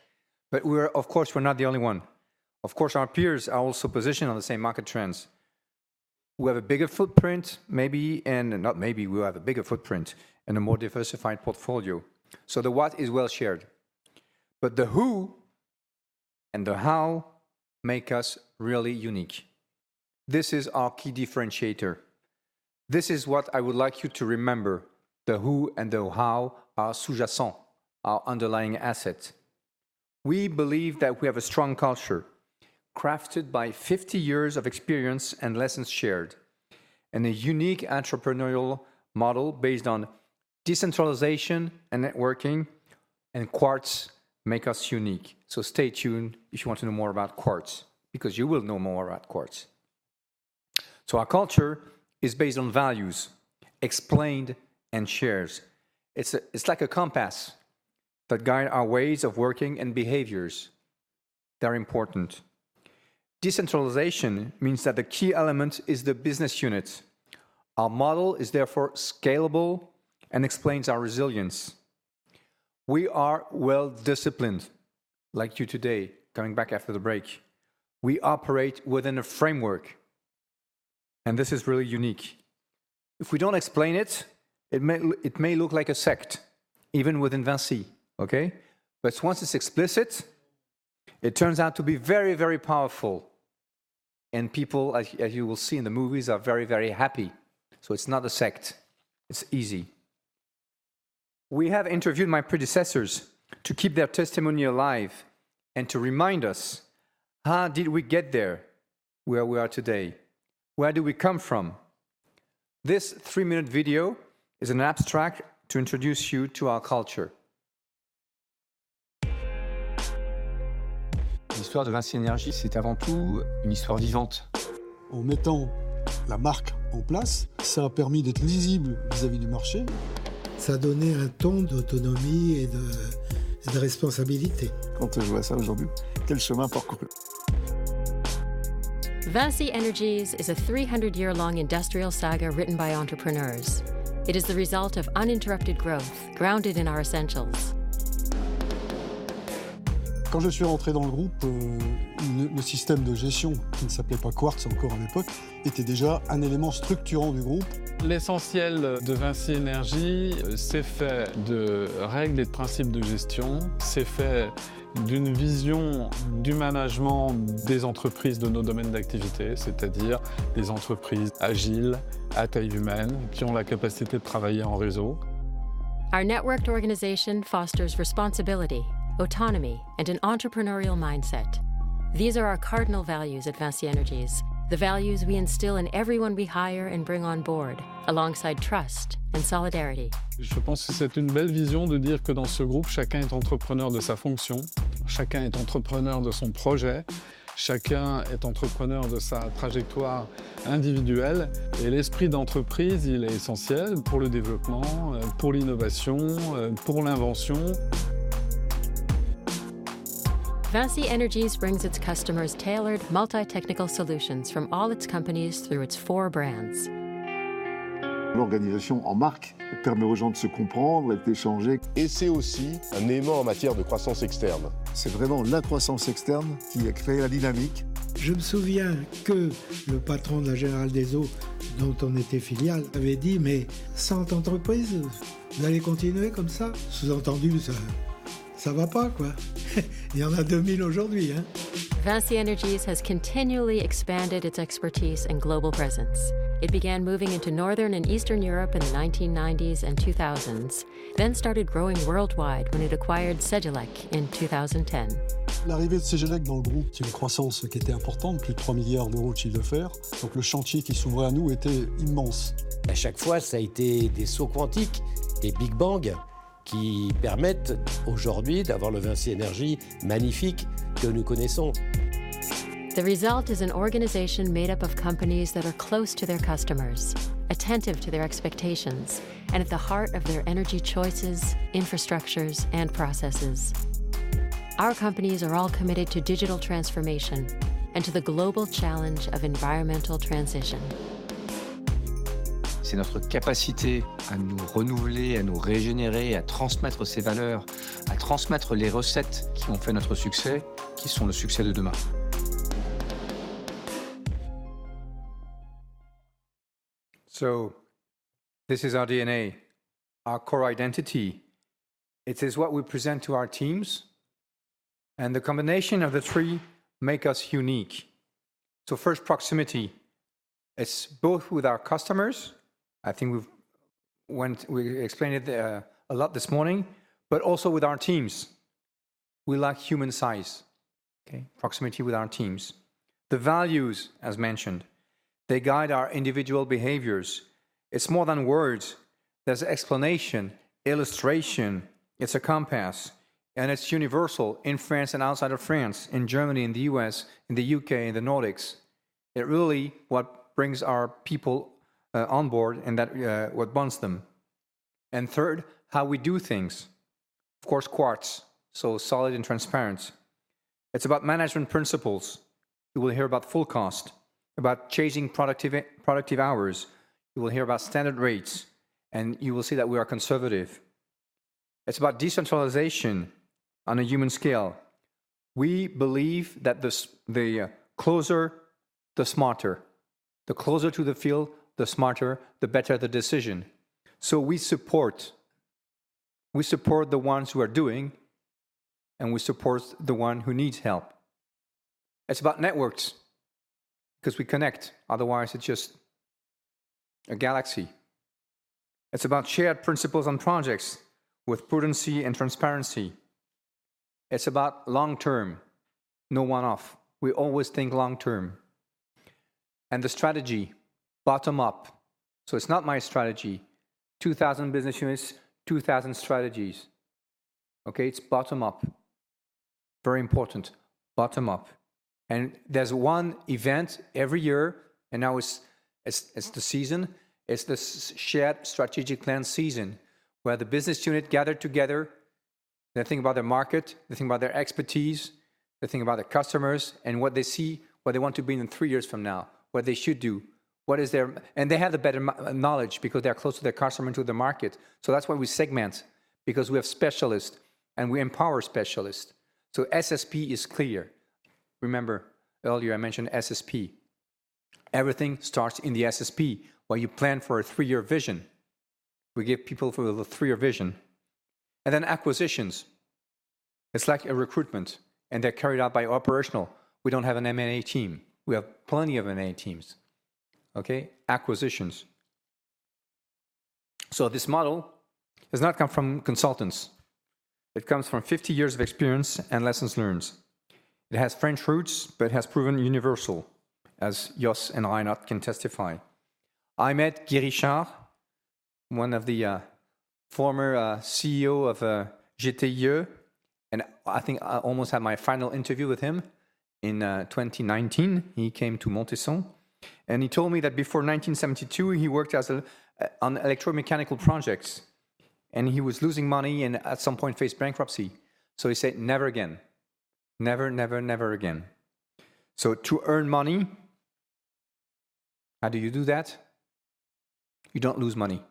But of course, we're not the only one. Of course, our peers are also positioned on the same market trends. We have a bigger footprint, maybe, and not maybe, we have a bigger footprint and a more diversified portfolio. So the what is well shared, but the who and the how make us really unique. This is our key differentiator. This is what I would like you to remember: the who and the how are sous-jacent, our underlying assets. We believe that we have a strong culture crafted by 50 years of experience and lessons shared and a unique entrepreneurial model based on decentralization and networking, and Quartz make us unique. So stay tuned if you want to know more about Quartz because you will know more about Quartz. So our culture is based on values explained and shared. It's like a compass that guides our ways of working and behaviors. They're important. Decentralization means that the key element is the business unit. Our model is therefore scalable and explains our resilience. We are well disciplined, like you today, coming back after the break. We operate within a framework, and this is really unique. If we don't explain it, it may look like a sect, even within VINCI, okay? But once it's explicit, it turns out to be very, very powerful. And people, as you will see in the movies, are very, very happy. So it's not a sect. It's easy. We have interviewed my predecessors to keep their testimony alive and to remind us, how did we get there where we are today? Where do we come from? This three-minute video is an abstract to introduce you to our culture. L'histoire de VINCI Energies, c'est avant tout une histoire vivante. En mettant la marque en place, ça a permis d'être lisible vis-à-vis du marché. Ça a donné un ton d'autonomie et de responsabilité. Quand on voit ça aujourd'hui, quel chemin parcouru? VINCI Energies is a 300-year-long industrial saga written by entrepreneurs. It is the result of uninterrupted growth grounded in our essentials. Quand je suis rentré dans le groupe, le système de gestion qui ne s'appelait pas Quartz encore à l'époque était déjà un élément structurant du groupe. L'essentiel de VINCI Energies, c'est fait de règles et de principes de gestion. C'est fait d'une vision du management des entreprises de nos domaines d'activité, c'est-à-dire des entreprises agiles, à taille humaine, qui ont la capacité de travailler en réseau. Our networked organization fosters responsibility, autonomy, and an entrepreneurial mindset. These are our cardinal values at VINCI Energies, the values we instill in everyone we hire and bring on board alongside trust and solidarity. Je pense que c'est une belle vision de dire que dans ce groupe, chacun est entrepreneur de sa fonction, chacun est entrepreneur de son projet, chacun est entrepreneur de sa trajectoire individuelle. Et l'esprit d'entreprise, il est essentiel pour le développement, pour l'innovation, pour l'invention. VINCI Energies brings its customers tailored multi-technical solutions from all its companies through its four brands. L'organisation en marque permet aux gens de se comprendre et d'échanger. Et c'est aussi un aimant en matière de croissance externe. C'est vraiment la croissance externe qui a créé la dynamique. Je me souviens que le patron de la Générale des Eaux, dont on était filiale, avait dit: « Mais 100 entreprises, vous allez continuer comme ça? » Sous-entendu, ça ne va pas, quoi. Il y en a 2000 aujourd'hui. VINCI Energies has continually expanded its expertise and global presence. It began moving into Northern and Eastern Europe in the 1990s and 2000s, started growing worldwide when it acquired Cegelec in 2010. L'arrivée de Cegelec dans le groupe, qui est une croissance qui était importante, plus de 3 billion de chiffre d'affaires, donc le chantier qui s'ouvrait à nous était immense. À chaque fois, ça a été des sauts quantiques, des big bangs qui permettent aujourd'hui d'avoir le VINCI Energies magnifique que nous connaissons. The result is an organization made up of companies that are close to their customers, attentive to their expectations, and at the heart of their energy choices, infrastructures, and processes. Our companies are all committed to digital transformation and to the global challenge of environmental transition. C'est notre capacité à nous renouveler, à nous régénérer, à transmettre ces valeurs, à transmettre les recettes qui ont fait notre succès, qui sont le succès de demain. So this is our DNA, our core identity. It is what we present to our teams, and the combination of the three makes us unique. So first, proximity. It's both with our customers. I think we've explained it a lot this morning, but also with our teams. We like human size, okay? Proximity with our teams. The values, as mentioned, they guide our individual behaviors. It's more than words. There's an explanation, illustration. It's a compass, and it's universal in France and outside of France, in Germany, in the U.S., in the U.K., in the Nordics. It really brings our people on board and what bonds them. qqthird, how we do things. Of course, Quartz, so solid and transparent. It's about management principles. You will hear about full cost, about changing productive hours. You will hear about standard rates, and you will see that we are conservative. It's about decentralization on a human scale. We believe that the closer, the smarter. The closer to the field, the smarter, the better the decision. So we support the ones who are doing, and we support the one who needs help. It's about networks because we connect. Otherwise, it's just a galaxy. It's about shared principles on projects with prudency and transparency. It's about long-term, no one-off. We always think long-term. And the strategy, bottom-up. So it's not my strategy. 2,000 business units, 2,000 strategies. Okay? It's bottom-up. Very important. Bottom-up. And there's one event every year, and now it's the season. It's the shared strategic plan season where the business unit gathers together. They think about their market, they think about their expertise, they think about their customers and what they see, what they want to be in three years from now, what they should do. And they have the better knowledge because they're close to their customers and to the market. So that's why we segment, because we have specialists and we empower specialists. So SSP is clear. Remember, earlier I mentioned SSP. Everything starts in the SSP while you plan for a three-year vision. We give people for the three-year vision. And then acquisitions. It's like a recruitment, and they're carried out by operational. We don't have an M&A team. We have plenty of M&A teams. Okay? Acquisitions. So this model has not come from consultants. It comes from 50 years of experience and lessons learned. It has French roots, but it has proven universal, as Jos and I can testify. I met Guy Richard, one of the former CEOs of GTIE, and I think I almost had my final interview with him in 2019. He came to Montesson, and he told me that before 1972, he worked on electromechanical projects, and he was losing money and at some point faced bankruptcy. So he said, "Never again. Never, never, never again." So to earn money, how do you do that? You don't lose money.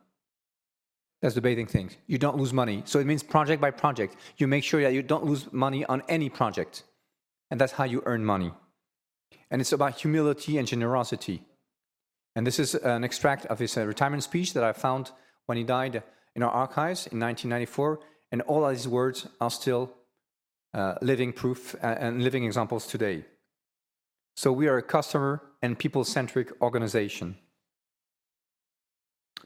That's the basic thing. You don't lose money. So it means project by project. You make sure that you don't lose money on any project. And that's how you earn money. It's about humility and generosity. This is an extract of his retirement speech that I found when he died in our archives in 1994. All of these words are still living proof and living examples today. We are a customer and people-centric organization.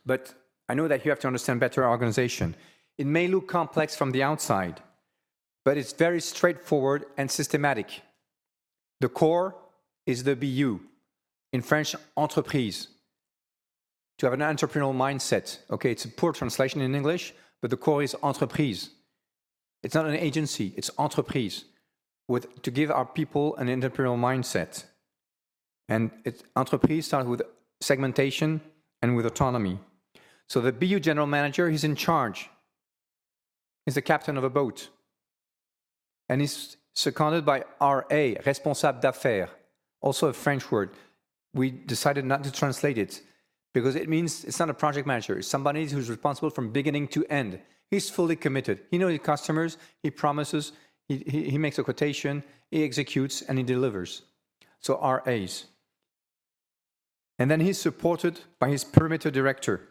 I know that you have to understand better our organization. It may look complex from the outside, but it's very straightforward and systematic. The core is the BU, in French, entreprise. To have an entrepreneurial mindset. Okay? It's a poor translation in English, but the core is entreprise. It's not an agency. It's entreprise to give our people an entrepreneurial mindset. Entreprise starts with segmentation and with autonomy. The BU general manager, he's in charge. He's the captain of a boat. He's seconded by RA, responsable d'affaires, also a French word. We decided not to translate it because it means it's not a project manager. It's somebody who's responsible from beginning to end. He's fully committed. He knows his customers. He promises. He makes a quotation. He executes, and he delivers. So RAs. And then he's supported by his perimeter director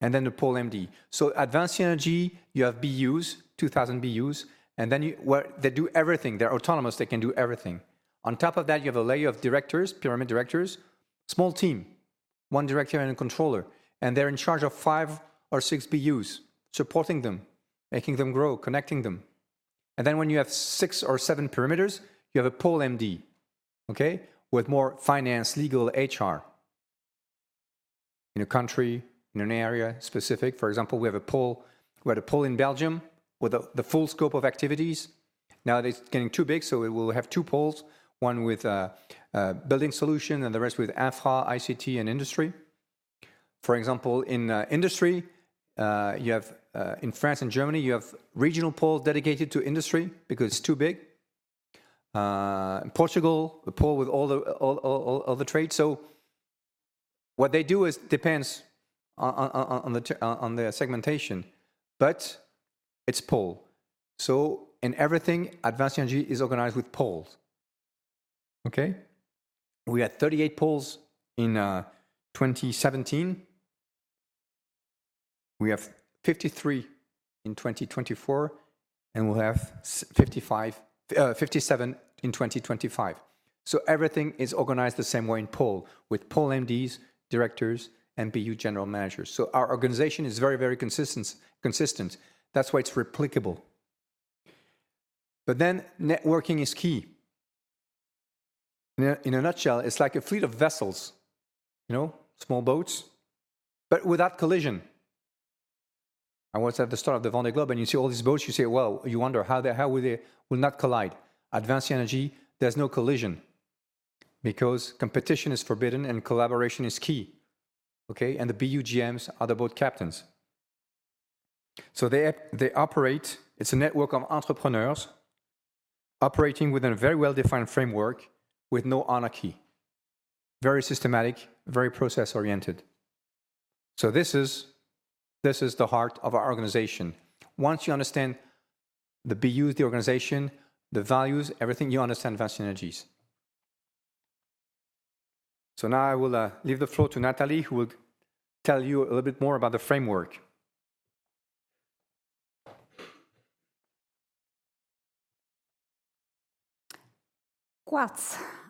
and then the pole MD. So at VINCI Energies, you have BUs, 2,000 BUs, and then they do everything. They're autonomous. They can do everything. On top of that, you have a layer of directors, perimeter directors, small team, one director and a controller. And they're in charge of five or six BUs, supporting them, making them grow, connecting them. And then when you have six or seven perimeters, you have a pole MD, okay, with more finance, legal, HR. In a country, in an area specific, for example, we have a pole. We had a pole in Belgium with the full scope of activities. Now it's getting too big, so we will have two poles, one with Building Solutions and the rest with infra, ICT, and industry. For example, in industry, you have in France and Germany, you have regional poles dedicated to industry because it's too big. In Portugal, a pole with all the trades. So what they do depends on their segmentation, but it's pole. So in everything, VINCI Energies is organized with poles. Okay? We had 38 poles in 2017. We have 53 in 2024, and we'll have 57 in 2025. So everything is organized the same way in pole, with pole MDs, directors, and BU general managers. So our organization is very, very consistent. That's why it's replicable. But then networking is key. In a nutshell, it's like a fleet of vessels, you know, small boats, but without collision. I was at the start of the Vendée Globe, and you see all these boats, you say, well, you wonder how they will not collide. VINCI Energies, there's no collision because competition is forbidden and collaboration is key. Okay? And the BU GMs are the boat captains. So they operate. It's a network of entrepreneurs operating within a very well-defined framework with no anarchy. Very systematic, very process-oriented. So this is the heart of our organization. Once you understand the BUs, the organization, the values, everything, you understand VINCI Energies. So now I will leave the floor to Nathalie, who will tell you a little bit more about the framework. Quartz.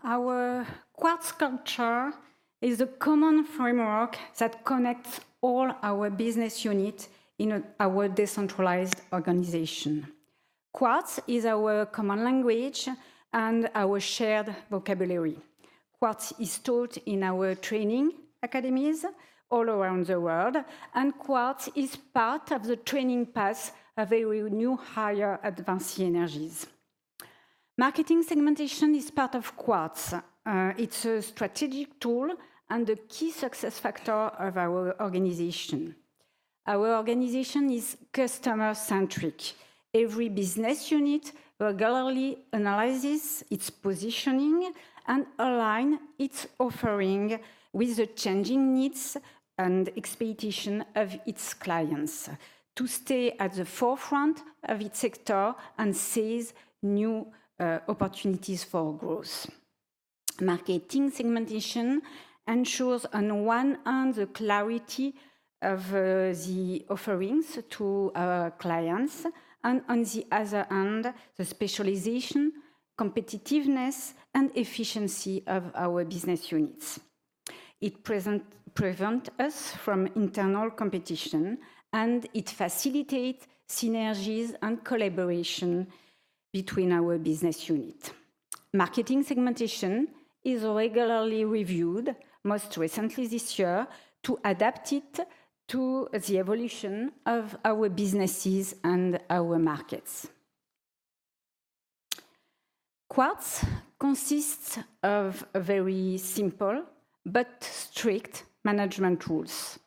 Our Quartz culture is the common framework that connects all our business units in our decentralized organization. Quartz is our common language and our shared vocabulary. Quartz is taught in our training academies all around the world, and Quartz is part of the training path of a new hire at VINCI Energies. Marketing segmentation is part of Quartz. It's a strategic tool and the key success factor of our organization. Our organization is customer-centric. Every business unit regularly analyzes its positioning and aligns its offering with the changing needs and expectations of its clients to stay at the forefront of its sector and seize new opportunities for growth. Marketing segmentation ensures on one hand the clarity of the offerings to our clients and on the other hand, the specialization, competitiveness, and efficiency of our business units. It prevents us from internal competition, and it facilitates synergies and collaboration between our business units. Marketing segmentation is regularly reviewed, most recently this year, to adapt it to the evolution of our businesses and our markets. Quartz consists of very simple but strict management rules.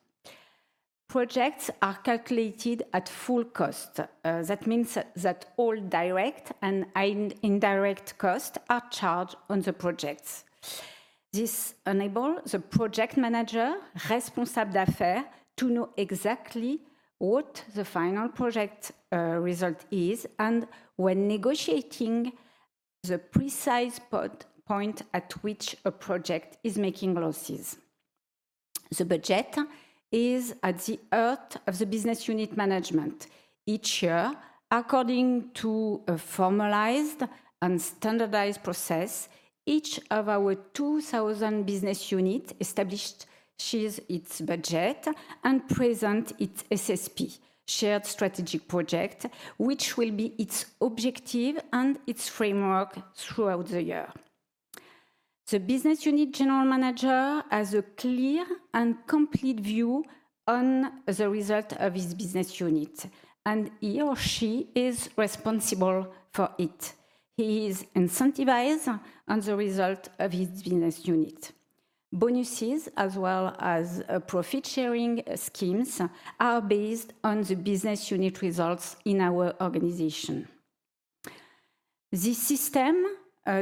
Projects are calculated at full cost. That means that all direct and indirect costs are charged on the projects. This enables the project manager, Responsable d'Affaires, to know exactly what the final project result is and when negotiating the precise point at which a project is making losses. The budget is at the heart of the business unit management. Each year, according to a formalized and standardized process, each of our 2,000 business units establishes its budget and presents its SSP, shared strategic project, which will be its objective and its framework throughout the year. The Business Unit general manager has a clear and complete view on the result of his Business Unit, and he or she is responsible for it. He is incentivized on the result of his Business Unit. Bonuses, as well as profit-sharing schemes, are based on the Business Unit results in our organization. This system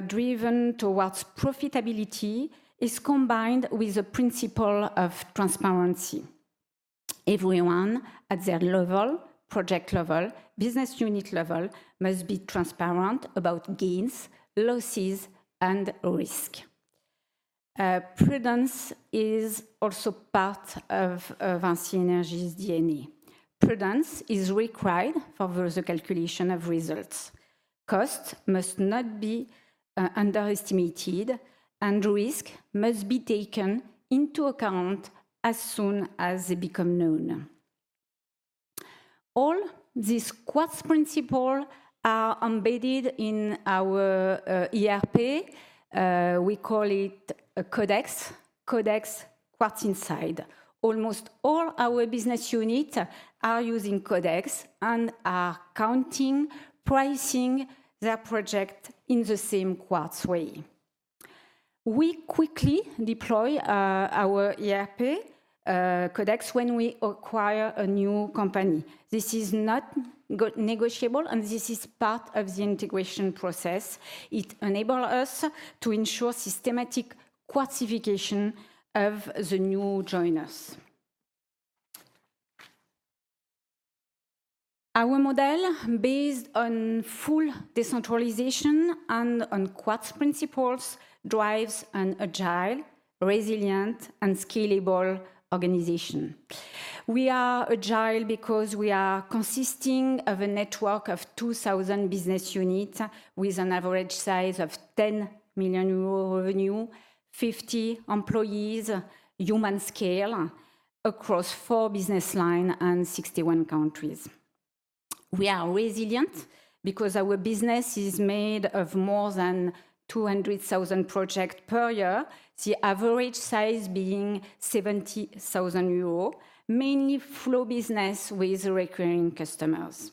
driven towards profitability is combined with the principle of transparency. Everyone at their level, project level, Business Unit level, must be transparent about gains, losses, and risks. Prudence is also part of VINCI Energies' DNA. Prudence is required for the calculation of results. Costs must not be underestimated, and risk must be taken into account as soon as they become known. All these Quartz principles are embedded in our ERP. We call it a Codex, Codex Quartz Inside. Almost all our business units are using Codex and are counting, pricing their project in the same Quartz way. We quickly deploy our ERP Codex when we acquire a new company. This is not negotiable, and this is part of the integration process. It enables us to ensure systematic quantification of the new joiners. Our model based on full decentralization and on Quartz principles drives an agile, resilient, and scalable organization. We are agile because we are consisting of a network of 2,000 business units with an average size of 10 million euro revenue, 50 employees, human scale across four business lines and 61 countries. We are resilient because our business is made of more than 200,000 projects per year, the average size being 70,000 euros, mainly flow business with recurring customers.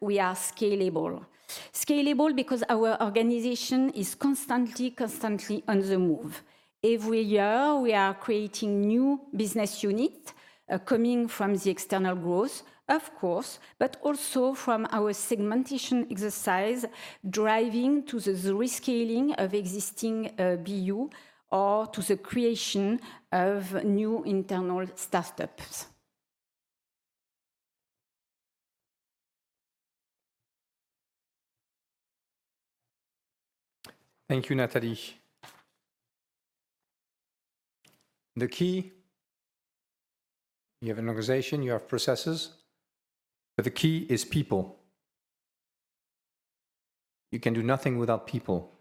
We are scalable. Scalable because our organization is constantly on the move. Every year, we are creating new business units coming from the external growth, of course, but also from our segmentation exercise driving to the rescaling of existing BU or to the creation of new internal startups. Thank you, Nathalie. The key, you have an organization, you have processes, but the key is people. You can do nothing without people.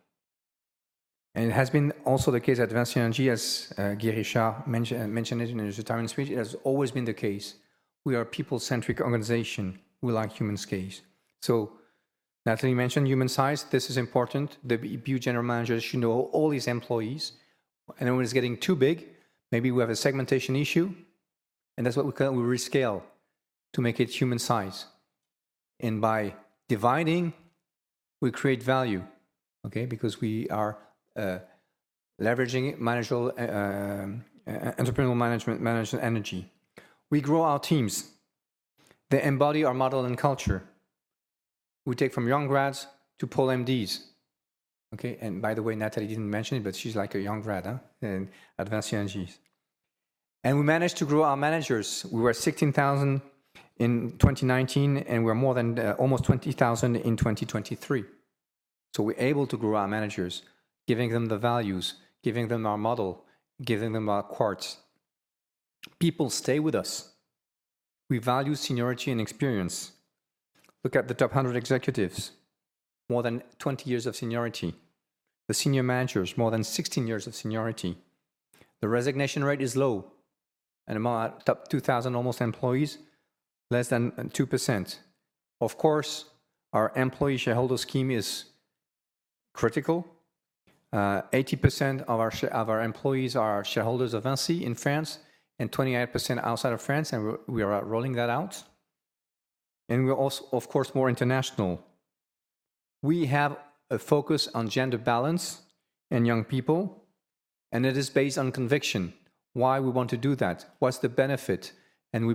And it has been also the case at VINCI Energies, as Guy Richard mentioned in his retirement speech. It has always been the case. We are a people-centric organization. We like human scales. So Nathalie mentioned human size. This is important. The BU general manager should know all his employees. And when it's getting too big, maybe we have a segmentation issue. And that's what we call rescale to make it human size. And by dividing, we create value, okay, because we are leveraging managerial entrepreneurial management, managerial energy. We grow our teams. They embody our model and culture. We take from young grads to pole MDs. Okay? And by the way, Nathalie didn't mention it, but she's like a young grad at VINCI Energies. And we managed to grow our managers. We were 16,000 in 2019, and we were more than almost 20,000 in 2023. So we're able to grow our managers, giving them the values, giving them our model, giving them our Quartz. People stay with us. We value seniority and experience. Look at the top 100 executives. More than 20 years of seniority. The senior managers, more than 16 years of seniority. The resignation rate is low. And among our top almost 2,000 employees, less than 2%. Of course, our employee shareholder scheme is critical. 80% of our employees are shareholders of VINCI in France and 28% outside of France, and we are rolling that out. And we're also, of course, more international. We have a focus on gender balance and young people, and it is based on conviction. Why we want to do that? What's the benefit? And we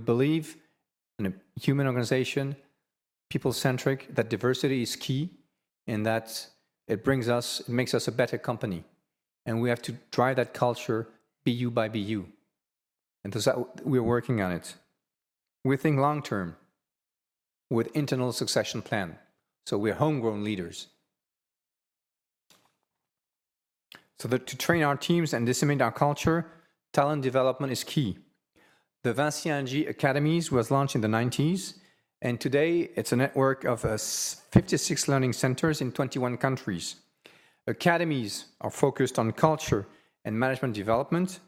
believe in a human organization, people-centric, that diversity is key and that it brings us, it makes us a better company. And we have to drive that culture, BU by BU. And we're working on it. We think long-term with internal succession plan. So we're homegrown leaders. So to train our teams and disseminate our culture, talent development is key. The VINCI Energies Academy was launched in the 1990s, and today it's a network of 56 learning centers in 21 countries. Academies are focused on culture and management development.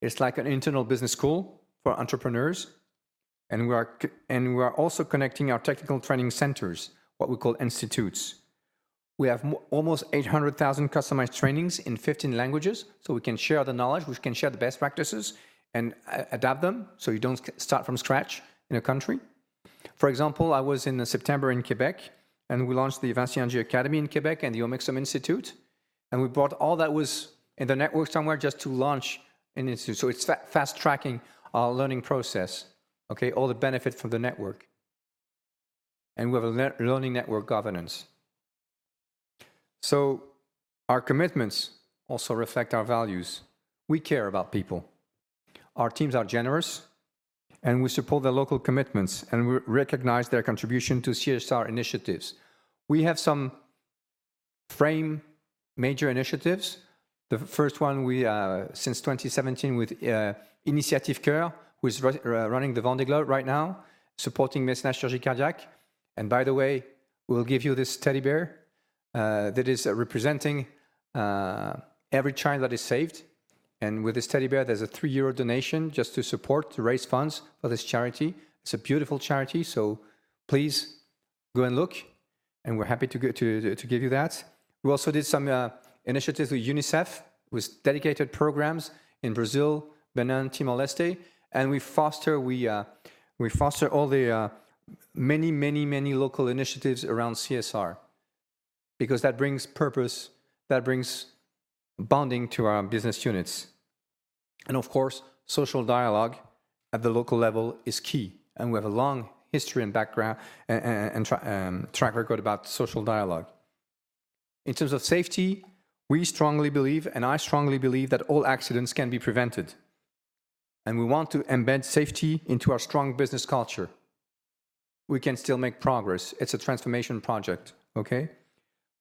It's like an internal business school for entrepreneurs. And we are also connecting our technical training centers, what we call institutes. We have almost 800,000 customized trainings in 15 languages, so we can share the knowledge, we can share the best practices and adapt them so you don't start from scratch in a country. For example, I was in September in Quebec, and we launched the VINCI Energies Academy in Quebec and the Omexom Institute. We brought all that was in the network somewhere just to launch an institute. It's fast-tracking our learning process, okay, all the benefits from the network. We have a learning network governance. Our commitments also reflect our values. We care about people. Our teams are generous, and we support the local commitments, and we recognize their contribution to CSR initiatives. We have some major initiatives. The first one since 2017 with Initiatives-Cœur, who is running the Vendée Globe right now, supporting Sam Davies. By the way, we'll give you this teddy bear that is representing every child that is saved. With this teddy bear, there's a three-year-old donation just to support, to raise funds for this charity. It's a beautiful charity. Please go and look, and we're happy to give you that. We also did some initiatives with UNICEF, with dedicated programs in Brazil, Benin, Timor-Leste. We foster, we foster all the many, many, many local initiatives around CSR because that brings purpose, that brings bonding to our business units. Of course, social dialogue at the local level is key. We have a long history and background and track record about social dialogue. In terms of safety, we strongly believe, and I strongly believe that all accidents can be prevented. We want to embed safety into our strong business culture. We can still make progress. It's a transformation project, okay?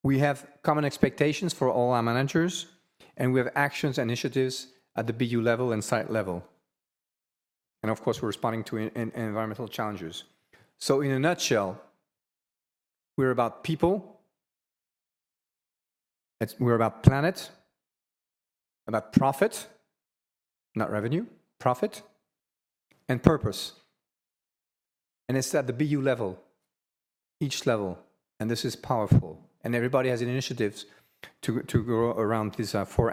We have common expectations for all our managers, and we have actions and initiatives at the BU level and site level. And of course, we're responding to environmental challenges. So in a nutshell, we're about people, we're about the planet, about profit, not revenue, profit and purpose. And it's at the BU level, each level, and this is powerful. And everybody has initiatives to grow around these four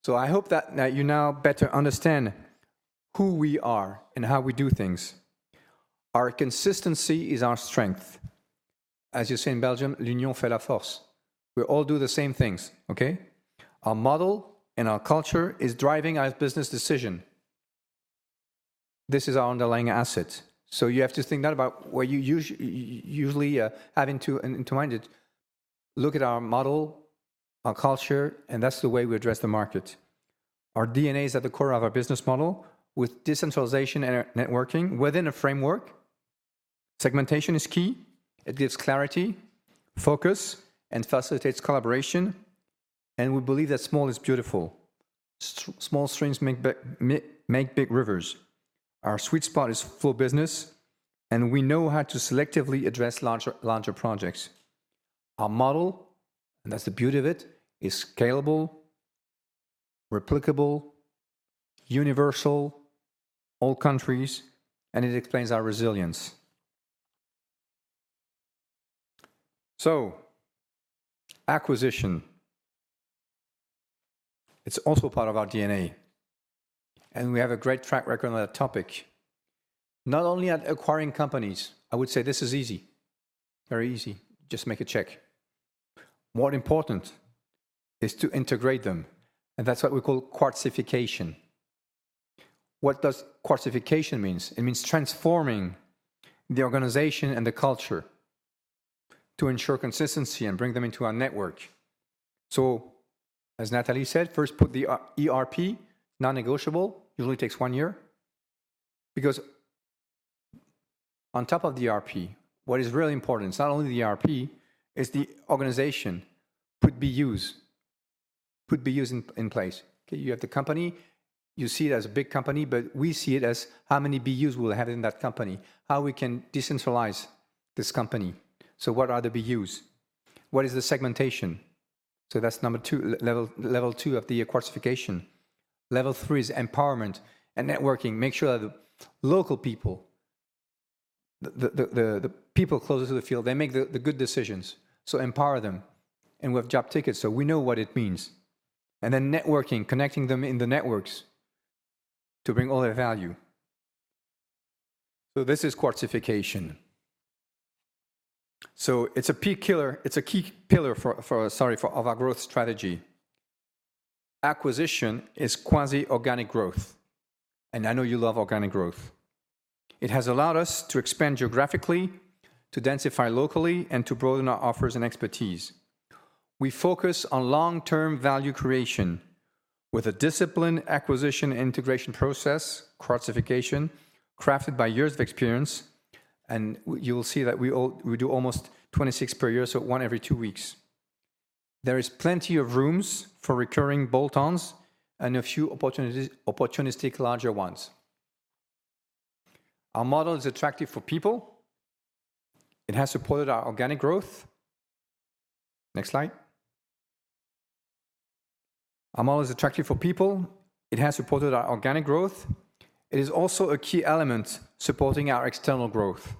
axes. So I hope that you now better understand who we are and how we do things. Our consistency is our strength. As you say in Belgium, "L'union fait la force." We all do the same things, okay? Our model and our culture is driving our business decision. This is our underlying asset. So you have to think not about what you usually have in mind. Look at our model, our culture, and that's the way we address the market. Our DNA is at the core of our business model with decentralization and networking within a framework. Segmentation is key. It gives clarity, focus, and facilitates collaboration. And we believe that small is beautiful. Small streams make big rivers. Our sweet spot is full business, and we know how to selectively address larger projects. Our model, and that's the beauty of it, is scalable, replicable, universal, all countries, and it explains our resilience. So acquisition, it's also part of our DNA. And we have a great track record on that topic. Not only at acquiring companies, I would say this is easy, very easy, just make a check. More important is to integrate them. And that's what we call Quartification. What does Quartification mean? It means transforming the organization and the culture to ensure consistency and bring them into our network. So as Nathalie said, first put the ERP, non-negotiable, usually takes one year. Because on top of the ERP, what is really important, it's not only the ERP, it's the organization, put BUs, put BUs in place. Okay, you have the company, you see it as a big company, but we see it as how many BUs will have in that company, how we can decentralize this company. So what are the BUs? What is the segmentation? So that's number two, level two of the Quartification. Level three is empowerment and networking. Make sure that the local people, the people closest to the field, they make the good decisions. So empower them. And we have job titles, so we know what it means. Then networking, connecting them in the networks to bring all their value. This is Quartification. It's a key pillar for our growth strategy. Acquisition is quasi-organic growth. I know you love organic growth. It has allowed us to expand geographically, to densify locally, and to broaden our offers and expertise. We focus on long-term value creation with a disciplined acquisition integration process, Quartification, crafted by years of experience. You will see that we do almost 26 per year, so one every two weeks. There is plenty of room for recurring bolt-ons and a few opportunistic larger ones. Our model is attractive for people. It has supported our organic growth. Next slide. It is also a key element supporting our external growth.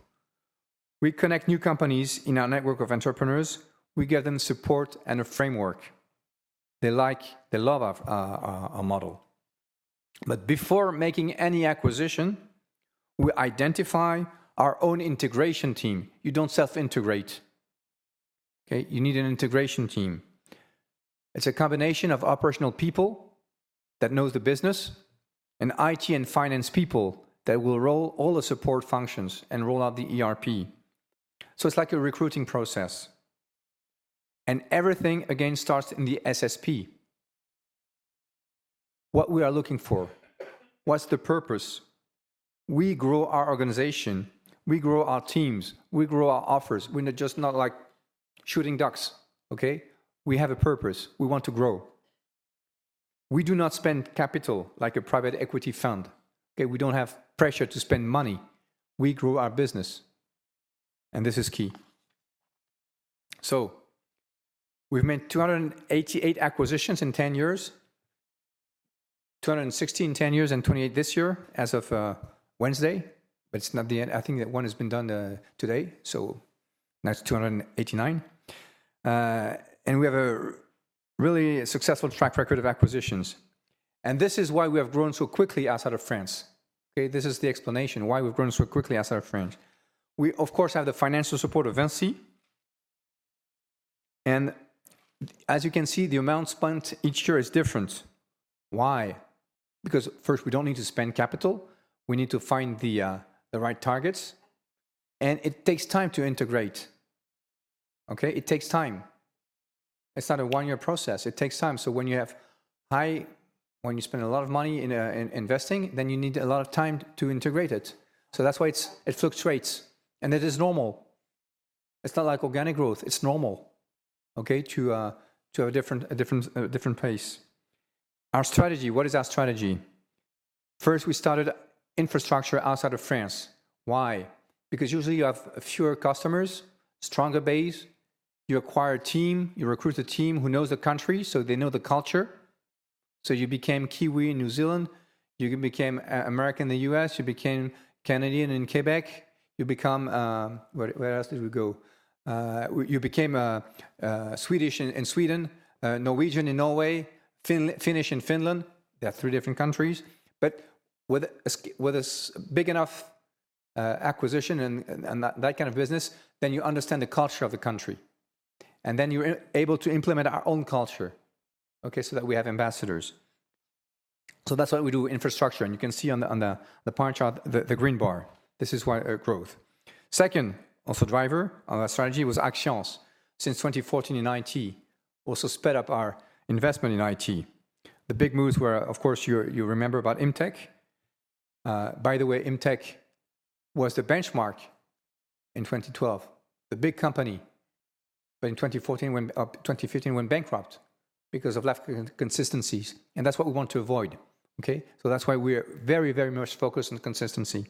We connect new companies in our network of entrepreneurs. We give them support and a framework. They like, they love our model. But before making any acquisition, we identify our own integration team. You don't self-integrate. Okay? You need an integration team. It's a combination of operational people that know the business and IT and finance people that will roll all the support functions and roll out the ERP. So it's like a recruiting process. And everything, again, starts in the SSP. What we are looking for, what's the purpose? We grow our organization, we grow our teams, we grow our offers. We're just not like shooting ducks, okay? We have a purpose. We want to grow. We do not spend capital like a private equity fund. Okay? We don't have pressure to spend money. We grow our business. And this is key. We've made 288 acquisitions in 10 years, 216 in 10 years and 28 this year as of Wednesday. But it's not the end. I think that one has been done today. That's 289. We have a really successful track record of acquisitions. This is why we have grown so quickly outside of France. Okay? This is the explanation why we've grown so quickly outside of France. We, of course, have the financial support of VINCI. As you can see, the amount spent each year is different. Why? Because first, we don't need to spend capital. We need to find the right targets. It takes time to integrate. Okay? It takes time. It's not a one-year process. It takes time. When you have high, when you spend a lot of money in investing, then you need a lot of time to integrate it. So that's why it fluctuates. And it is normal. It's not like organic growth. It's normal, okay, to have a different pace. Our strategy, what is our strategy? First, we started infrastructure outside of France. Why? Because usually you have fewer customers, stronger base. You acquire a team, you recruit a team who knows the country, so they know the culture. So you became Kiwi in New Zealand, you became American in the U.S., you became Canadian in Quebec, you become, where else did we go? You became Swedish in Sweden, Norwegian in Norway, Finnish in Finland. They're three different countries. But with a big enough acquisition and that kind of business, then you understand the culture of the country. And then you're able to implement our own culture, okay, so that we have ambassadors. So that's what we do with infrastructure. You can see on the pie chart, the green bar. This is our growth. Second, also driver of our strategy was Axians. Since 2014 in IT, also sped up our investment in IT. The big moves were, of course, you remember about Imtech. By the way, Imtech was the benchmark in 2012, the big company. But in 2014, 2015, went bankrupt because of lack of consistencies. And that's what we want to avoid, okay? So that's why we're very, very much focused on consistency.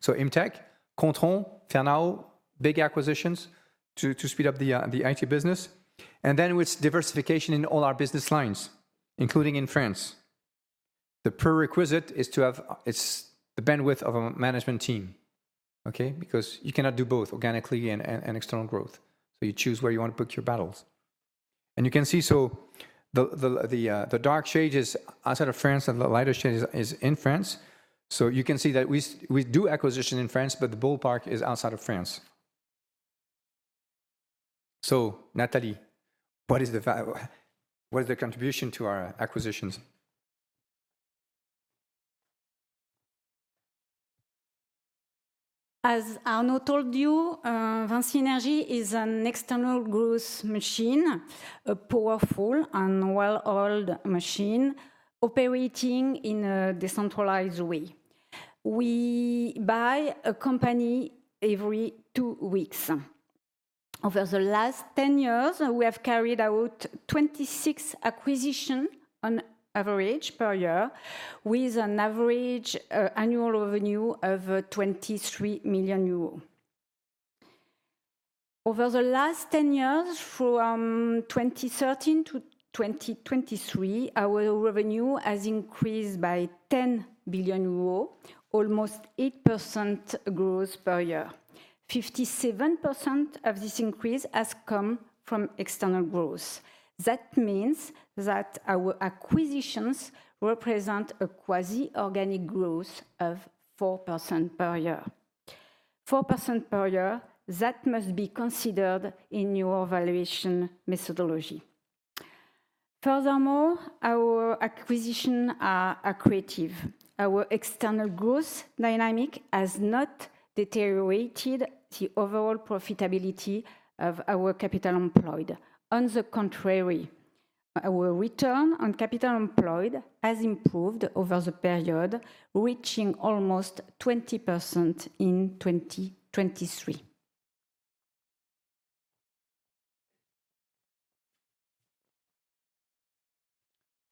So Imtech, Kontron, Fernao, big acquisitions to speed up the IT business. And then with diversification in all our business lines, including in France. The prerequisite is to have the bandwidth of a management team, okay? Because you cannot do both organically and external growth. So you choose where you want to put your bets. You can see, so the dark shade is outside of France and the lighter shade is in France. So you can see that we do acquisitions in France, but the ballpark is outside of France. So Nathalie, what is the contribution to our acquisitions? As Arnaud told you, VINCI Energies is an external growth machine, a powerful and well-oiled machine operating in a decentralized way. We buy a company every two weeks. Over the last 10 years, we have carried out 26 acquisitions on average per year with an average annual revenue of 23 million euros. Over the last 10 years, from 2013 to 2023, our revenue has increased by 10 billion euros, almost 8% growth per year. 57% of this increase has come from external growth. That means that our acquisitions represent a quasi-organic growth of 4% per year. 4% per year, that must be considered in your valuation methodology. Furthermore, our acquisitions are accretive. Our external growth dynamic has not deteriorated the overall profitability of our capital employed. On the contrary, our return on capital employed has improved over the period, reaching almost 20% in 2023.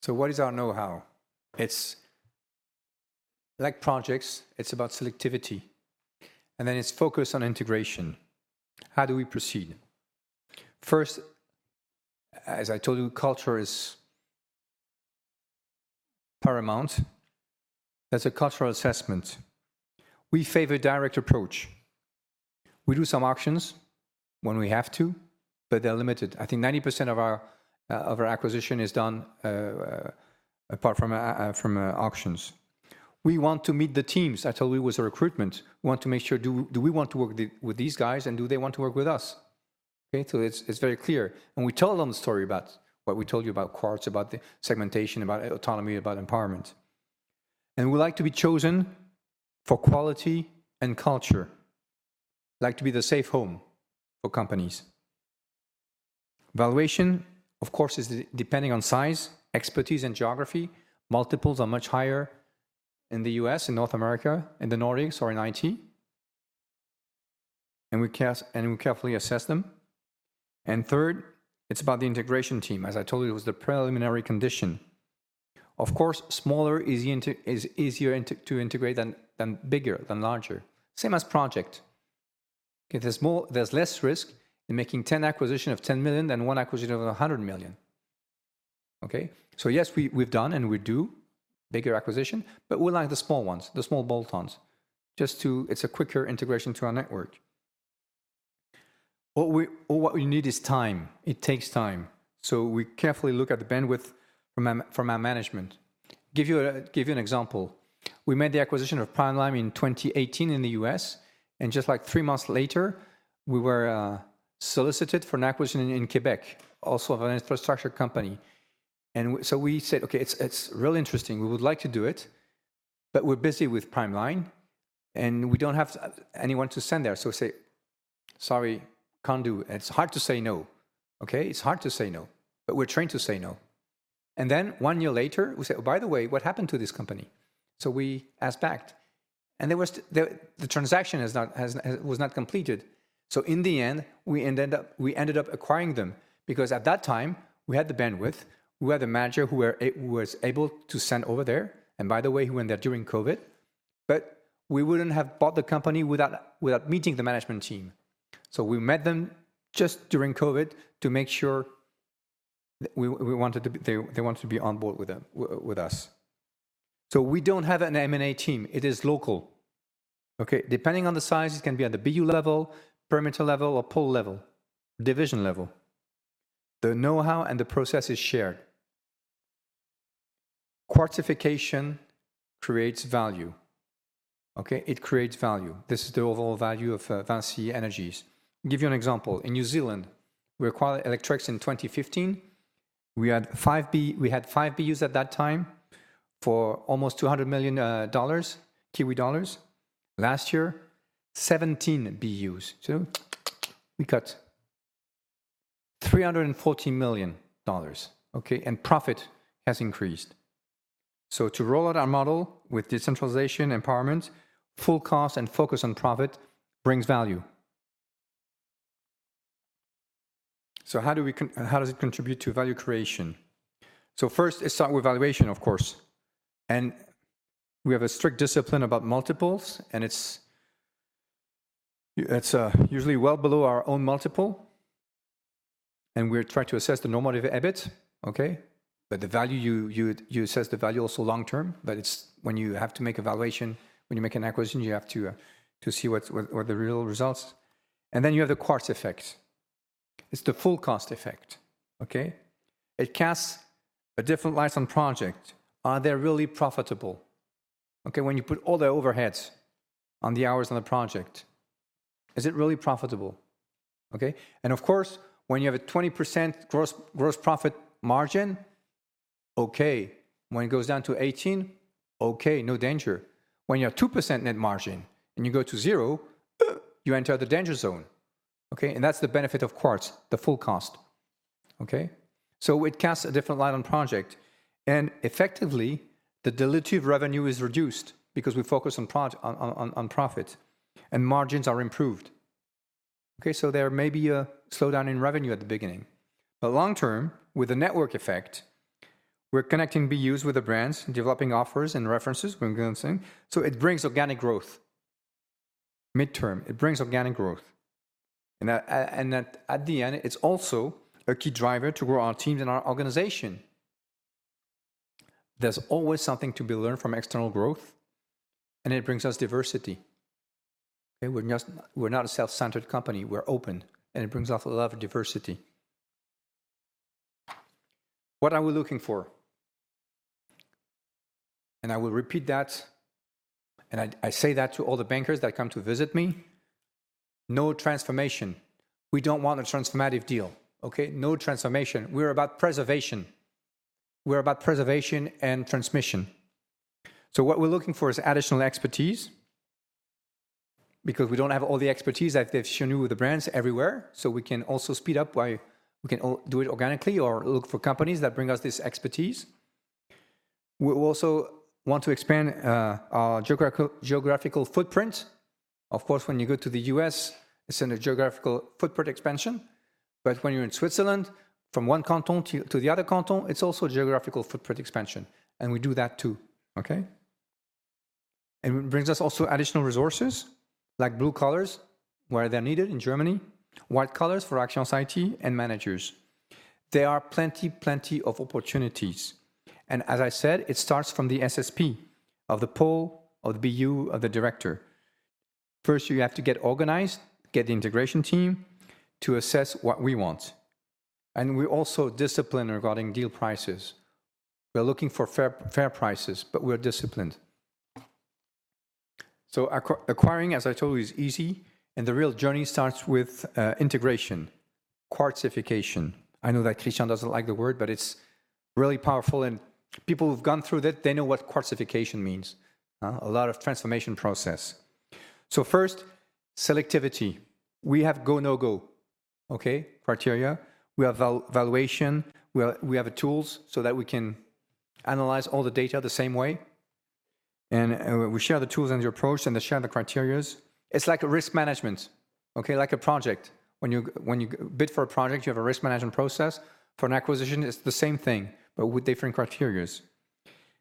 So what is our know-how? It's like projects, it's about selectivity. And then it's focused on integration. How do we proceed? First, as I told you, culture is paramount. That's a cultural assessment. We favor direct approach. We do some auctions when we have to, but they're limited. I think 90% of our acquisition is done apart from auctions. We want to meet the teams. I told you it was a recruitment. We want to make sure, do we want to work with these guys and do they want to work with us? Okay? So it's very clear. And we told them the story about what we told you about Quartz, about the segmentation, about autonomy, about empowerment. And we like to be chosen for quality and culture. Like to be the safe home for companies. Valuation, of course, is depending on size, expertise, and geography. Multiples are much higher in the U.S., in North America, in the Nordics, or in IT. And we carefully assess them. And third, it's about the integration team. As I told you, it was the preliminary condition. Of course, smaller is easier to integrate than bigger, than larger. Same as project. There's less risk in making 10 acquisitions of 10 million than one acquisition of 100 million. Okay? So yes, we've done and we do bigger acquisitions, but we like the small ones, the small bolt-ons. Just to, it's a quicker integration to our network. What we need is time. It takes time. So we carefully look at the bandwidth from our management. Give you an example. We made the acquisition of PrimeLine in 2018 in the U.S. And just like three months later, we were solicited for an acquisition in Quebec, also of an infrastructure company. And so we said, okay, it's real interesting. We would like to do it, but we're busy with PrimeLine and we don't have anyone to send there. So we say, sorry, can't do. It's hard to say no. Okay? It's hard to say no, but we're trained to say no. And then one year later, we said, by the way, what happened to this company? So we asked back. And the transaction was not completed. So in the end, we ended up acquiring them because at that time, we had the bandwidth. We had a manager who was able to send over there. And by the way, he went there during COVID. But we wouldn't have bought the company without meeting the management team. So we met them just during COVID to make sure they wanted to be on board with us. So we don't have an M&A team. It is local. Okay? Depending on the size, it can be at the BU level, perimeter level, or pole level, division level. The know-how and the process is shared. Quartification creates value. Okay? It creates value. This is the overall value of VINCI Energies. I'll give you an example. In New Zealand, we acquired Electrix in 2015. We had five BUs at that time for almost 200 million Kiwi dollars. Last year, 17 BUs. So we cut 340 million dollars. Okay? And profit has increased. So to roll out our model with decentralization, empowerment, full cost, and focus on profit brings value. So how does it contribute to value creation? So first, it starts with valuation, of course. And we have a strict discipline about multiples, and it's usually well below our own multiple. And we're trying to assess the normalized EBIT, okay? But the value, you assess the value also long term, but it's when you have to make a valuation, when you make an acquisition, you have to see what the real results are. And then you have the Quartz effect. It's the full cost effect. Okay? It casts a different light on the project. Are they really profitable? Okay? When you put all the overheads on the hours on the project, is it really profitable? Okay? And of course, when you have a 20% gross profit margin, okay, when it goes down to 18%, okay, no danger. When you have 2% net margin and you go to zero, you enter the danger zone, okay? And that's the benefit of Quartz, the full cost, okay? So it casts a different light on the project. And effectively, the diluted revenue is reduced because we focus on profit and margins are improved, okay? So there may be a slowdown in revenue at the beginning. But long term, with the network effect, we're connecting BUs with the brands, developing offers and references. So it brings organic growth. Midterm, it brings organic growth. And at the end, it's also a key driver to grow our teams and our organization. There's always something to be learned from external growth, and it brings us diversity, okay? We're not a self-centered company. We're open. And it brings us a lot of diversity. What are we looking for? I will repeat that, and I say that to all the bankers that come to visit me. No transformation. We don't want a transformative deal. Okay? No transformation. We're about preservation. We're about preservation and transmission. So what we're looking for is additional expertise because we don't have all the expertise that they've shown you with the brands everywhere. So we can also speed up by doing it organically or look for companies that bring us this expertise. We also want to expand our geographical footprint. Of course, when you go to the U.S., it's a geographical footprint expansion. But when you're in Switzerland, from one canton to the other canton, it's also a geographical footprint expansion. And we do that too. Okay? And it brings us also additional resources like blue-collar workers where they're needed in Germany, white-collar workers for Axians IT and managers. There are plenty, plenty of opportunities, and as I said, it starts from the SSP of the pole, of the BU, of the director. First, you have to get organized, get the integration team to assess what we want. We're also disciplined regarding deal prices. We're looking for fair prices, but we're disciplined. Acquiring, as I told you, is easy, and the real journey starts with integration, Quartification. I know that Christian doesn't like the word, but it's really powerful, and people who've gone through that, they know what Quartification means. A lot of transformation process. First, selectivity. We have go, no go, okay, criteria. We have valuation. We have tools so that we can analyze all the data the same way, and we share the tools and the approach and the shared criteria. It's like risk management, okay, like a project. When you bid for a project, you have a risk management process. For an acquisition, it's the same thing, but with different criteria.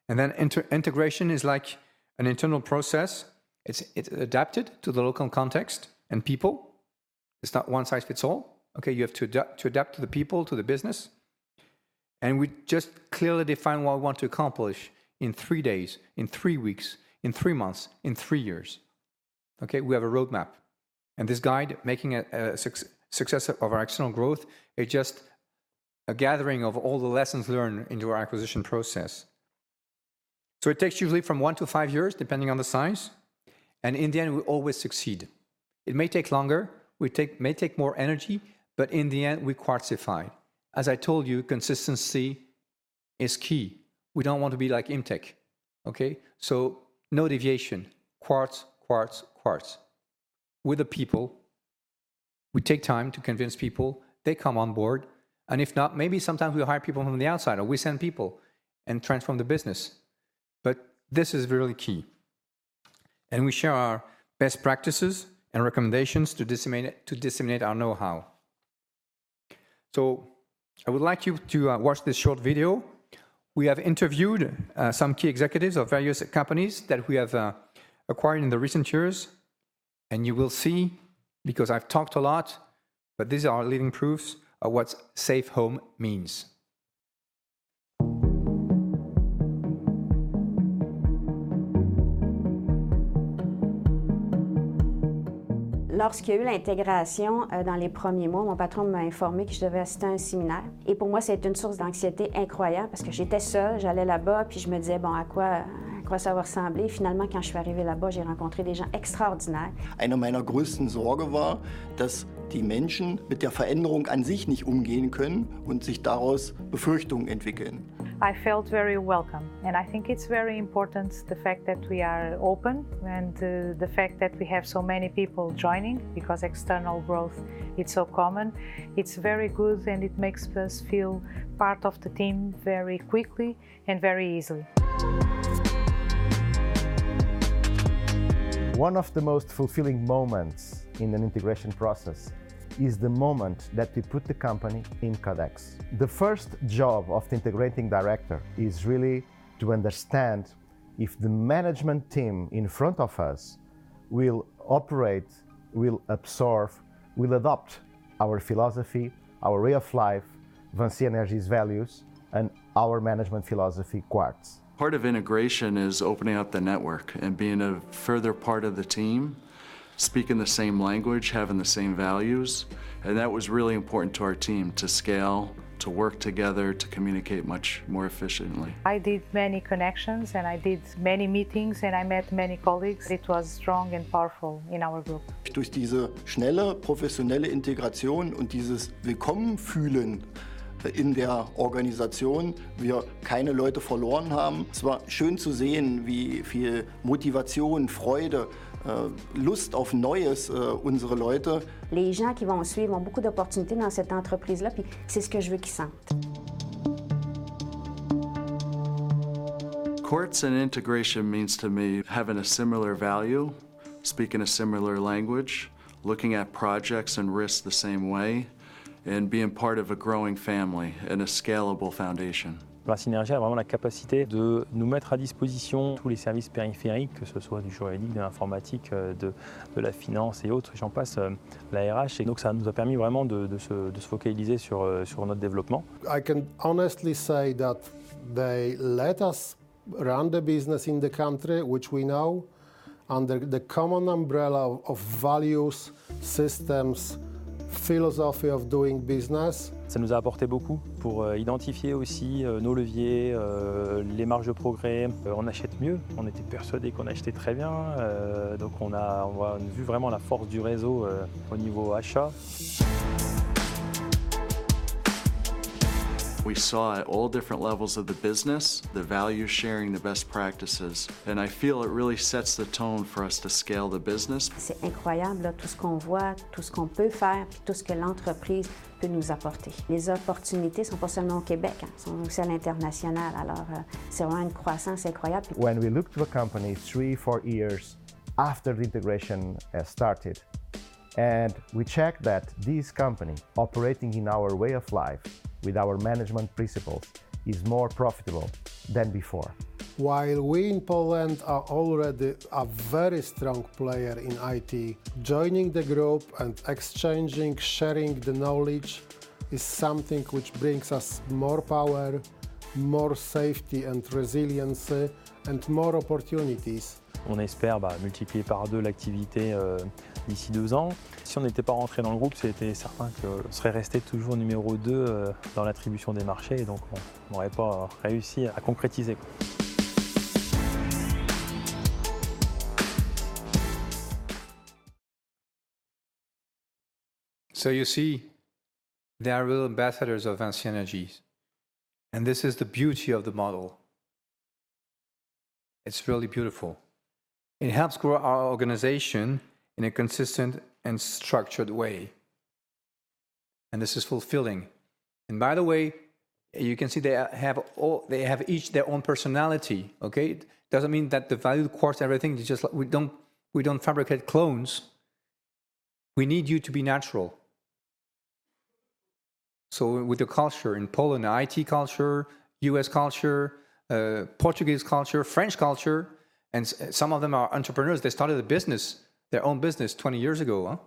And then integration is like an internal process. It's adapted to the local context and people. It's not one size fits all. Okay? You have to adapt to the people, to the business. And we just clearly define what we want to accomplish in three days, in three weeks, in three months, in three years. Okay? We have a roadmap. And this guide, making a success of our external growth, is just a gathering of all the lessons learned into our acquisition process. So it takes usually from one to five years, depending on the size. And in the end, we always succeed. It may take longer. We may take more energy, but in the end, we quartify. As I told you, consistency is key. We don't want to be like Imtech. Okay, so no deviation. Quartz, quartz, quartz. With the people, we take time to convince people. They come on board and if not, maybe sometimes we hire people from the outside or we send people and transform the business, but this is really key and we share our best practices and recommendations to disseminate our know-how. So I would like you to watch this short video. We have interviewed some key executives of various companies that we have acquired in the recent years. And you will see, because I've talked a lot, but these are our living proofs of what safe home means. "Lorsqu'il y a eu l'intégration dans les premiers mois, mon patron m'a informée que je devais assister à un séminaire. Et pour moi, ça a été une source d'anxiété incroyable parce que j'étais seule, j'allais là-bas puis je me disais: « Bon, à quoi ça va ressembler? » Finalement, quand je suis arrivée là-bas, j'ai rencontré des gens extraordinaires. Eine meiner größten Sorgen war, dass die Menschen mit der Veränderung an sich nicht umgehen können und sich daraus Befürchtungen entwickeln. I felt very welcome. And I think it's very important, the fact that we are open and the fact that we have so many people joining because external growth, it's so common. It's very good and it makes us feel part of the team very quickly and very easily. One of the most fulfilling moments in an integration process is the moment that we put the company in Codex. The first job of the integrating director is really to understand if the management team in front of us will operate, will absorb, will adopt our philosophy, our way of life, VINCI Energies' values, and our management philosophy, Quartz. Part of integration is opening up the network and being a further part of the team, speaking the same language, having the same values. And that was really important to our team to scale, to work together, to communicate much more efficiently. I did many connections and I did many meetings and I met many colleagues. It was strong and powerful in our group. Durch diese schnelle professionelle Integration und dieses Willkommenfühlen in der Organisation, wir keine Leute verloren haben. Es war schön zu sehen, wie viel Motivation, Freude, Lust auf Neues unsere Leute. Les gens qui vont suivre ont beaucoup d'opportunités dans cette entreprise-là, puis c'est ce que je veux qu'ils sentent. Quartz and integration means to me having a similar value, speaking a similar language, looking at projects and risks the same way, and being part of a growing family and a scalable foundation. VINCI Energies a vraiment la capacité de nous mettre à disposition tous les services périphériques, que ce soit du juridique, de l'informatique, de la finance et autres, et j'en passe, la RH. Et donc ça nous a permis vraiment de se focaliser sur notre développement. I can honestly say that they let us run the business in the country, which we know, under the common umbrella of values, systems, philosophy of doing business. Ça nous a apporté beaucoup pour identifier aussi nos leviers, les marges de progrès. On achète mieux. On était persuadés qu'on achetait très bien. Donc on a vu vraiment la force du réseau au niveau achat. We saw at all different levels of the business, the value sharing, the best practices. And I feel it really sets the tone for us to scale the business. C'est incroyable tout ce qu'on voit, tout ce qu'on peut faire, puis tout ce que l'entreprise peut nous apporter. Les opportunités ne sont pas seulement au Québec, elles sont aussi à l'international. Alors c'est vraiment une croissance incroyable. When we looked to a company three, four years after the integration started, and we checked that this company operating in our way of life with our management principles is more profitable than before. While we in Poland are already a very strong player in IT, joining the group and exchanging, sharing the knowledge is something which brings us more power, more safety and resilience, and more opportunities. On espère multiplier par deux l'activité d'ici deux ans. Si on n'était pas rentré dans le groupe, c'était certain qu'on serait resté toujours numéro deux dans l'attribution des marchés et donc on n'aurait pas réussi à concrétiser. So you see, there are real ambassadors of VINCI Energies. And this is the beauty of the model. It's really beautiful. It helps grow our organization in a consistent and structured way. And this is fulfilling. And by the way, you can see they have each their own personality. Okay? It doesn't mean that the value, Quartz, everything, we don't fabricate clones. We need you to be natural. So with the culture in Poland, the IT culture, US culture, Portuguese culture, French culture, and some of them are entrepreneurs. They started a business, their own business, 20 years ago.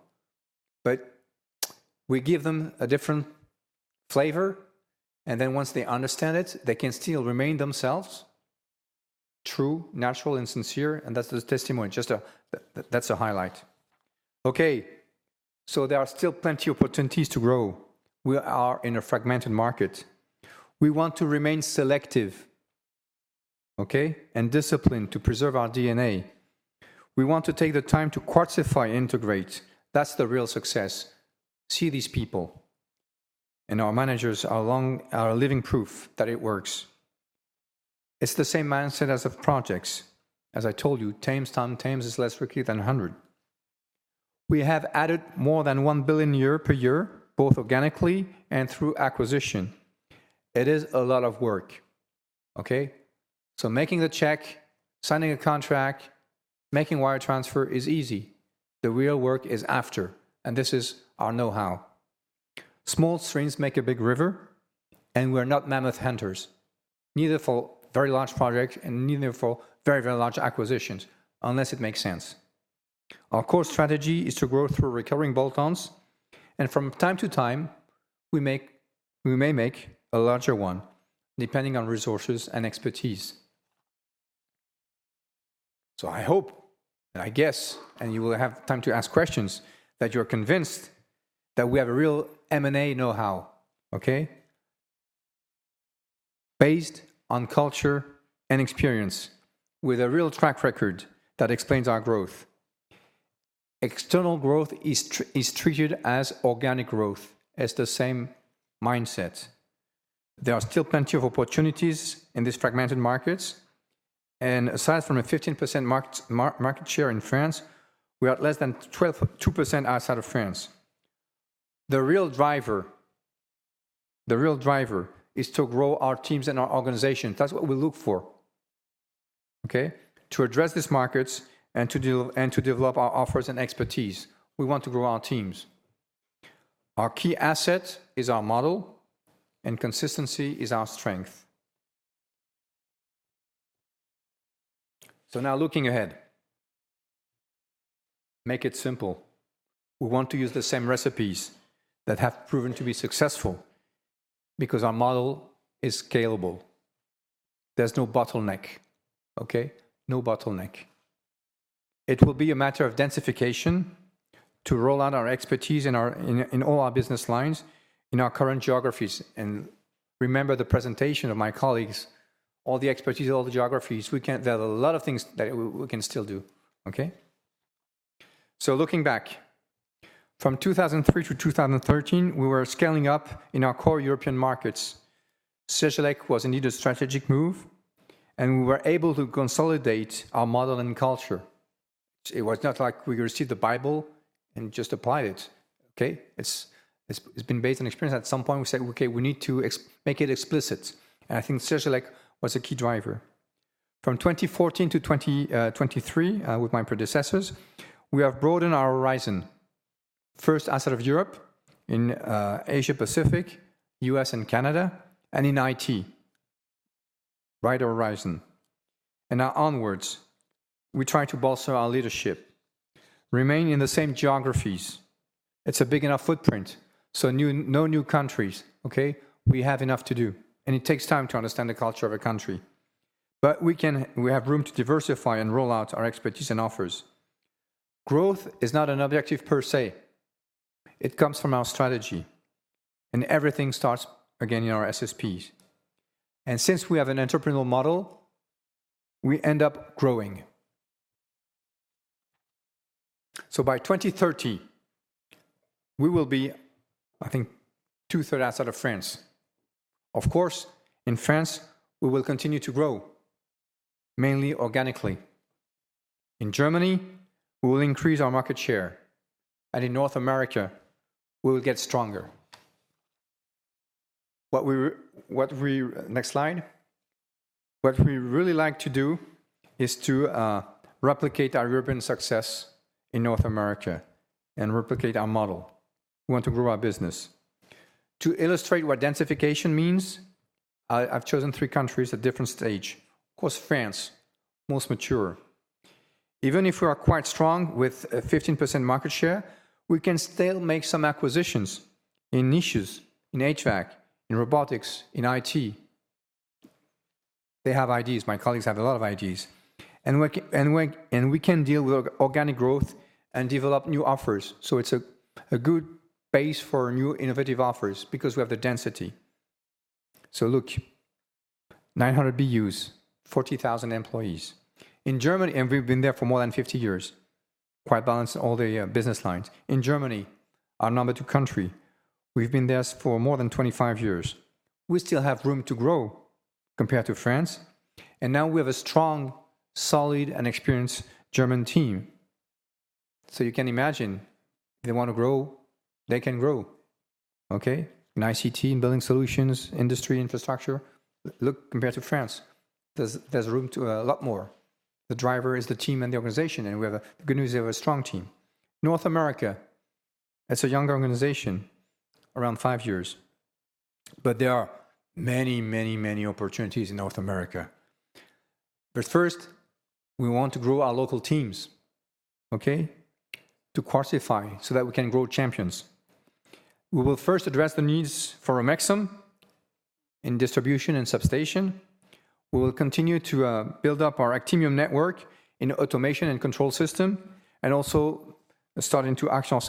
But we give them a different flavor. Then once they understand it, they can still remain themselves, true, natural, and sincere. That's the testimony. That's a highlight. Okay. There are still plenty of opportunities to grow. We are in a fragmented market. We want to remain selective, okay, and disciplined to preserve our DNA. We want to take the time to quartify and integrate. That's the real success. See these people. Our managers are living proof that it works. It's the same mindset as of projects. As I told you, times 10, times less quickly than 100. We have added more than one billion EUR per year, both organically and through acquisition. It is a lot of work. Okay? Making the check, signing a contract, making wire transfer is easy. The real work is after. This is our know-how. Small streams make a big river. We're not mammoth hunters. Neither for very large projects and neither for very, very large acquisitions, unless it makes sense. Our core strategy is to grow through recurring bolt-ons. And from time to time, we may make a larger one, depending on resources and expertise. So I hope, and I guess, and you will have time to ask questions, that you're convinced that we have a real M&A know-how, okay, based on culture and experience, with a real track record that explains our growth. External growth is treated as organic growth. It's the same mindset. There are still plenty of opportunities in these fragmented markets. And aside from a 15% market share in France, we are less than 12% outside of France. The real driver, the real driver is to grow our teams and our organization. That's what we look for. Okay? To address these markets and to develop our offers and expertise, we want to grow our teams. Our key asset is our model, and consistency is our strength. So now looking ahead, make it simple. We want to use the same recipes that have proven to be successful because our model is scalable. There's no bottleneck, okay? No bottleneck. It will be a matter of densification to roll out our expertise in all our business lines in our current geographies. And remember the presentation of my colleagues, all the expertise, all the geographies. There are a lot of things that we can still do. Okay? So looking back, from 2003 to 2013, we were scaling up in our core European markets. Cegelec was indeed a strategic move, and we were able to consolidate our model and culture. It was not like we received the Bible and just applied it. Okay? It's been based on experience. At some point, we said, okay, we need to make it explicit, and I think Cegelec was a key driver. From 2014 to 2023, with my predecessors, we have broadened our horizon. First, outside of Europe, in Asia-Pacific, U.S. and Canada, and in IT. Wider horizon, and now onwards, we try to bolster our leadership, remain in the same geographies. It's a big enough footprint, so no new countries, okay? We have enough to do, and it takes time to understand the culture of a country, but we have room to diversify and roll out our expertise and offers. Growth is not an objective per se. It comes from our strategy, and everything starts again in our SSPs, and since we have an entrepreneurial model, we end up growing, so by 2030, we will be, I think, two-thirds outside of France. Of course, in France, we will continue to grow, mainly organically. In Germany, we will increase our market share, and in North America, we will get stronger. Next slide. What we really like to do is to replicate our European success in North America and replicate our model. We want to grow our business. To illustrate what densification means, I've chosen three countries at different stages. Of course, France, most mature. Even if we are quite strong with a 15% market share, we can still make some acquisitions in niches, in HVAC, in robotics, in IT. They have ideas. My colleagues have a lot of ideas, and we can deal with organic growth and develop new offers. So it's a good base for new innovative offers because we have the density. So look, 900 BUs, 40,000 employees. In Germany, and we've been there for more than 50 years, quite balanced in all the business lines. In Germany, our number two country, we've been there for more than 25 years. We still have room to grow compared to France. And now we have a strong, solid, and experienced German team. So you can imagine, if they want to grow, they can grow. Okay? In ICT, in Building Solutions, industry, infrastructure, look, compared to France, there's room to a lot more. The driver is the team and the organization. And we have the good news we have a strong team. North America, it's a younger organization, around five years. But there are many, many, many opportunities in North America. But first, we want to grow our local teams, okay, to quartify so that we can grow champions. We will first address the needs for Omexom in distribution and substation. We will continue to build up our Actemium network in automation and control system, and also starting to Axians.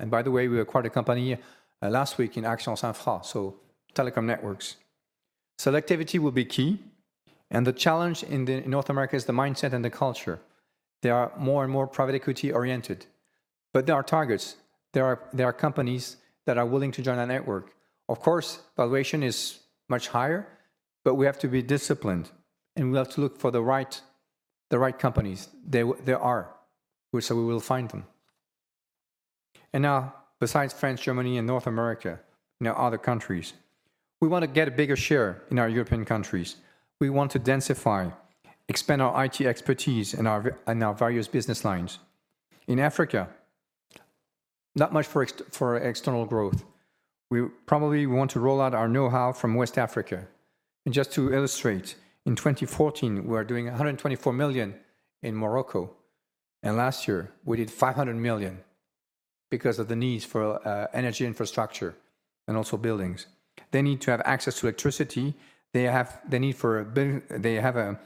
And by the way, we acquired a company last week in Axians, so telecom networks. Selectivity will be key. And the challenge in North America is the mindset and the culture. They are more and more private equity-oriented. But there are targets. There are companies that are willing to join our network. Of course, valuation is much higher, but we have to be disciplined. And we have to look for the right companies. There are. So we will find them. And now, besides France, Germany, and North America, now other countries, we want to get a bigger share in our European countries. We want to densify, expand our IT expertise and our various business lines. In Africa, not much for external growth. We probably want to roll out our know-how from West Africa. And just to illustrate, in 2014, we were doing 124 million EUR in Morocco. And last year, we did 500 million EUR because of the needs for energy infrastructure and also buildings. They need to have access to electricity. They have a need for Building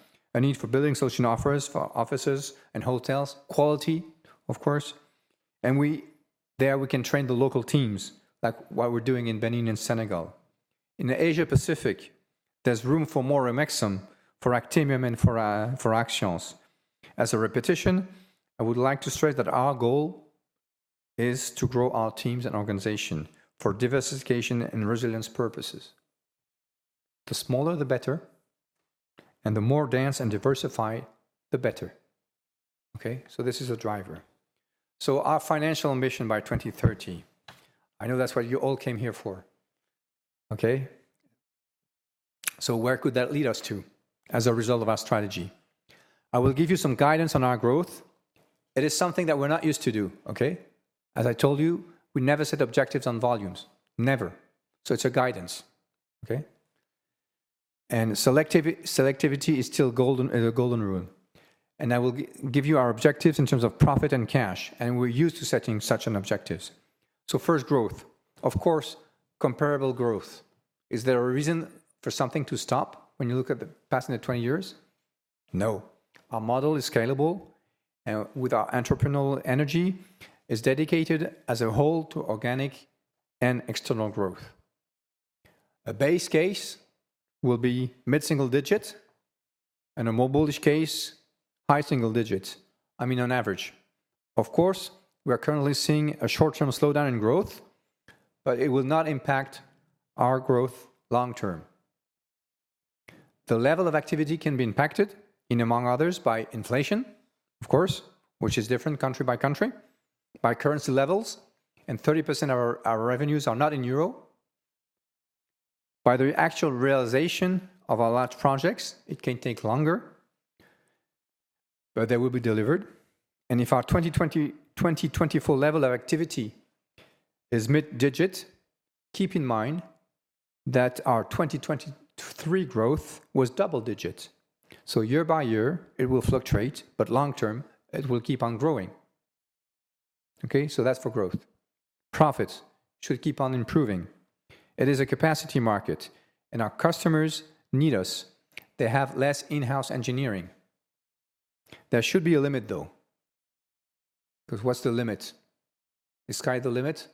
Solutions, offices, and hotels, quality, of course. And there, we can train the local teams, like what we're doing in Benin and Senegal. In Asia-Pacific, there's room for more Omexom, for Actemium, and for Axians. As a repetition, I would like to stress that our goal is to grow our teams and organization for diversification and resilience purposes. The smaller, the better. And the more dense and diversified, the better. Okay? So this is a driver. So our financial ambition by 2030, I know that's what you all came here for. Okay? So where could that lead us to as a result of our strategy? I will give you some guidance on our growth. It is something that we're not used to do, okay? As I told you, we never set objectives on volumes. Never. So it's a guidance, okay? And selectivity is still a golden rule. And I will give you our objectives in terms of profit and cash. And we're used to setting such objectives. So first, growth. Of course, comparable growth. Is there a reason for something to stop when you look at the past 20 years? No. Our model is scalable. And with our entrepreneurial energy, it's dedicated as a whole to organic and external growth. A base case will be mid-single digit. And a more bullish case, high single digits. I mean, on average. Of course, we are currently seeing a short-term slowdown in growth, but it will not impact our growth long-term. The level of activity can be impacted, among others, by inflation, of course, which is different country by country, by currency levels, and 30% of our revenues are not in euro. By the actual realization of our large projects, it can take longer, but they will be delivered, and if our 2024 level of activity is mid-digit, keep in mind that our 2023 growth was double-digit. So year by year, it will fluctuate, but long-term, it will keep on growing, okay, so that's for growth. Profits should keep on improving. It is a capacity market, and our customers need us. They have less in-house engineering. There should be a limit, though. Because what's the limit? Is sky the limit?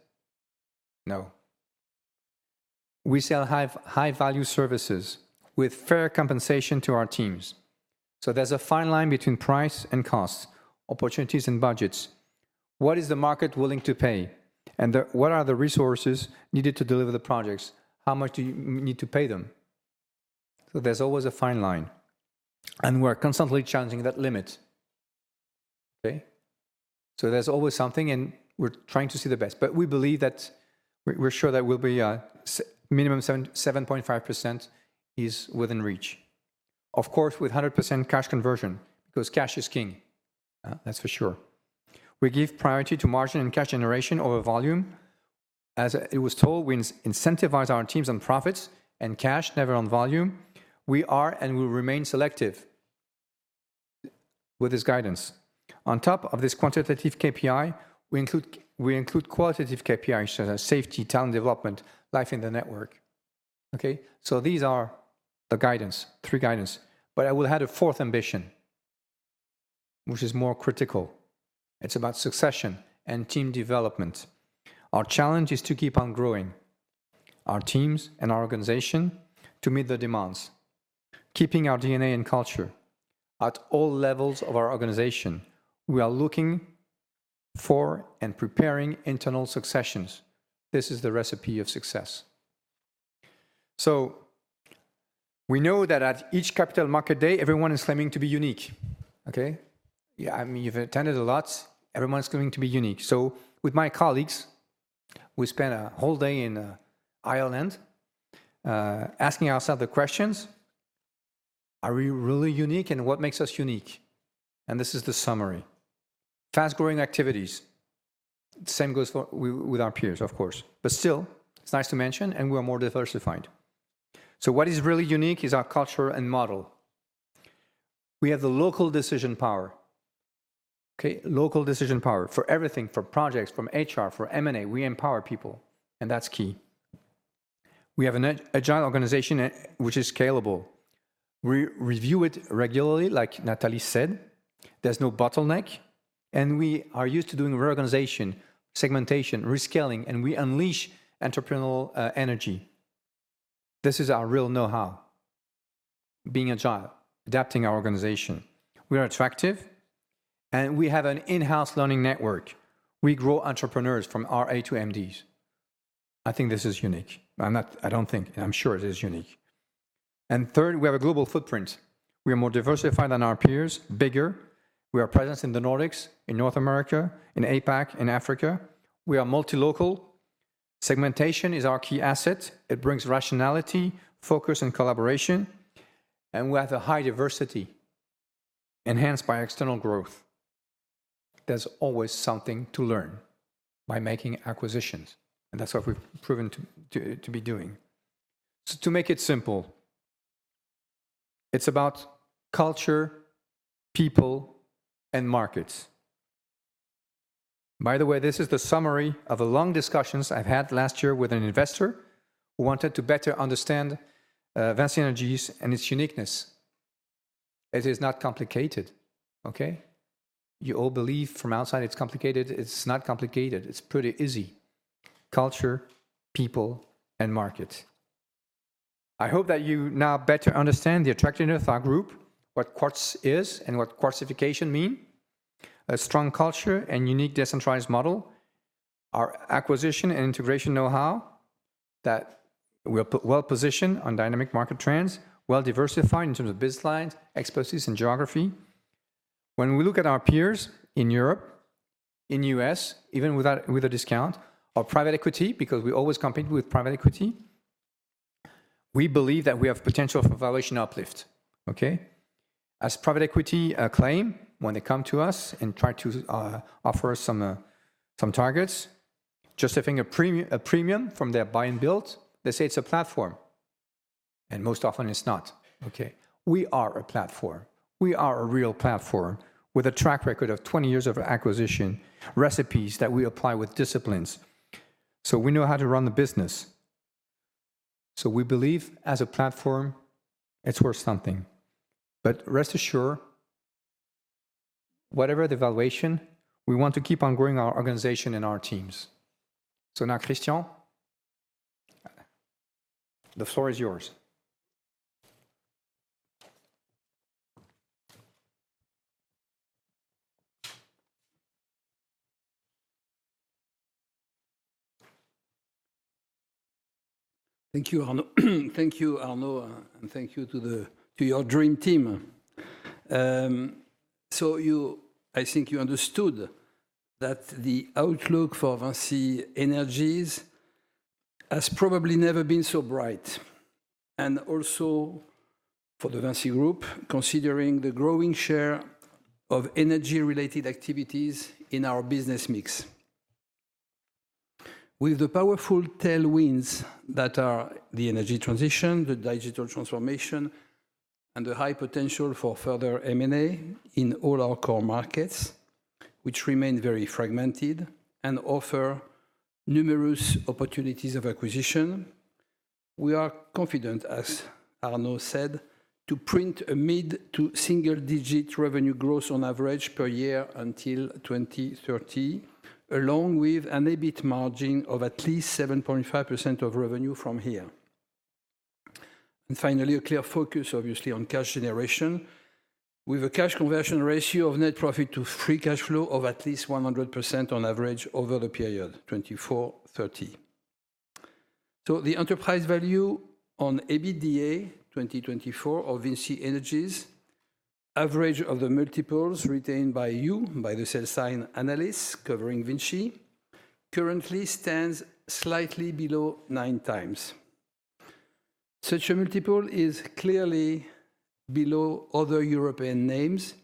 No. We sell high-value services with fair compensation to our teams. So there's a fine line between price and cost, opportunities and budgets. What is the market willing to pay? And what are the resources needed to deliver the projects? How much do you need to pay them? So there's always a fine line. And we're constantly challenging that limit. Okay? So there's always something, and we're trying to see the best. But we believe that we're sure that we'll be minimum 7.5% is within reach. Of course, with 100% cash conversion, because cash is king. That's for sure. We give priority to margin and cash generation over volume. As it was told, we incentivize our teams on profits and cash, never on volume. We are and will remain selective with this guidance. On top of this quantitative KPI, we include qualitative KPIs, such as safety, talent development, life in the network. Okay? So these are the guidance, three guidance. But I will add a fourth ambition, which is more critical. It's about succession and team development. Our challenge is to keep on growing our teams and our organization to meet the demands, keeping our DNA and culture at all levels of our organization. We are looking for and preparing internal successions. This is the recipe of success. So we know that at each capital market day, everyone is claiming to be unique. Okay? I mean, you've attended a lot. Everyone's claiming to be unique. So with my colleagues, we spent a whole day in Ireland asking ourselves the questions, are we really unique and what makes us unique? And this is the summary. Fast-growing activities. The same goes for with our peers, of course. But still, it's nice to mention, and we are more diversified. So what is really unique is our culture and model. We have the local decision power. Okay? Local decision power for everything, for projects, from HR, from M&A. We empower people, and that's key. We have an agile organization, which is scalable. We review it regularly, like Nathalie said. There's no bottleneck, and we are used to doing reorganization, segmentation, rescaling, and we unleash entrepreneurial energy. This is our real know-how, being agile, adapting our organization. We are attractive, and we have an in-house learning network. We grow entrepreneurs from RA to MDs. I think this is unique. I don't think, and I'm sure it is unique. Third, we have a global footprint. We are more diversified than our peers, bigger. We are present in the Nordics, in North America, in APAC, in Africa. We are multi-local. Segmentation is our key asset. It brings rationality, focus, and collaboration. We have a high diversity enhanced by external growth. There's always something to learn by making acquisitions. And that's what we've proven to be doing. So to make it simple, it's about culture, people, and markets. By the way, this is the summary of the long discussions I've had last year with an investor who wanted to better understand VINCI Energies and its uniqueness. It is not complicated. Okay? You all believe from outside it's complicated. It's not complicated. It's pretty easy. Culture, people, and market. I hope that you now better understand the attractiveness of our group, what Quartz is and what Quartification means. A strong culture and unique decentralized model, our acquisition and integration know-how that we are well-positioned on dynamic market trends, well-diversified in terms of business lines, expertise, and geography. When we look at our peers in Europe, in the U.S., even with a discount, or private equity, because we always compete with private equity, we believe that we have potential for valuation uplift. Okay? As private equity claims, when they come to us and try to offer us some targets, justifying a premium from their buy-and-build, they say it's a platform. And most often, it's not. Okay? We are a platform. We are a real platform with a track record of 20 years of acquisitions, recipes that we apply with discipline. So we know how to run the business. So we believe, as a platform, it's worth something. But rest assured, whatever the valuation, we want to keep on growing our organization and our teams. So now, Christian, the floor is yours. Thank you, Arnaud. Thank you, Arnaud, and thank you to your dream team. I think you understood that the outlook for VINCI Energies has probably never been so bright. Also for the VINCI Group, considering the growing share of energy-related activities in our business mix. With the powerful tailwinds that are the energy transition, the digital transformation, and the high potential for further M&A in all our core markets, which remain very fragmented and offer numerous opportunities of acquisition, we are confident, as Arnaud said, to print a mid- to single-digit revenue growth on average per year until 2030, along with an EBIT margin of at least 7.5% of revenue from here. Finally, a clear focus, obviously, on cash generation, with a cash conversion ratio of net profit to free cash flow of at least 100% on average over the period 24-30. The enterprise value on EBITDA 2024 of VINCI Energies, average of the multiples retained by you, by the sell-side analysts covering VINCI, currently stands slightly below nine times. Such a multiple is clearly below other European names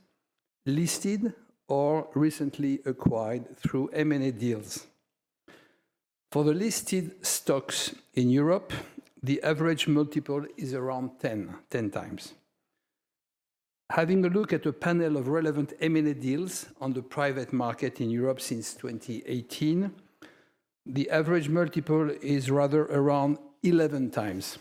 listed or recently acquired through M&A deals. For the listed stocks in Europe, the average multiple is around 10 times. Having a look at a panel of relevant M&A deals on the private market in Europe since 2018, the average multiple is rather around 11 times.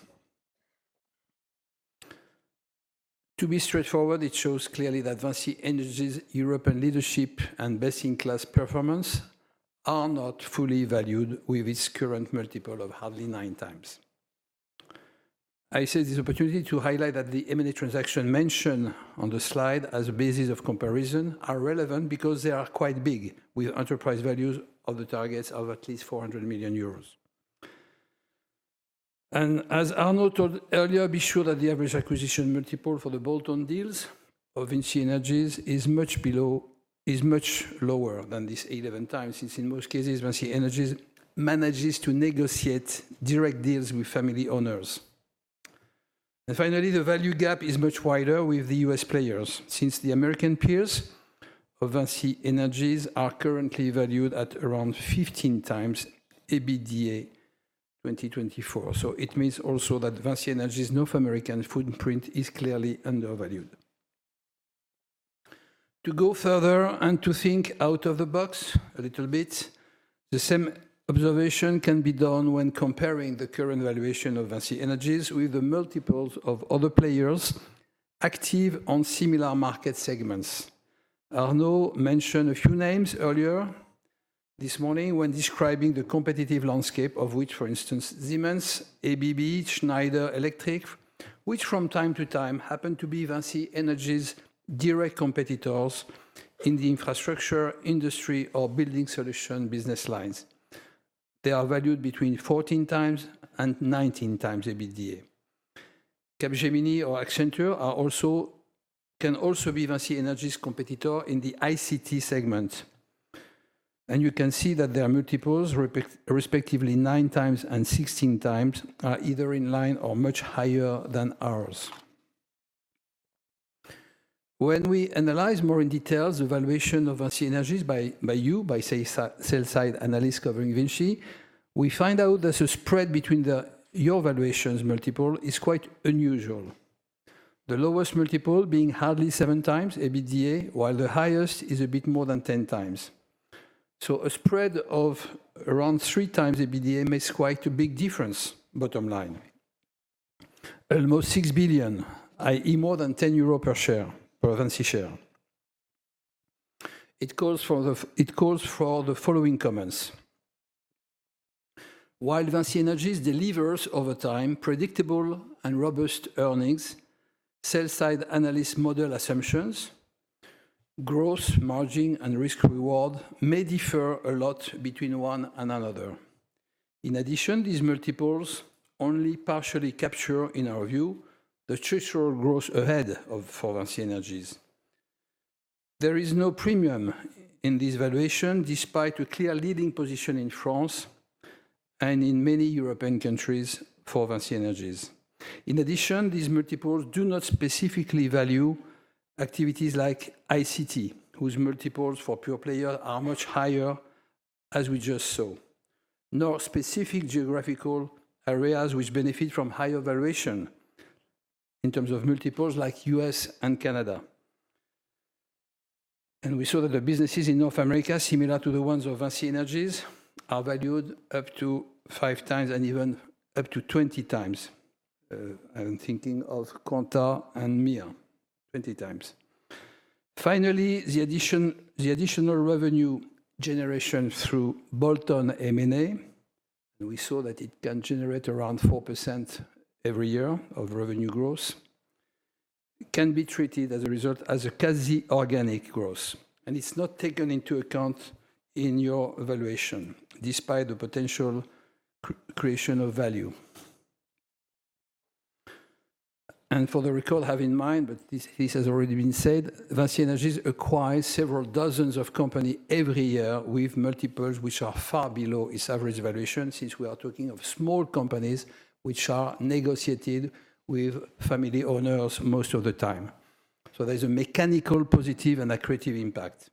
To be straightforward, it shows clearly that VINCI Energies' European leadership and best-in-class performance are not fully valued with its current multiple of hardly nine times. I seize this opportunity to highlight that the M&A transactions mentioned on the slide as a basis of comparison are relevant because they are quite big, with enterprise values of the targets of at least 400 million euros. And as Arnaud told earlier, be sure that the average acquisition multiple for the bolt-on deals of VINCI Energies is much lower than this 11 times, since in most cases, VINCI Energies manages to negotiate direct deals with family owners. And finally, the value gap is much wider with the US players. Since the American peers of VINCI Energies are currently valued at around 15 times EBITDA 2024. So it means also that VINCI Energies' North American footprint is clearly undervalued. To go further and to think out of the box a little bit, the same observation can be done when comparing the current valuation of VINCI Energies with the multiples of other players active on similar market segments. Arnaud mentioned a few names earlier this morning when describing the competitive landscape, of which, for instance, Siemens, ABB, Schneider Electric, which from time to time happen to be VINCI Energies' direct competitors in the infrastructure industry or Building Solutions business lines. They are valued between 14 times and 19 times EBITDA. Capgemini or Accenture can also be VINCI Energies' competitor in the ICT segment. You can see that their multiples, respectively 9 times and 16 times, are either in line or much higher than ours. When we analyze more in detail the valuation of VINCI Energies by you, by, say, sell-side analysts covering VINCI, we find out that the spread between your valuation multiples is quite unusual. The lowest multiple being hardly 7 times EBITDA, while the highest is a bit more than 10 times. A spread of around 3 times EBITDA makes quite a big difference, bottom line. Almost 6 billion, i.e., more than 10 euro per share for a VINCI share. It calls for the following comments. While VINCI Energies' delivers over time predictable and robust earnings, sales side analyst model assumptions, gross margin and risk-reward may differ a lot between one and another. In addition, these multiples only partially capture, in our view, the structural growth ahead of VINCI Energies'. There is no premium in this valuation despite a clear leading position in France and in many European countries for VINCI Energies'. In addition, these multiples do not specifically value activities like ICT, whose multiples for pure players are much higher, as we just saw. No specific geographical areas which benefit from higher valuation in terms of multiples like U.S. and Canada. We saw that the businesses in North America, similar to the ones of VINCI Energies', are valued up to 5 times and even up to 20 times. I'm thinking of Quanta and MasTec, 20 times. Finally, the additional revenue generation through bolt-on M&A, and we saw that it can generate around 4% every year of revenue growth, can be treated as a result as a quasi-organic growth. It's not taken into account in your evaluation, despite the potential creation of value. For the record, have in mind, but this has already been said, VINCI Energies acquires several dozens of companies every year with multiples which are far below its average valuation, since we are talking of small companies which are negotiated with family owners most of the time. There's a mechanical positive and a creative impact.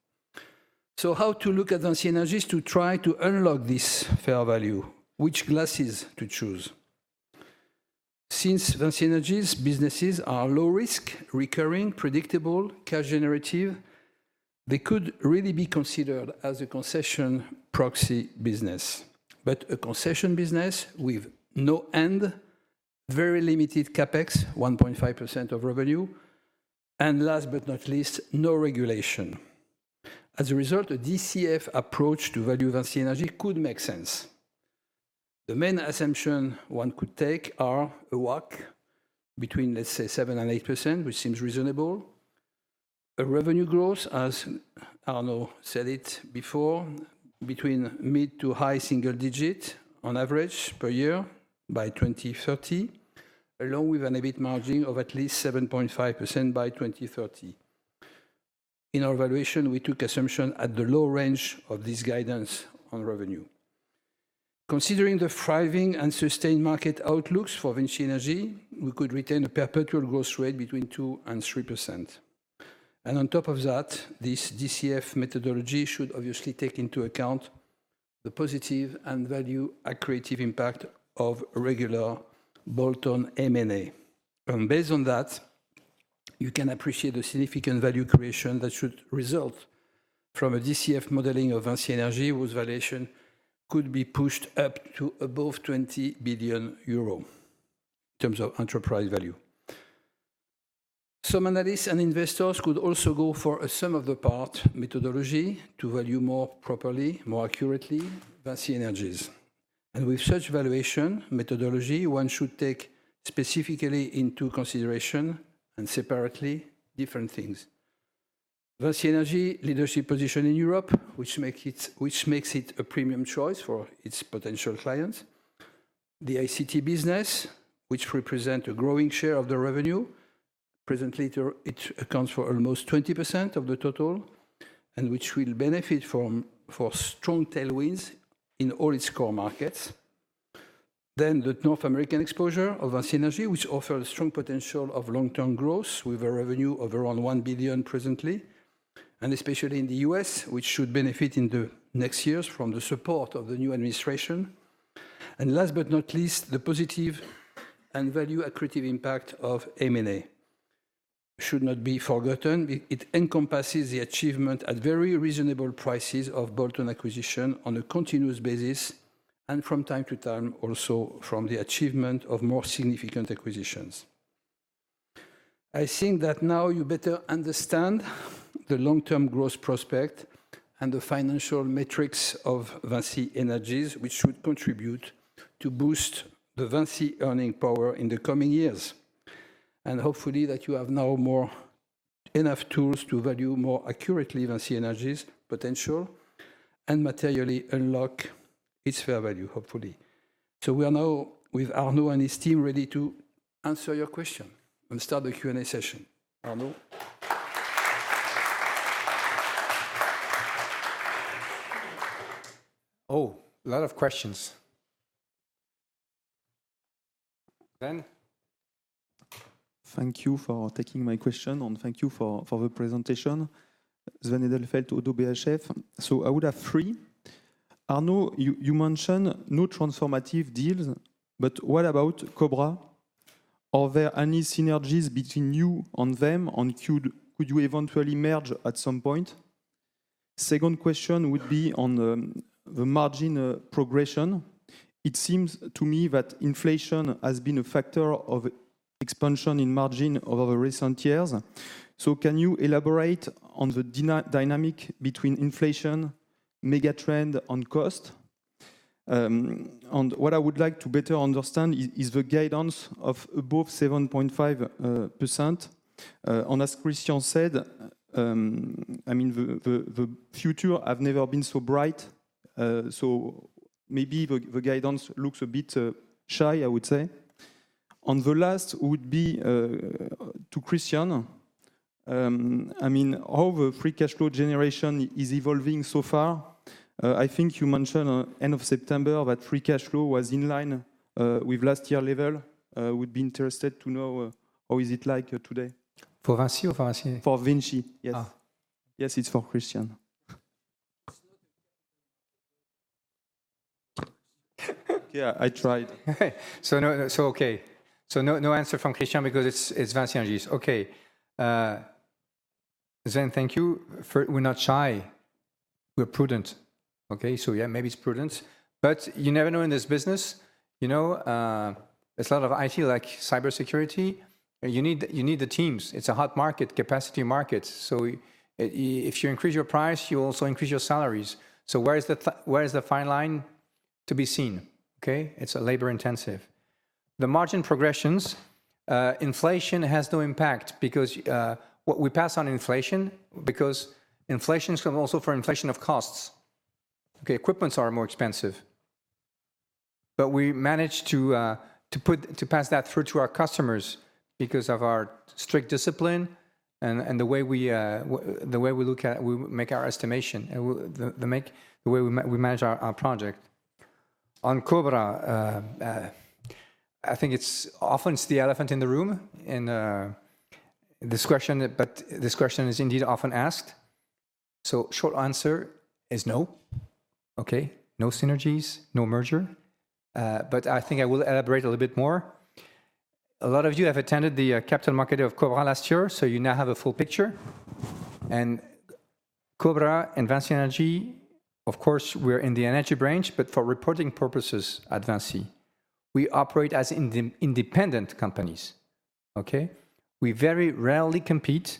So how to look at VINCI Energies' to try to unlock this fair value? Which glasses to choose? Since VINCI Energies' businesses are low-risk, recurring, predictable, cash-generative, they could really be considered as a concession proxy business. But a concession business with no end, very limited CapEx, 1.5% of revenue, and last but not least, no regulation. As a result, a DCF approach to value VINCI Energies could make sense. The main assumption one could take are a WACC between, let's say, 7%-8%, which seems reasonable. A revenue growth, as Arnaud said it before, between mid to high single digit on average per year by 2030, along with an EBIT margin of at least 7.5% by 2030. In our evaluation, we took assumption at the low range of this guidance on revenue. Considering the thriving and sustained market outlooks for VINCI Energies, we could retain a perpetual growth rate between 2%-3%. On top of that, this DCF methodology should obviously take into account the positive and value-accretive impact of regular bolt-on M&A. Based on that, you can appreciate the significant value creation that should result from a DCF modeling of VINCI Energies whose valuation could be pushed up to above 20 billion euro in terms of enterprise value. Some analysts and investors could also go for a sum-of-the-parts methodology to value more properly, more accurately VINCI Energies. With such valuation methodology, one should take specifically into consideration and separately different things. VINCI Energies' leadership position in Europe, which makes it a premium choice for its potential clients. The ICT business, which represents a growing share of the revenue, presently accounts for almost 20% of the total and which will benefit from strong tailwinds in all its core markets. Then the North American exposure of VINCI Energies, which offers a strong potential of long-term growth with a revenue of around 1 billion presently, and especially in the U.S., which should benefit in the next years from the support of the new administration. And last but not least, the positive and value-accretive impact of M&A should not be forgotten. It encompasses the achievement at very reasonable prices of bolt-on acquisitions on a continuous basis and from time to time also from the achievement of more significant acquisitions. I think that now you better understand the long-term growth prospect and the financial metrics of VINCI Energies', which should contribute to boost the VINCI earning power in the coming years. Hopefully that you have now enough tools to value more accurately VINCI Energies' potential and materially unlock its fair value, hopefully. We are now with Arnaud and his team ready to answer your question and start the Q&A session. Arnaud. Oh, a lot of questions. Then. Thank you for taking my question and thank you for the presentation. Sven Edelfelt, ODDO BHF. I would have three. Arnaud, you mentioned new transformative deals, but what about Cobra? Are there any synergies between you and them? And could you eventually merge at some point? Second question would be on the margin progression. It seems to me that inflation has been a factor of expansion in margin over the recent years. Can you elaborate on the dynamic between inflation, megatrend, and cost? And what I would like to better understand is the guidance of above 7.5%. As Christian said, I mean, the future has never been so bright. So maybe the guidance looks a bit shy, I would say. And the last would be to Christian. I mean, how the free cash flow generation is evolving so far. I think you mentioned at the end of September that free cash flow was in line with last year's level. I would be interested to know how is it like today? For VINCI or For VINCI. For VINCI, yes. Yes, it's for Christian. Okay, I tried. So okay. So no answer from Christian because it's VINCI Energies'. Okay. Sven, thank you. We're not shy. We're prudent. Okay, so yeah, maybe it's prudent. But you never know in this business. There's a lot of IT like cybersecurity. You need the teams. It's a hot market, capacity market. So if you increase your price, you also increase your salaries. So where is the fine line to be seen? Okay, it's labor-intensive. The margin progressions, inflation has no impact because we pass on inflation, because inflation is also for inflation of costs. Okay, equipment is more expensive. But we managed to pass that through to our customers because of our strict discipline and the way we look at, we make our estimation, the way we manage our project. On Cobra, I think it's often the elephant in the room in this question, but this question is indeed often asked. So short answer is no. Okay, no synergies, no merger. But I think I will elaborate a little bit more. A lot of you have attended the Capital Markets Day of Cobra last year, so you now have a full picture. Cobra and VINCI Energies, of course, we're in the energy branch, but for reporting purposes at VINCI, we operate as independent companies. Okay, we very rarely compete.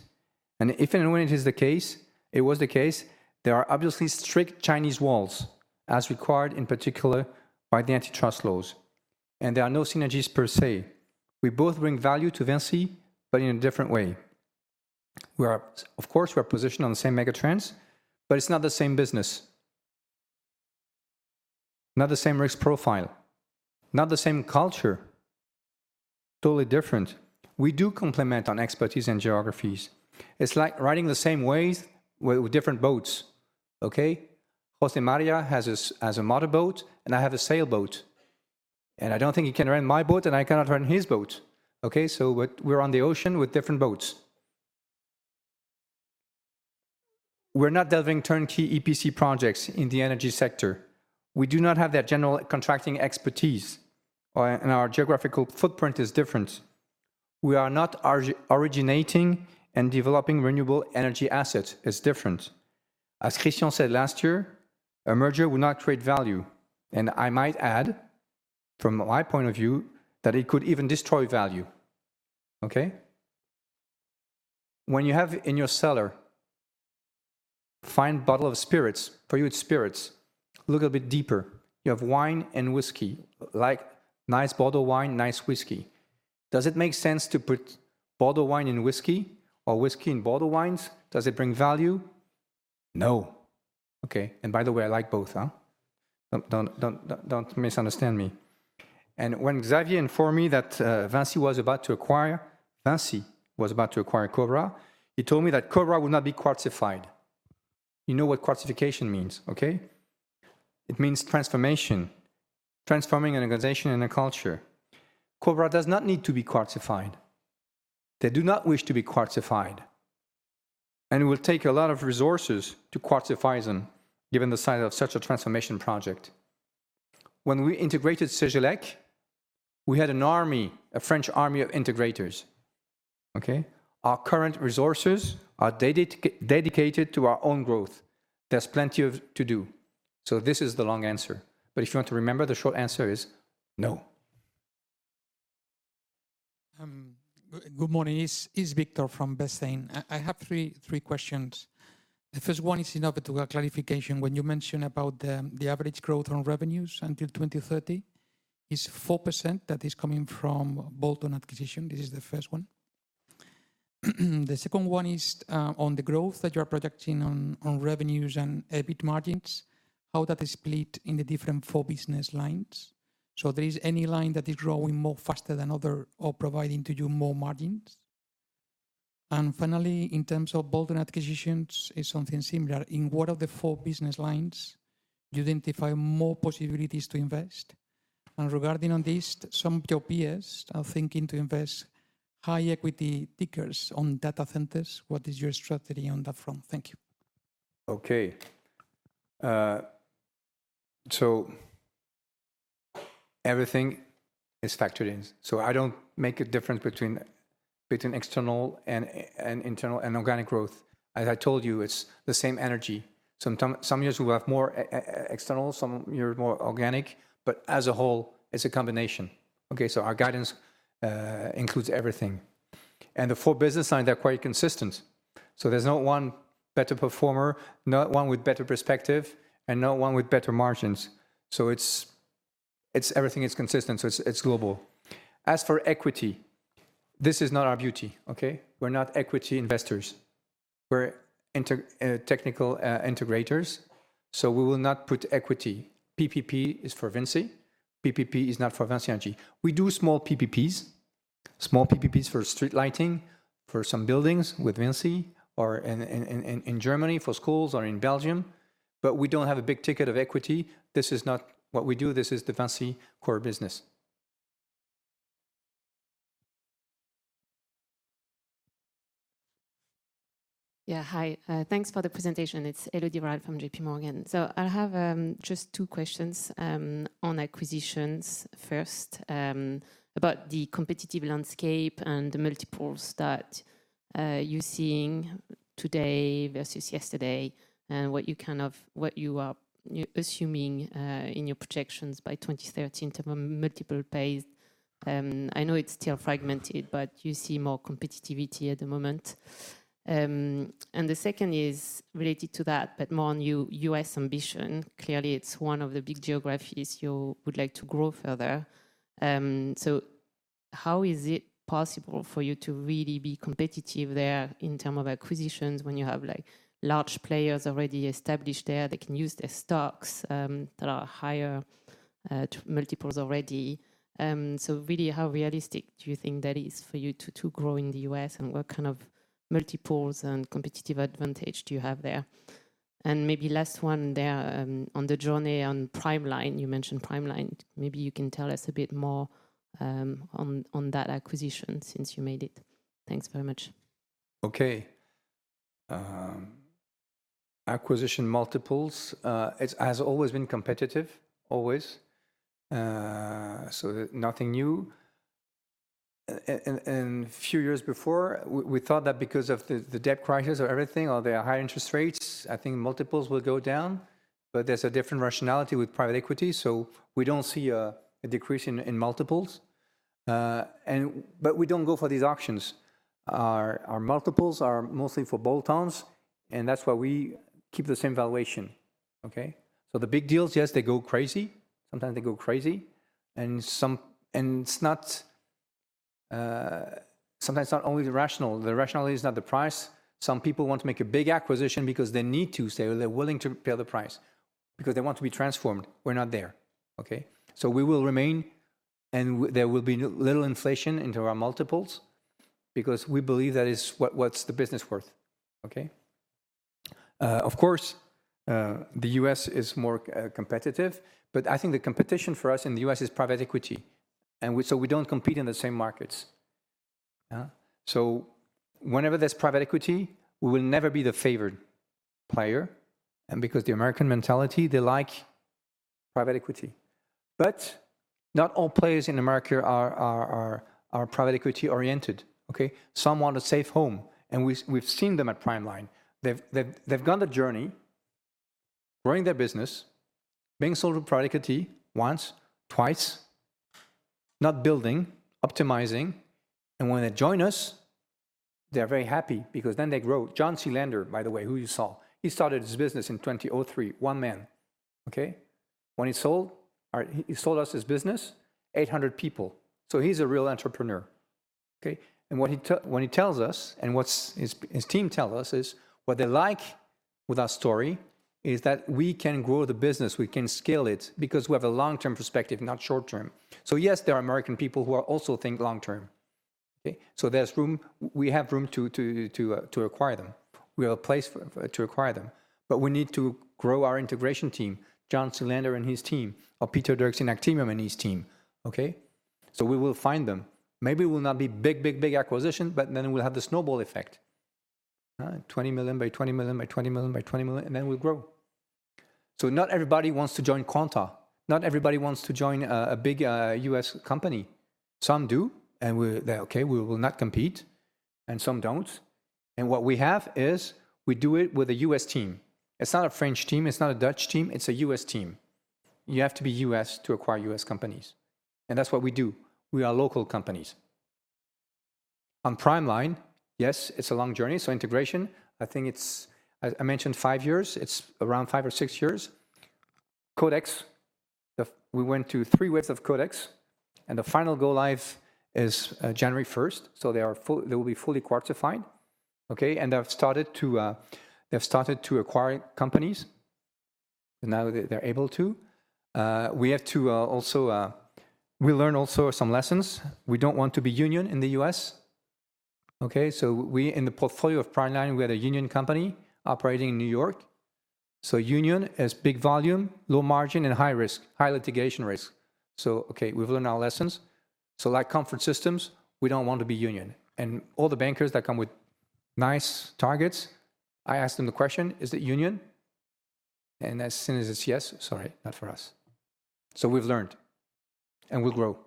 If and when it is the case, it was the case, there are obviously strict Chinese walls as required in particular by the antitrust laws. There are no synergies per se. We both bring value to VINCI, but in a different way. Of course, we're positioned on the same megatrends, but it's not the same business. Not the same risk profile. Not the same culture. Totally different. We do complement on expertise and geographies. It's like riding the same waves with different boats. Okay, José María has a motorboat and I have a sailboat. I don't think he can rent my boat and I cannot rent his boat. Okay, so we're on the ocean with different boats. We're not delivering turnkey EPC projects in the energy sector. We do not have that general contracting expertise. Our geographical footprint is different. We are not originating and developing renewable energy assets. It's different. As Christian said last year, a merger will not create value. I might add, from my point of view, that it could even destroy value. Okay, when you have in your cellar a fine bottle of spirits, for you, it's spirits. Look a bit deeper. You have wine and whiskey, like nice bottled wine, nice whiskey. Does it make sense to put bottled wine in whiskey or whiskey in bottled wines? Does it bring value? No. Okay, and by the way, I like both. Don't misunderstand me. When Xavier informed me that VINCI was about to acquire Cobra, he told me that Cobra would not be quartified. You know what Quartification means, okay? It means transformation, transforming an organization and a culture. Cobra does not need to be Quartified. They do not wish to be Quartified. And it will take a lot of resources to Quartify them given the size of such a transformation project. When we integrated Cegelec, we had an army, a French army of integrators. Okay, our current resources are dedicated to our own growth. There's plenty to do. So this is the long answer. But if you want to remember, the short answer is no. Good morning, it's Victor from Bestinver. I have three questions. The first one is in order to have clarification. When you mentioned about the average growth on revenues until 2030, it's 4% that is coming from bolt-on acquisition. This is the first one. The second one is on the growth that you are projecting on revenues and EBIT margins, how that is split in the different four business lines. So there is any line that is growing more faster than other or providing to you more margins. And finally, in terms of bolt-on acquisitions, it's something similar. In one of the four business lines, you identify more possibilities to invest. And regarding on this, some of your peers are thinking to invest high equity tickets on data centers. What is your strategy on that front? Thank you. Okay. So everything is factored in. So I don't make a difference between external and internal and organic growth. As I told you, it's the same energy. So some years we'll have more external, some years more organic, but as a whole, it's a combination. Okay, so our guidance includes everything. The four business lines, they're quite consistent. So there's not one better performer, not one with better perspective, and not one with better margins. So everything is consistent. So it's global. As for equity, this is not our beauty. Okay, we're not equity investors. We're technical integrators. So we will not put equity. PPP is for VINCI. PPP is not for VINCI Energies. We do small PPPs, small PPPs for street lighting, for some buildings with VINCI or in Germany for schools or in Belgium. But we don't have a big ticket of equity. This is not what we do. This is the VINCI core business. Yeah, hi. Thanks for the presentation. It's Elodie Rall from JP Morgan. I have just two questions on acquisitions. First, about the competitive landscape and the multiples that you're seeing today versus yesterday and what you kind of are assuming in your projections by 2030 in terms of multiple pace. I know it's still fragmented, but you see more competitiveness at the moment. The second is related to that, but more on U.S. ambition. Clearly, it's one of the big geographies you would like to grow further. How is it possible for you to really be competitive there in terms of acquisitions when you have large players already established there that can use their stocks that are higher multiple already? Really, how realistic do you think that is for you to grow in the U.S. and what kind of multiples and competitive advantage do you have there? And maybe last one there on the journey on PrimeLine, you mentioned PrimeLine. Maybe you can tell us a bit more on that acquisition since you made it. Thanks very much. Okay. Acquisition multiples, it has always been competitive, always. So nothing new. And a few years before, we thought that because of the debt crisis or everything or their high interest rates, I think multiples will go down. But there's a different rationality with private equity. So we don't see a decrease in multiples. But we don't go for these auctions. Our multiples are mostly for bolt-ons. And that's why we keep the same valuation. Okay, so the big deals, yes, they go crazy. Sometimes they go crazy. And sometimes it's not only the rationale. The rationale is not the price. Some people want to make a big acquisition because they need to say they're willing to pay the price because they want to be transformed. We're not there. Okay, so we will remain. And there will be little inflation into our multiples because we believe that is what's the business worth. Okay, of course, the U.S. is more competitive. But I think the competition for us in the U.S. is private equity. And so we don't compete in the same markets. So whenever there's private equity, we will never be the favored player. And because of the American mentality, they like private equity. But not all players in America are private equity oriented. Okay, some want a safe home. And we've seen them at PrimeLine. They've gone the journey, growing their business, being sold to private equity once, twice, not building, optimizing. And when they join us, they're very happy because then they grow. John S. Lander, by the way, who you saw, he started his business in 2003, one man. Okay, when he sold, he sold us his business, 800 people. So he's a real entrepreneur. Okay, and what he tells us and what his team tells us is what they like with our story is that we can grow the business. We can scale it because we have a long-term perspective, not short-term. So yes, there are American people who also think long-term. Okay, so there's room. We have room to acquire them. We have a place to acquire them. But we need to grow our integration team, John C. Lander and his team, or Peter Dirks and Actemium and his team. Okay, so we will find them. Maybe it will not be big, big, big acquisition, but then we'll have the snowball effect. 20 million by 20 million by 20 million by 20 million, and then we'll grow. So not everybody wants to join Quanta. Not everybody wants to join a big U.S. company. Some do, and we're okay, we will not compete. And some don't. And what we have is we do it with a U.S. team. It's not a French team. It's not a Dutch team. It's a U.S. team. You have to be U.S. to acquire U.S. companies. And that's what we do. We are local companies. On PrimeLine, yes, it's a long journey. So integration, I think it's, I mentioned five years. It's around five or six years. Codex, we went to three waves of Codex. And the final go-live is January 1st. So they will be fully Quartzified. Okay, and they've started to acquire companies. Now they're able to. We have to also, we learn also some lessons. We don't want to be union in the US. Okay, so we in the portfolio of PrimeLine, we had a union company operating in New York. So union is big volume, low margin, and high risk, high litigation risk. So, okay, we've learned our lessons. So like Comfort Systems, we don't want to be union. And all the bankers that come with nice targets, I asked them the question, is it union? And as soon as it's yes, sorry, not for us. So we've learned and we'll grow.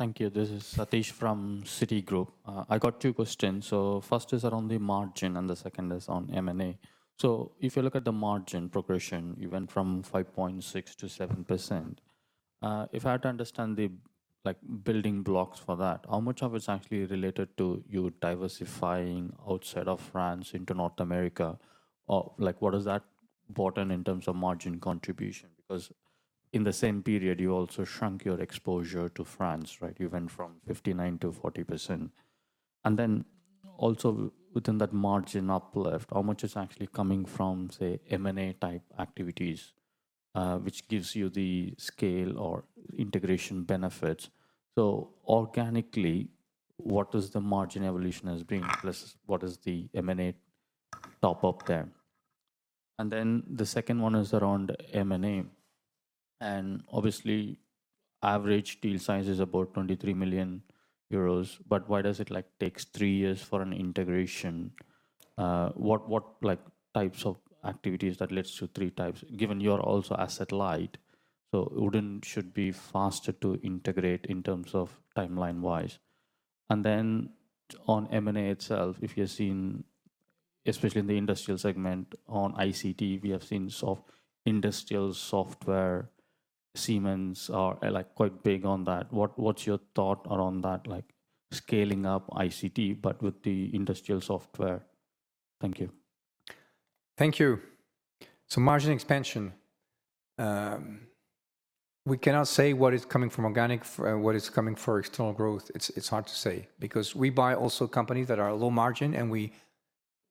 Thank you. This is Satish from Citigroup. I got two questions. So first is around the margin and the second is on M&A. So if you look at the margin progression, you went from 5.6%-7%. If I had to understand the building blocks for that, how much of it's actually related to you diversifying outside of France into North America? Or what does that bottom in terms of margin contribution? Because in the same period, you also shrunk your exposure to France, right? You went from 59% to 40%. And then also within that margin uplift, how much is actually coming from, say, M&A type activities, which gives you the scale or integration benefits? So organically, what does the margin evolution has been? What is the M&A top-up there? And then the second one is around M&A. And obviously, average deal size is about 23 million euros. But why does it take three years for an integration? What types of activities that leads to three years, given you're also asset light? So it wouldn't should be faster to integrate in terms of timeline-wise. And then on M&A itself, if you've seen, especially in the industrial segment, on ICT, we have seen soft industrial software. Siemens are quite big on that. What's your thought around that, like scaling up ICT, but with the industrial software? Thank you. Thank you. So margin expansion. We cannot say what is coming from organic, what is coming for external growth. It's hard to say because we buy also companies that are low margin and we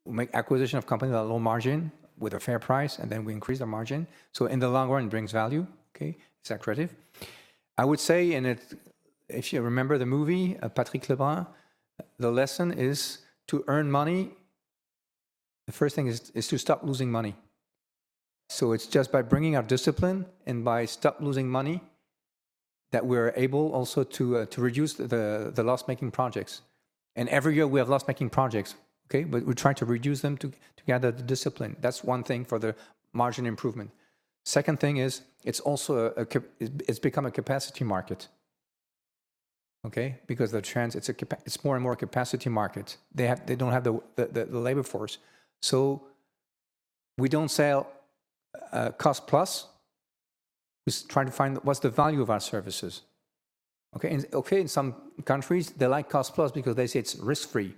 make acquisition of companies that are low margin with a fair price and then we increase the margin. So in the long run, it brings value. Okay, it's accretive. I would say, and if you remember the movie, Patrick Leblanc, the lesson is to earn money. The first thing is to stop losing money. It's just by bringing our discipline and by stop losing money that we're able also to reduce the loss-making projects. And every year we have loss-making projects, okay, but we're trying to reduce them to gather the discipline. That's one thing for the margin improvement. Second thing is it's also become a capacity market, okay, because the trend is more and more a capacity market. They don't have the labor force. So we don't sell cost-plus. We're trying to find what's the value of our services. Okay, in some countries, they like cost-plus because they say it's risk-free.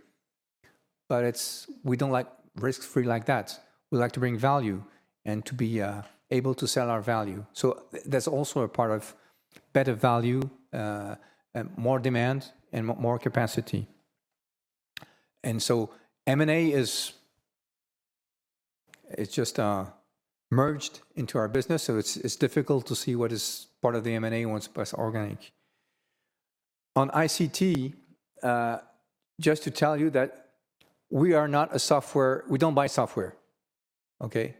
But we don't like risk-free like that. We like to bring value and to be able to sell our value. So that's also a part of better value, more demand, and more capacity. And so M&A is just merged into our business. So it's difficult to see what is part of the M&A once it's organic. On ICT, just to tell you that we are not a software, we don't buy software. Okay,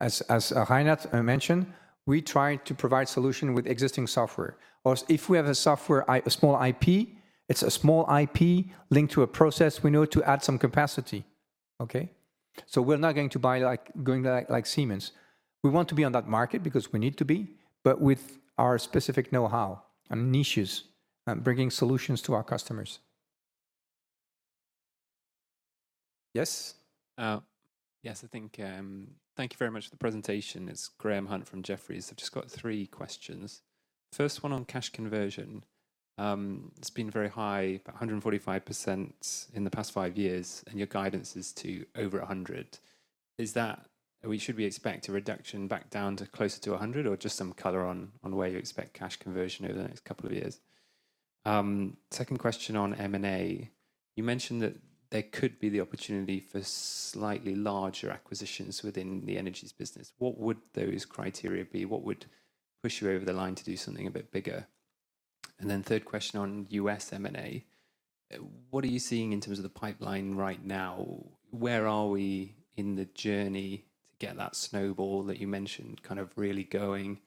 as Reinhard mentioned, we try to provide solutions with existing software. Or if we have a software, a small IP, it's a small IP linked to a process we know to add some capacity. Okay, so we're not going to buy like going like Siemens. We want to be on that market because we need to be, but with our specific know-how and niches and bringing solutions to our customers. Yes? Yes, I think thank you very much for the presentation. It's Graham Hunt from Jefferies. I've just got three questions. First one on cash conversion. It's been very high, about 145% in the past five years, and your guidance is to over 100%. Is it that we should expect a reduction back down to closer to 100 or just some color on where you expect cash conversion over the next couple of years? Second question on M&A. You mentioned that there could be the opportunity for slightly larger acquisitions within the energies business. What would those criteria be? What would push you over the line to do something a bit bigger? And then third question on US M&A. What are you seeing in terms of the pipeline right now? Where are we in the journey to get that snowball that you mentioned kind of really going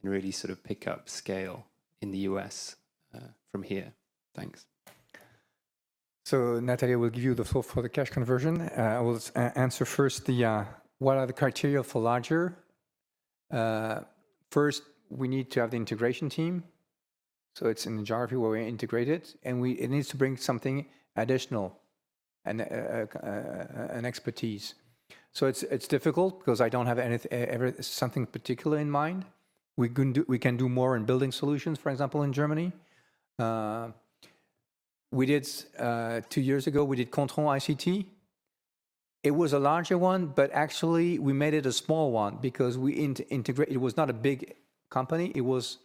and really sort of pick up scale in the US from here? Thanks. So Nathalie, we'll give you the floor for the cash conversion. I will answer first the what are the criteria for larger. First, we need to have the integration team. It's in the geography where we integrate it. It needs to bring something additional and an expertise. It's difficult because I don't have something particular in mind. We can do more in Building Solutions, for example, in Germany. Two years ago, we did Kontron ICT. It was a larger one, but actually we made it a small one because we integrated. It was not a big company. It was,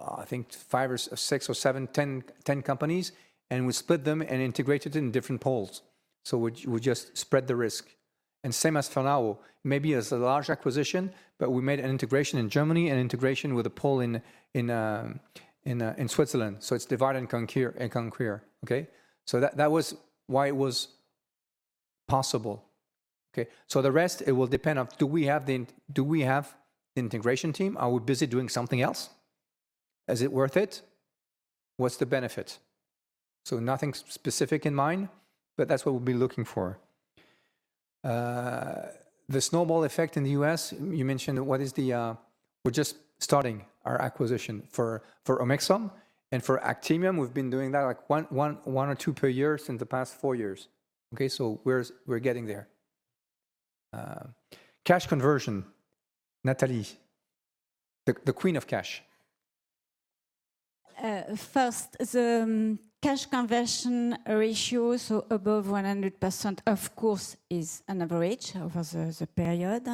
I think, five or six or seven, 10 companies. We split them and integrated in different poles. We just spread the risk. Same as Fernao, maybe as a large acquisition, but we made an integration in Germany and integration with a pole in Switzerland. It's divide and conquer. Okay, that was why it was possible. Okay, the rest, it will depend on do we have the integration team? Are we busy doing something else? Is it worth it? What's the benefit? So nothing specific in mind, but that's what we'll be looking for. The snowball effect in the US, you mentioned what is the we're just starting our acquisition for Omexom and for Actemium. We've been doing that like one or two per year since the past four years. Okay, so we're getting there. Cash conversion, Nathalie, the queen of cash. First, the cash conversion ratio, so above 100%, of course, is an average over the period.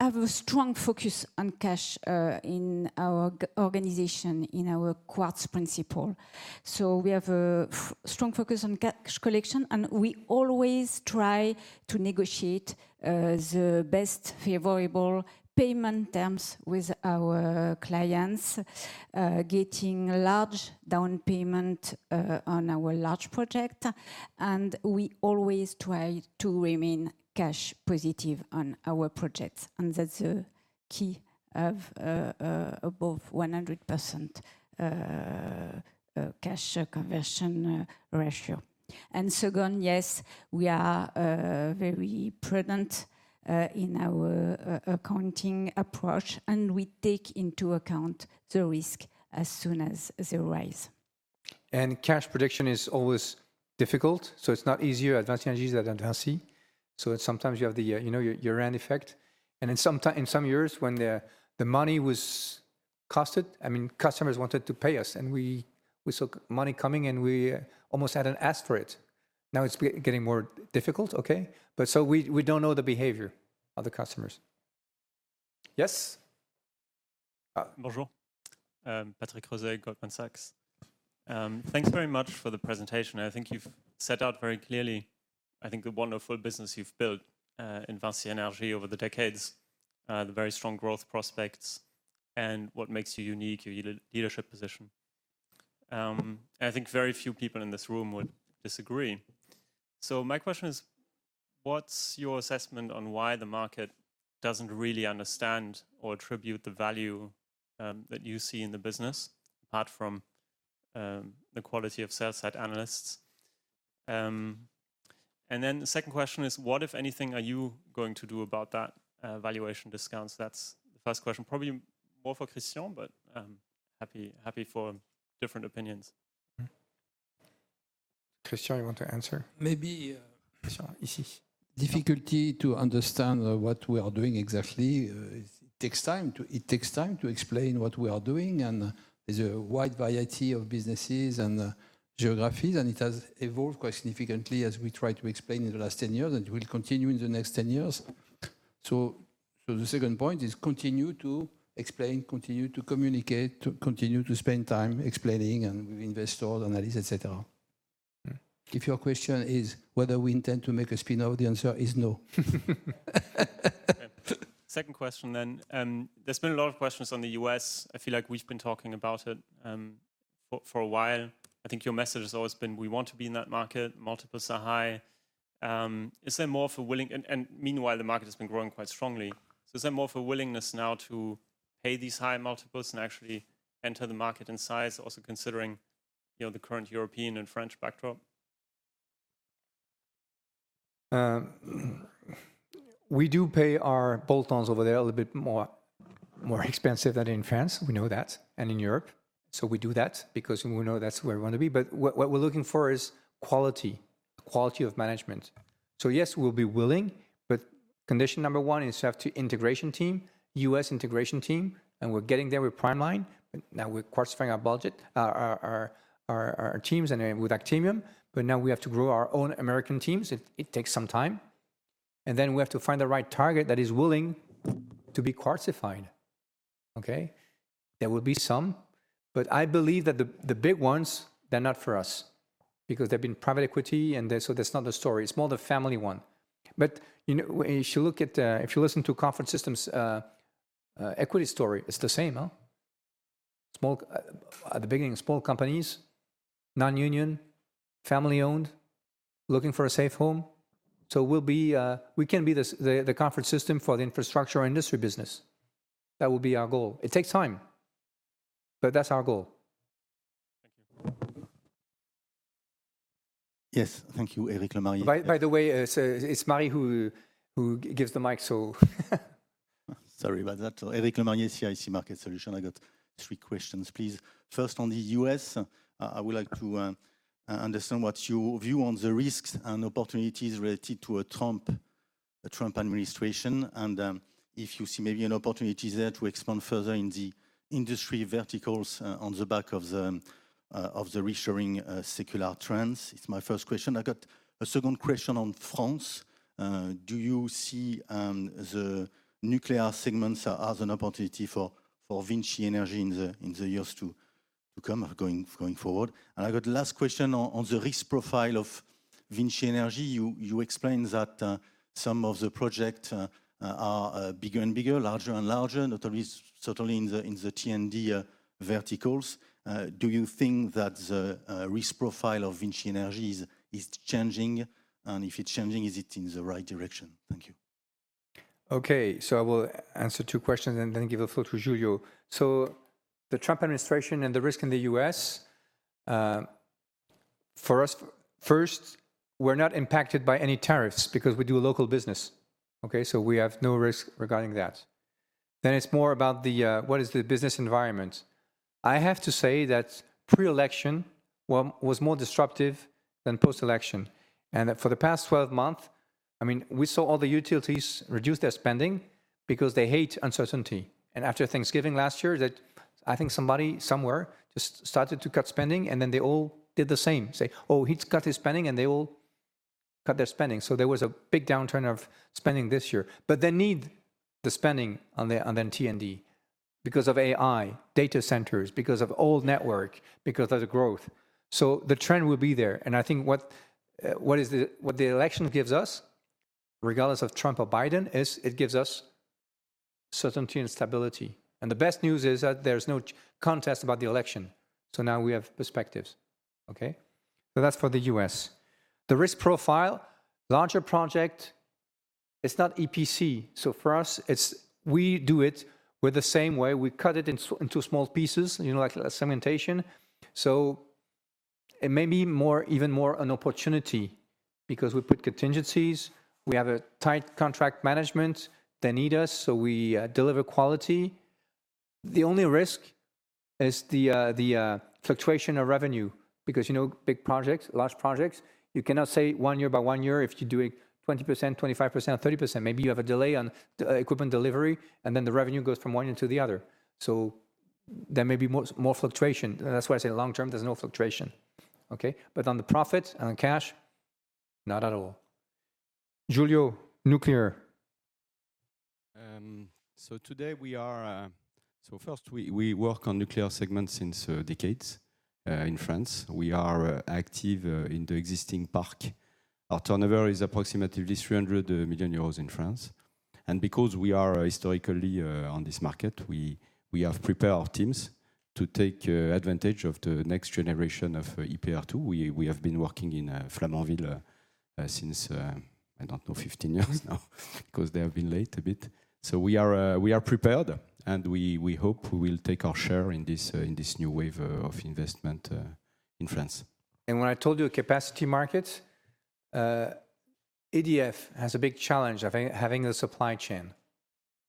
We have a strong focus on cash in our organization, in our Quartz principle. So we have a strong focus on cash collection, and we always try to negotiate the best favorable payment terms with our clients, getting large down payment on our large project, and we always try to remain cash positive on our projects. That's a key of above 100% cash conversion ratio. Second, yes, we are very prudent in our accounting approach, and we take into account the risk as soon as they arise. Cash prediction is always difficult. It's not easier at VINCI Energies than at VINCI Energies. Sometimes you have the, you know, your end effect. In some years, when the money was costed, I mean, customers wanted to pay us, and we saw money coming, and we almost had an ask for it. Now it's getting more difficult, okay? We don't know the behavior of the customers. Yes? Bonjour. Patrick Creuset, Goldman Sachs. Thanks very much for the presentation. I think you've set out very clearly, I think, the wonderful business you've built in VINCI Energies over the decades, the very strong growth prospects, and what makes you unique, your leadership position. I think very few people in this room would disagree. So my question is, what's your assessment on why the market doesn't really understand or attribute the value that you see in the business, apart from the quality of sell-side analysts? And then the second question is, what, if anything, are you going to do about that valuation discount? That's the first question. Probably more for Christian, but happy for different opinions. Christian, you want to answer? Maybe. Difficulty to understand what we are doing exactly. It takes time to explain what we are doing. And there's a wide variety of businesses and geographies, and it has evolved quite significantly as we try to explain in the last 10 years, and it will continue in the next 10 years. So the second point is continue to explain, continue to communicate, continue to spend time explaining, and with investors, analysts, etc. If your question is whether we intend to make a spin-off, the answer is no. Second question then. There's been a lot of questions on the U.S. I feel like we've been talking about it for a while. I think your message has always been, we want to be in that market. Multiples are high. Is there more willingness? And meanwhile, the market has been growing quite strongly. So is there more willingness now to pay these high multiples and actually enter the market in size, also considering the current European and French backdrop? We do pay our bolt-ons over there a little bit more expensive than in France. We know that. And in Europe. So we do that because we know that's where we want to be. But what we're looking for is quality, quality of management. So yes, we'll be willing, but condition number one is to have an integration team, US integration team. And we're getting there with PrimeLine. Now we're quartifying our budget, our teams with Actemium. But now we have to grow our own American teams. It takes some time. And then we have to find the right target that is willing to be quartified. Okay? There will be some, but I believe that the big ones, they're not for us because they've been private equity and so that's not the story. It's more the family one. But if you look at, if you listen to Comfort Systems equity story, it's the same. At the beginning, small companies, non-union, family-owned, looking for a safe home. So we can be the conference system for the infrastructure industry business. That will be our goal. It takes time, but our goal. Thank you. Yes, thank you, Éric Lemarié. By the way, it's Marie who gives the mic, so. Sorry about that. So Éric Lemarié, CIC Market Solutions. I got three questions, please. First, on the US, I would like to understand what's your view on the risks and opportunities related to a Trump administration and if you see maybe an opportunity there to expand further in the industry verticals on the back of the reshoring circular trends. It's my first question. I got a second question on France. Do you see the nuclear segments as an opportunity for VINCI Energies in the years to come going forward? And I got the last question on the risk profile of VINCI Energies. You explained that some of the projects are bigger and bigger, larger and larger, not only certainly in the T&D verticals. Do you think that the risk profile of VINCI Energies is changing? And if it's changing, is it in the right direction? Thank you. Okay, so I will answer two questions and then give the floor to Julio. So the Trump administration and the risk in the U.S., for us, first, we're not impacted by any tariffs because we do local business. Okay, so we have no risk regarding that. Then it's more about what is the business environment. I have to say that pre-election was more disruptive than post-election. And for the past 12 months, I mean, we saw all the utilities reduce their spending because they hate uncertainty. After Thanksgiving last year, I think somebody somewhere just started to cut spending and then they all did the same. Say, oh, he's cut his spending and they all cut their spending. There was a big downturn of spending this year. But they need the spending on T&D because of AI, data centers, because of old network, because of the growth. The trend will be there. I think what the election gives us, regardless of Trump or Biden, is it gives us certainty and stability. The best news is that there's no contest about the election. Now we have perspectives. Okay, that's for the U.S. The risk profile for larger projects. It's not EPC. For us, we do it the same way. We cut it into small pieces, you know, like segmentation. So it may be even more an opportunity because we put contingencies. We have a tight contract management. They need us, so we deliver quality. The only risk is the fluctuation of revenue because, you know, big projects, large projects, you cannot say one year by one year if you're doing 20%, 25%, or 30%. Maybe you have a delay on equipment delivery and then the revenue goes from one year to the other. So there may be more fluctuation. That's why I say long-term, there's no fluctuation. Okay, but on the profits and the cash, not at all. Julio, nuclear. So today we are, so first we work on nuclear segments since decades in France. We are active in the existing park. Our turnover is approximately 300 million euros in France. And because we are historically on this market, we have prepared our teams to take advantage of the next generation of EPR2. We have been working in Flamanville since, I don't know, 15 years now because they have been late a bit. So we are prepared and we hope we will take our share in this new wave of investment in France. And when I told you capacity markets, EDF has a big challenge of having the supply chain,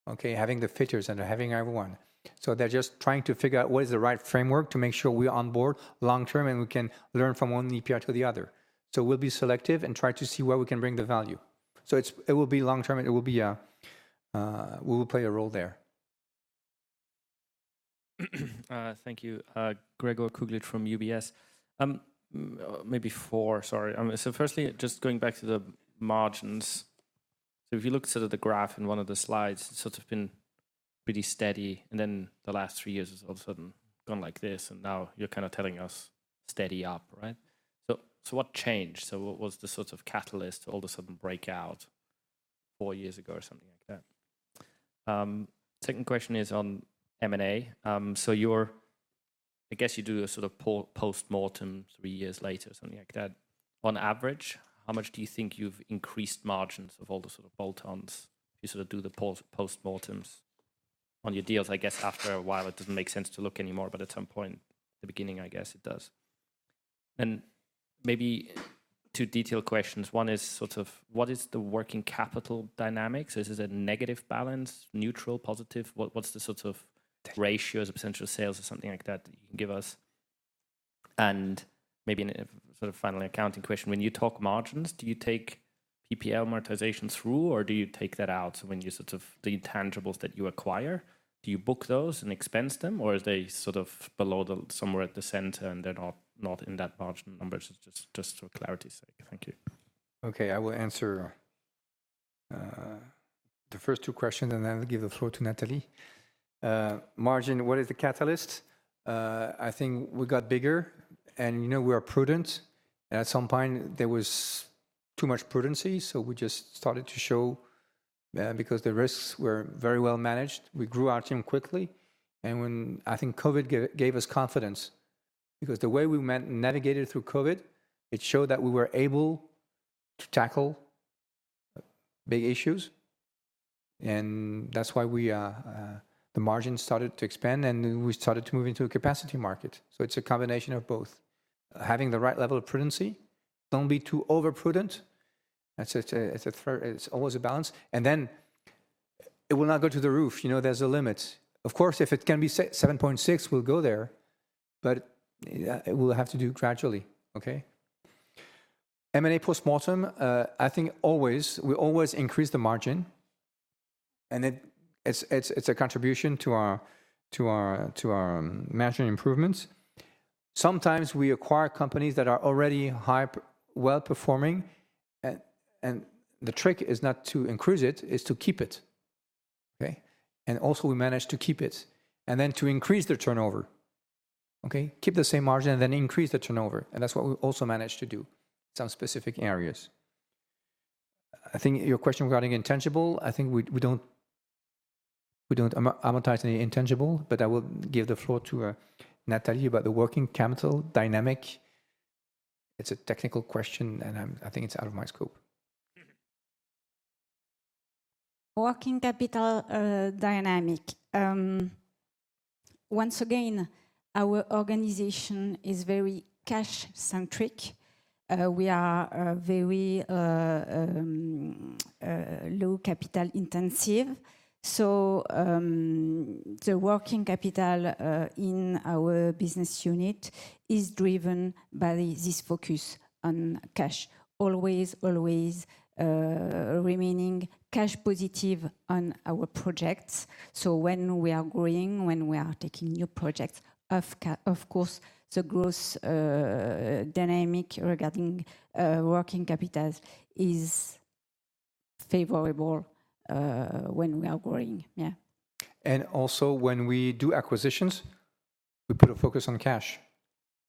okay, having the fitters and having everyone. So they're just trying to figure out what is the right framework to make sure we're on board long-term and we can learn from one EPR to the other. So we'll be selective and try to see where we can bring the value. So it will be long-term and it will be a, we will play a role there. Thank you. Gregor Kuglitsch from UBS. Maybe four, sorry. So firstly, just going back to the margins. So if you look at the graph in one of the slides, it's sort of been pretty steady and then the last three years has all of a sudden gone like this and now you're kind of telling us steady up, right? So what changed? So what was the sort of catalyst to all of a sudden breakout four years ago or something like that? Second question is on M&A. So you're, I guess you do a sort of post-mortem three years later, something like that. On average, how much do you think you've increased margins of all the sort of bolt-ons if you sort of do the post-mortems on your deals? I guess after a while, it doesn't make sense to look anymore, but at some point, at the beginning, I guess it does. And maybe two detailed questions. One is sort of what is the working capital dynamics? Is it a negative balance, neutral, positive? What's the sort of ratios of potential sales or something like that that you can give us? And maybe sort of finally an accounting question. When you talk margins, do you take PPL monetization through or do you take that out? So when you sort of the intangibles that you acquire, do you book those and expense them or are they sort of below somewhere at the center and they're not in that margin number? Just for clarity's sake, thank you. Okay, I will answer the first two questions and then give the floor to Nathalie. Margin, what is the catalyst? I think we got bigger and you know we are prudent. At some point, there was too much prudence, so we just started to show because the risks were very well managed. We grew our team quickly, and when I think COVID gave us confidence because the way we navigated through COVID, it showed that we were able to tackle big issues, and that's why the margin started to expand and we started to move into a capacity market, so it's a combination of both. Having the right level of prudence, don't be too overprudent. It's always a balance, and then it will not go to the roof. You know, there's a limit. Of course, if it can be 7.6, we'll go there, but we'll have to do gradually, okay? M&A post-mortem, I think always, we always increase the margin and it's a contribution to our management improvements. Sometimes we acquire companies that are already high, well-performing, and the trick is not to increase it, it's to keep it. Okay? And also we manage to keep it and then to increase their turnover. Okay? Keep the same margin and then increase the turnover. And that's what we also managed to do in some specific areas. I think your question regarding intangibles, I think we don't amortize any intangibles, but I will give the floor to Nathalie about the working capital dynamics. It's a technical question and I think it's out of my scope. Working capital dynamics. Once again, our organization is very cash-centric. We are very low capital intensive. So the working capital in our business unit is driven by this focus on cash. Always, always remaining cash-positive on our projects. So when we are growing, when we are taking new projects, of course, the growth dynamic regarding working capital is favorable when we are growing. Yeah. And also when we do acquisitions, we put a focus on cash.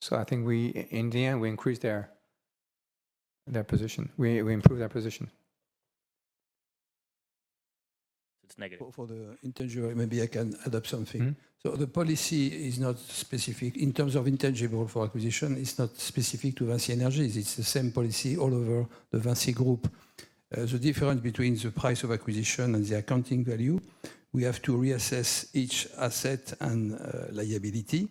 So I think in the end, we increase their position. We improve their position. For the intangible, maybe I can add up something. So the policy is not specific in terms of intangible for acquisition. It's not specific to VINCI Energies. It's the same policy all over the VINCI Group. The difference between the price of acquisition and the accounting value, we have to reassess each asset and liability.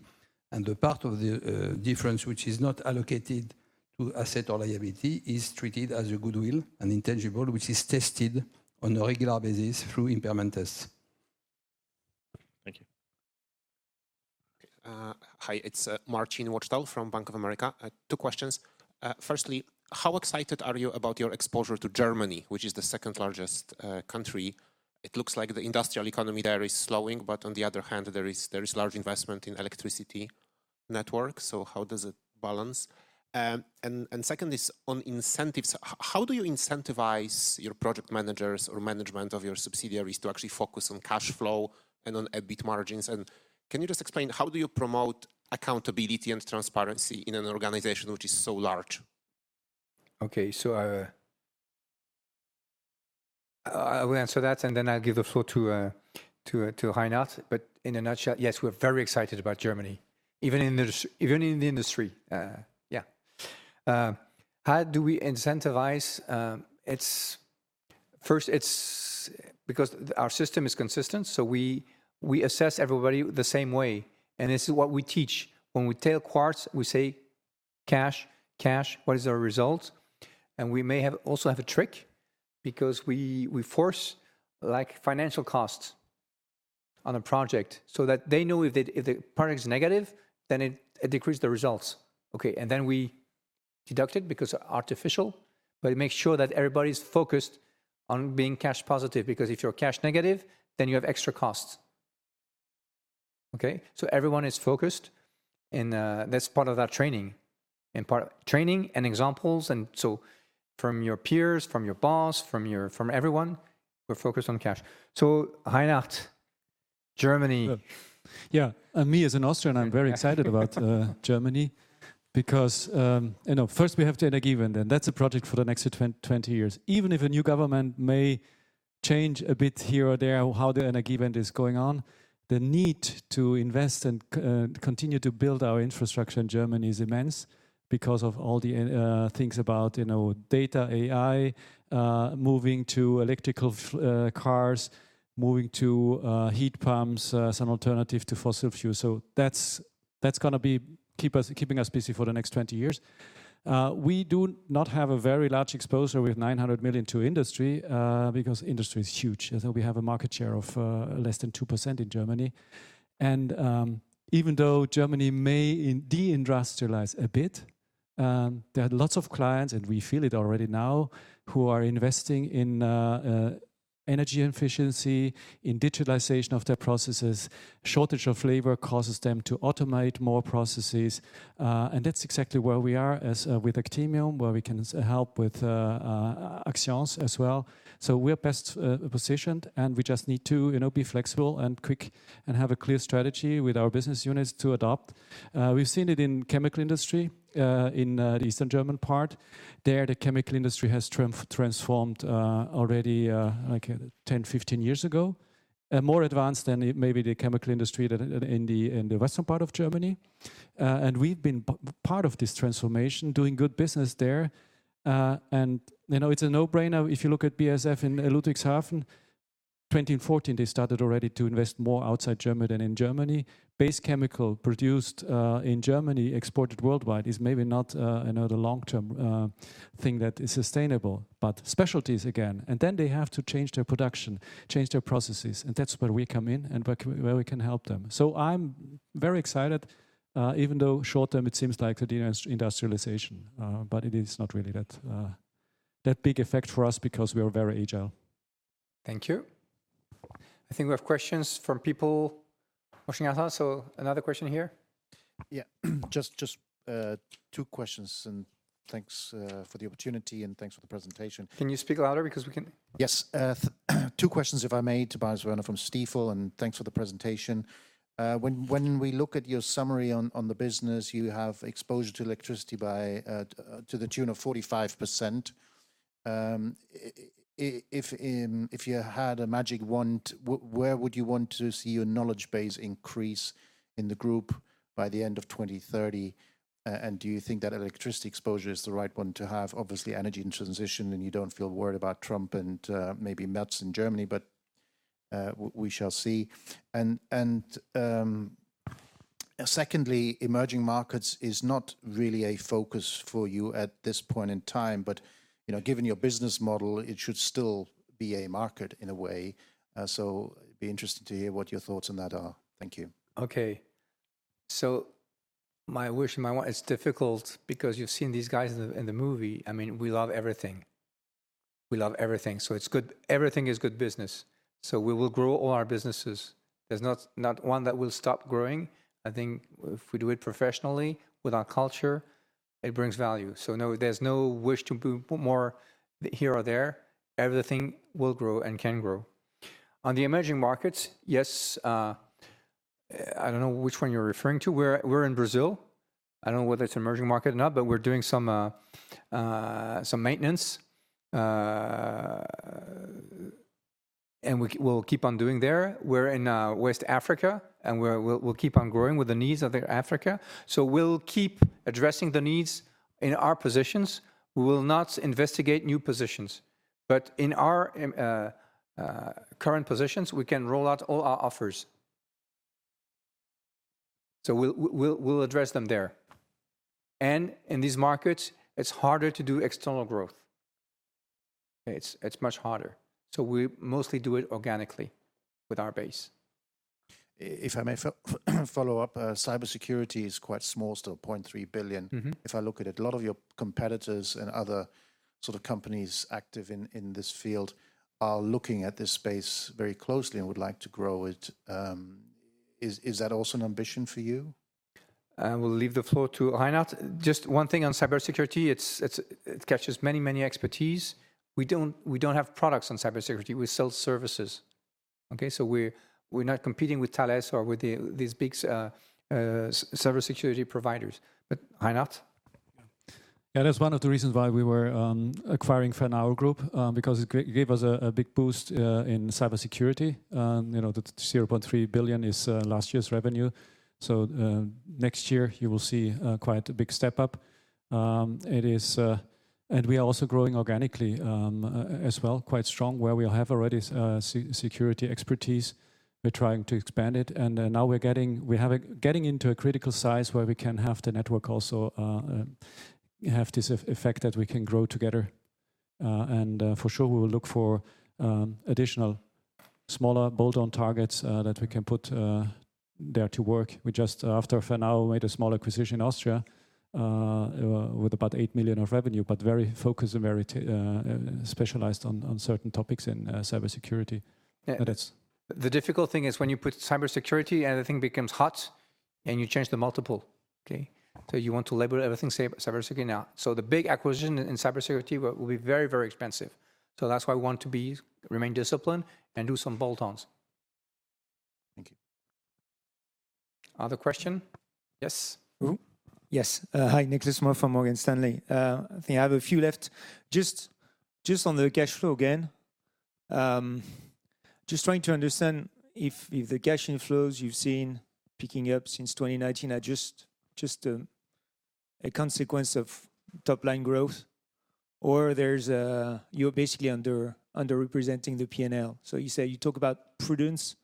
And the part of the difference which is not allocated to asset or liability is treated as a goodwill and intangible, which is tested on a regular basis through impairment tests. Thank you. Hi, it's Marcin Wojtal from Bank of America. Two questions. Firstly, how excited are you about your exposure to Germany, which is the second largest country? It looks like the industrial economy there is slowing, but on the other hand, there is large investment in electricity networks. So how does it balance? And second is on incentives. How do you incentivize your project managers or management of your subsidiaries to actually focus on cash flow and on EBIT margins? And can you just explain how do you promote accountability and transparency in an organization which is so large? Okay, so I will answer that and then I'll give the floor to Reinhard. In a nutshell, yes, we're very excited about Germany, even in the industry. Yeah. How do we incentivize? First, it's because our system is consistent, so we assess everybody the same way. And this is what we teach. When we talk Quartz, we say cash, cash, what is our result? And we may also have a trick because we force like financial costs on a project so that they know if the project is negative, then it decreases the results. Okay, and then we deduct it because it's artificial, but it makes sure that everybody's focused on being cash positive because if you're cash negative, then you have extra costs. Okay, so everyone is focused and that's part of that training. And part of training and examples and so from your peers, from your boss, from everyone, we're focused on cash. So Reinhard, Germany. Yeah, and me as an Austrian, I'm very excited about Germany because, you know, first we have the Energiewende. That's a project for the next 20 years. Even if a new government may change a bit here or there how the Energiewende is going on, the need to invest and continue to build our infrastructure in Germany is immense because of all the things about, you know, data, AI, moving to electric cars, moving to heat pumps, some alternative to fossil fuel. So that's going to be keeping us busy for the next 20 years. We do not have a very large exposure with 900 million to industry because industry is huge. So we have a market share of less than 2% in Germany, and even though Germany may deindustrialize a bit, there are lots of clients, and we feel it already now, who are investing in energy efficiency, in digitalization of their processes. Shortage of labor causes them to automate more processes. That's exactly where we are with Actemium, where we can help with Axians as well. We're best positioned and we just need to be flexible and quick and have a clear strategy with our business units to adopt. We've seen it in the chemical industry in the eastern German part. There, the chemical industry has transformed already like 10-15 years ago, more advanced than maybe the chemical industry in the western part of Germany. We've been part of this transformation, doing good business there. You know, it's a no-brainer if you look at BASF in Ludwigshafen. In 2014, they started already to invest more outside Germany than in Germany. Base chemical produced in Germany, exported worldwide, is maybe not a long-term thing that is sustainable, but specialties again. And then they have to change their production, change their processes, and that's where we come in and where we can help them. So I'm very excited, even though short-term it seems like the deindustrialization, but it is not really that big effect for us because we are very agile. Thank you. I think we have questions from people watching out. So another question here. Yeah, just two questions and thanks for the opportunity and thanks for the presentation. Can you speak louder because we can? Yes, two questions if I may to Boris Werner from Stifel and thanks for the presentation. When we look at your summary on the business, you have exposure to electricity by to the tune of 45%. If you had a magic wand, where would you want to see your knowledge base increase in the group by the end of 2030? Do you think that electricity exposure is the right one to have? Obviously, energy and transition, and you don't feel worried about Trump and maybe Merz in Germany, but we shall see. Secondly, emerging markets is not really a focus for you at this point in time, but you know, given your business model, it should still be a market in a way. So it'd be interesting to hear what your thoughts on that are. Thank you. Okay, so my wish and my want is difficult because you've seen these guys in the movie. I mean, we love everything. We love everything. So it's good. Everything is good business. So we will grow all our businesses. There's not one that will stop growing. I think if we do it professionally with our culture, it brings value. So no, there's no wish to do more here or there. Everything will grow and can grow. On the emerging markets, yes. I don't know which one you're referring to. We're in Brazil. I don't know whether it's an emerging market or not, but we're doing some maintenance and we'll keep on doing there. We're in West Africa and we'll keep on growing with the needs of Africa. So we'll keep addressing the needs in our positions. We will not investigate new positions, but in our current positions, we can roll out all our offers. So we'll address them there. And in these markets, it's harder to do external growth. It's much harder. So we mostly do it organically with our base. If I may follow up, cybersecurity is quite small still, 0.3 billion. If I look at it, a lot of your competitors and other sort of companies active in this field are looking at this space very closely and would like to grow it. Is that also an ambition for you? I will leave the floor to Reinhard. Just one thing on cybersecurity, it catches many, many expertise. We don't have products on cybersecurity. We sell services. Okay, so we're not competing with Thales or with these big cybersecurity providers, but Reinhard? Yeah, that's one of the reasons why we were acquiring Fernao Networks because it gave us a big boost in cybersecurity. You know, the 0.3 billion is last year's revenue. So next year, you will see quite a big step up, and we are also growing organically as well, quite strong, where we have already security expertise. We're trying to expand it. Now we're getting into a critical size where we can have the network also have this effect that we can grow together. For sure, we will look for additional smaller bolt-on targets that we can put there to work. We just, after Fernao, made a small acquisition in Austria with about 8 million of revenue, but very focused and very specialized on certain topics in cybersecurity. The difficult thing is when you put cybersecurity, everything becomes hot and you change the multiple. Okay, so you want to label everything cybersecurity now. So the big acquisition in cybersecurity will be very, very expensive. So that's why we want to remain disciplined and do some bolt-ons. Thank you. Other question? Yes. Yes. Hi, Nick Lismore from Morgan Stanley. I think I have a few left. Just on the cash flow again, just trying to understand if the cash inflows you've seen picking up since 2019 are just a consequence of top-line growth or you're basically underrepresenting the P&L. So you say you talk about prudence,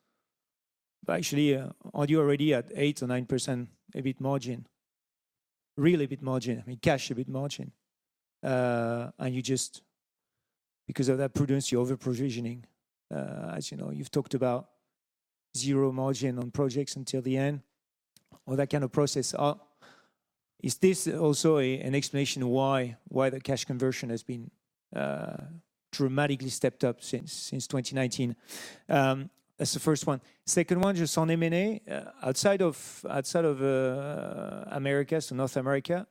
but actually are you already at 8% or 9% EBIT margin, real EBIT margin, I mean cash EBIT margin? And you just, because of that prudence, you're over-provisioning. As you know, you've talked about zero margin on projects until the end, all that kind of process. Is this also an explanation why the cash conversion has been dramatically stepped up since 2019? That's the first one. Second one, just on M&A, outside of America, so North America,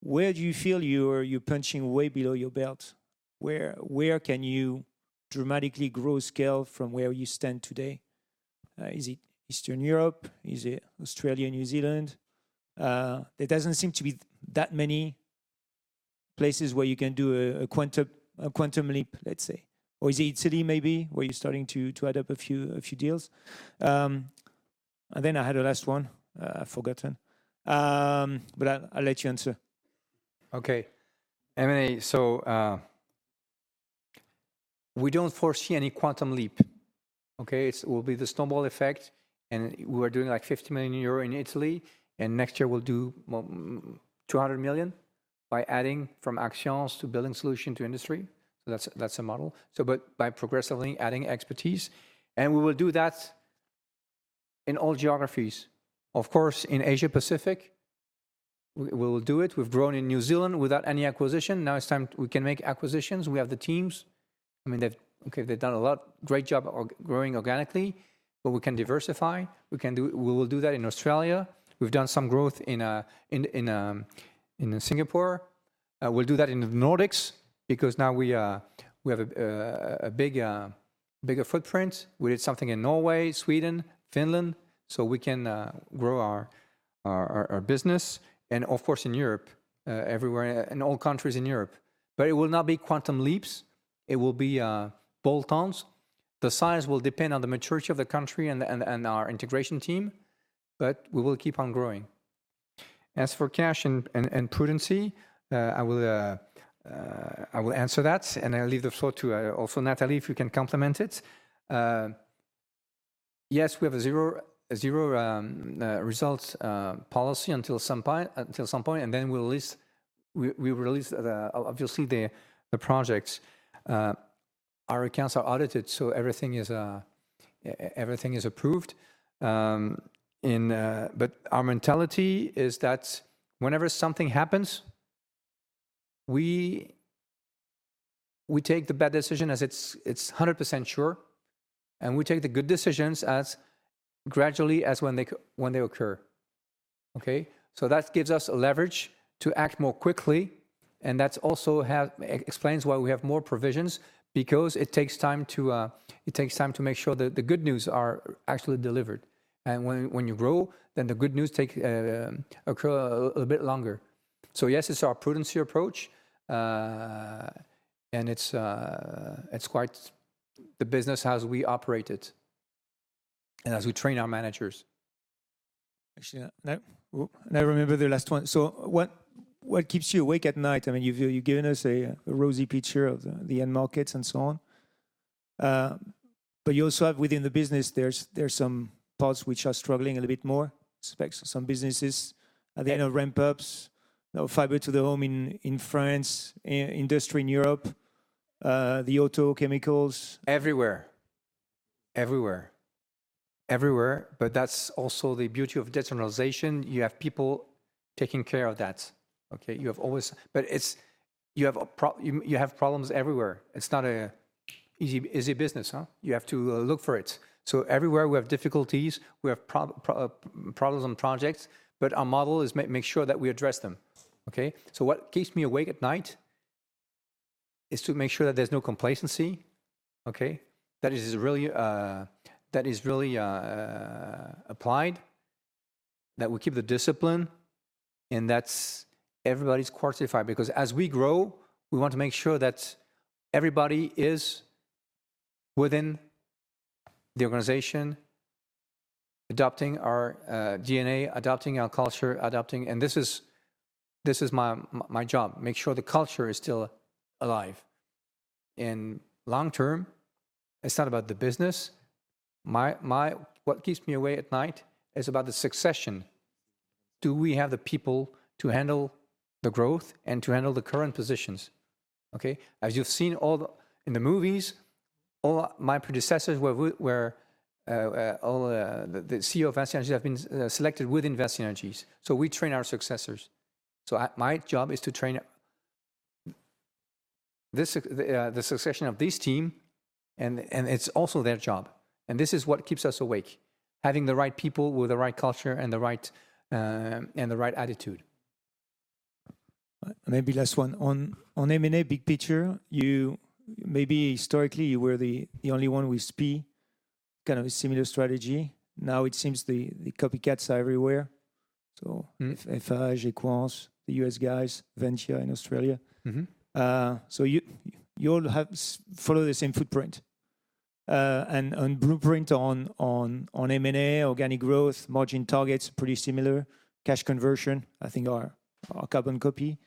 where do you feel you're punching way below your belt? Where can you dramatically grow scale from where you stand today? Is it Eastern Europe? Is it Australia, New Zealand? There doesn't seem to be that many places where you can do a quantum leap, let's say. Or is it Italy maybe where you're starting to add up a few deals? And then I had a last one, I've forgotten, but I'll let you answer. Okay, M&A, so we don't foresee any quantum leap. Okay, it will be the snowball effect and we're doing like 50 million euro in Italy and next year we'll do 200 million by adding from Axians to Building Solutions to industry. So that's a model. But by progressively adding expertise. And we will do that in all geographies. Of course, in Asia-Pacific, we will do it. We've grown in New Zealand without any acquisition. Now it's time we can make acquisitions. We have the teams. I mean, they've done a lot great job of growing organically, but we can diversify. We will do that in Australia. We've done some growth in Singapore. We'll do that in the Nordics because now we have a bigger footprint. We did something in Norway, Sweden, Finland. So we can grow our business and of course in Europe, everywhere in all countries in Europe. But it will not be quantum leaps. It will be bolt-ons. The size will depend on the maturity of the country and our integration team, but we will keep on growing. As for cash and prudence, I will answer that and I'll leave the floor to also Nathalie if you can complement it. Yes, we have a zero results policy until some point and then we'll release, we will release obviously the projects. Our accounts are audited, so everything is approved. But our mentality is that whenever something happens, we take the bad decision as it's 100% sure and we take the good decisions as gradually as when they occur. Okay, so that gives us a leverage to act more quickly and that also explains why we have more provisions because it takes time to make sure that the good news are actually delivered. And when you grow, then the good news take a little bit longer. So yes, it's our prudency approach and it's quite the business as we operate it and as we train our managers. Actually, I remember the last one. So what keeps you awake at night? I mean, you've given us a rosy picture of the end markets and so on. But you also have within the business, there's some parts which are struggling a little bit more. Some businesses at the end of ramp-ups, fiber to the home in France, industry in Europe, the auto chemicals. Everywhere. Everywhere. Everywhere, but that's also the beauty of decentralization. You have people taking care of that. Okay, you have always, but you have problems everywhere. It's not an easy business. You have to look for it. So everywhere we have difficulties, we have problems on projects, but our model is make sure that we address them. Okay, so what keeps me awake at night is to make sure that there's no complacency. Okay, that is really applied, that we keep the discipline and that's everybody's quantified because as we grow, we want to make sure that everybody is within the organization, adopting our DNA, adopting our culture, adopting. And this is my job, make sure the culture is still alive. And long term, it's not about the business. What keeps me awake at night is about the succession. Do we have the people to handle the growth and to handle the current positions? Okay, as you've seen in the movies, all my predecessors were all the CEO of VINCI Energies have been selected within VINCI Energies. So we train our successors. So my job is to train the succession of this team and it's also their job. And this is what keeps us awake, having the right people with the right culture and the right attitude. Maybe last one on M&A big picture, you maybe historically you were the only one with P, kind of a similar strategy. Now it seems the copycats are everywhere. Engie Equans, the U.S. guys, Ventia in Australia. So you all have followed the same footprint and blueprint on M&A, organic growth, margin targets, pretty similar, cash conversion, I think. Or carbon copy.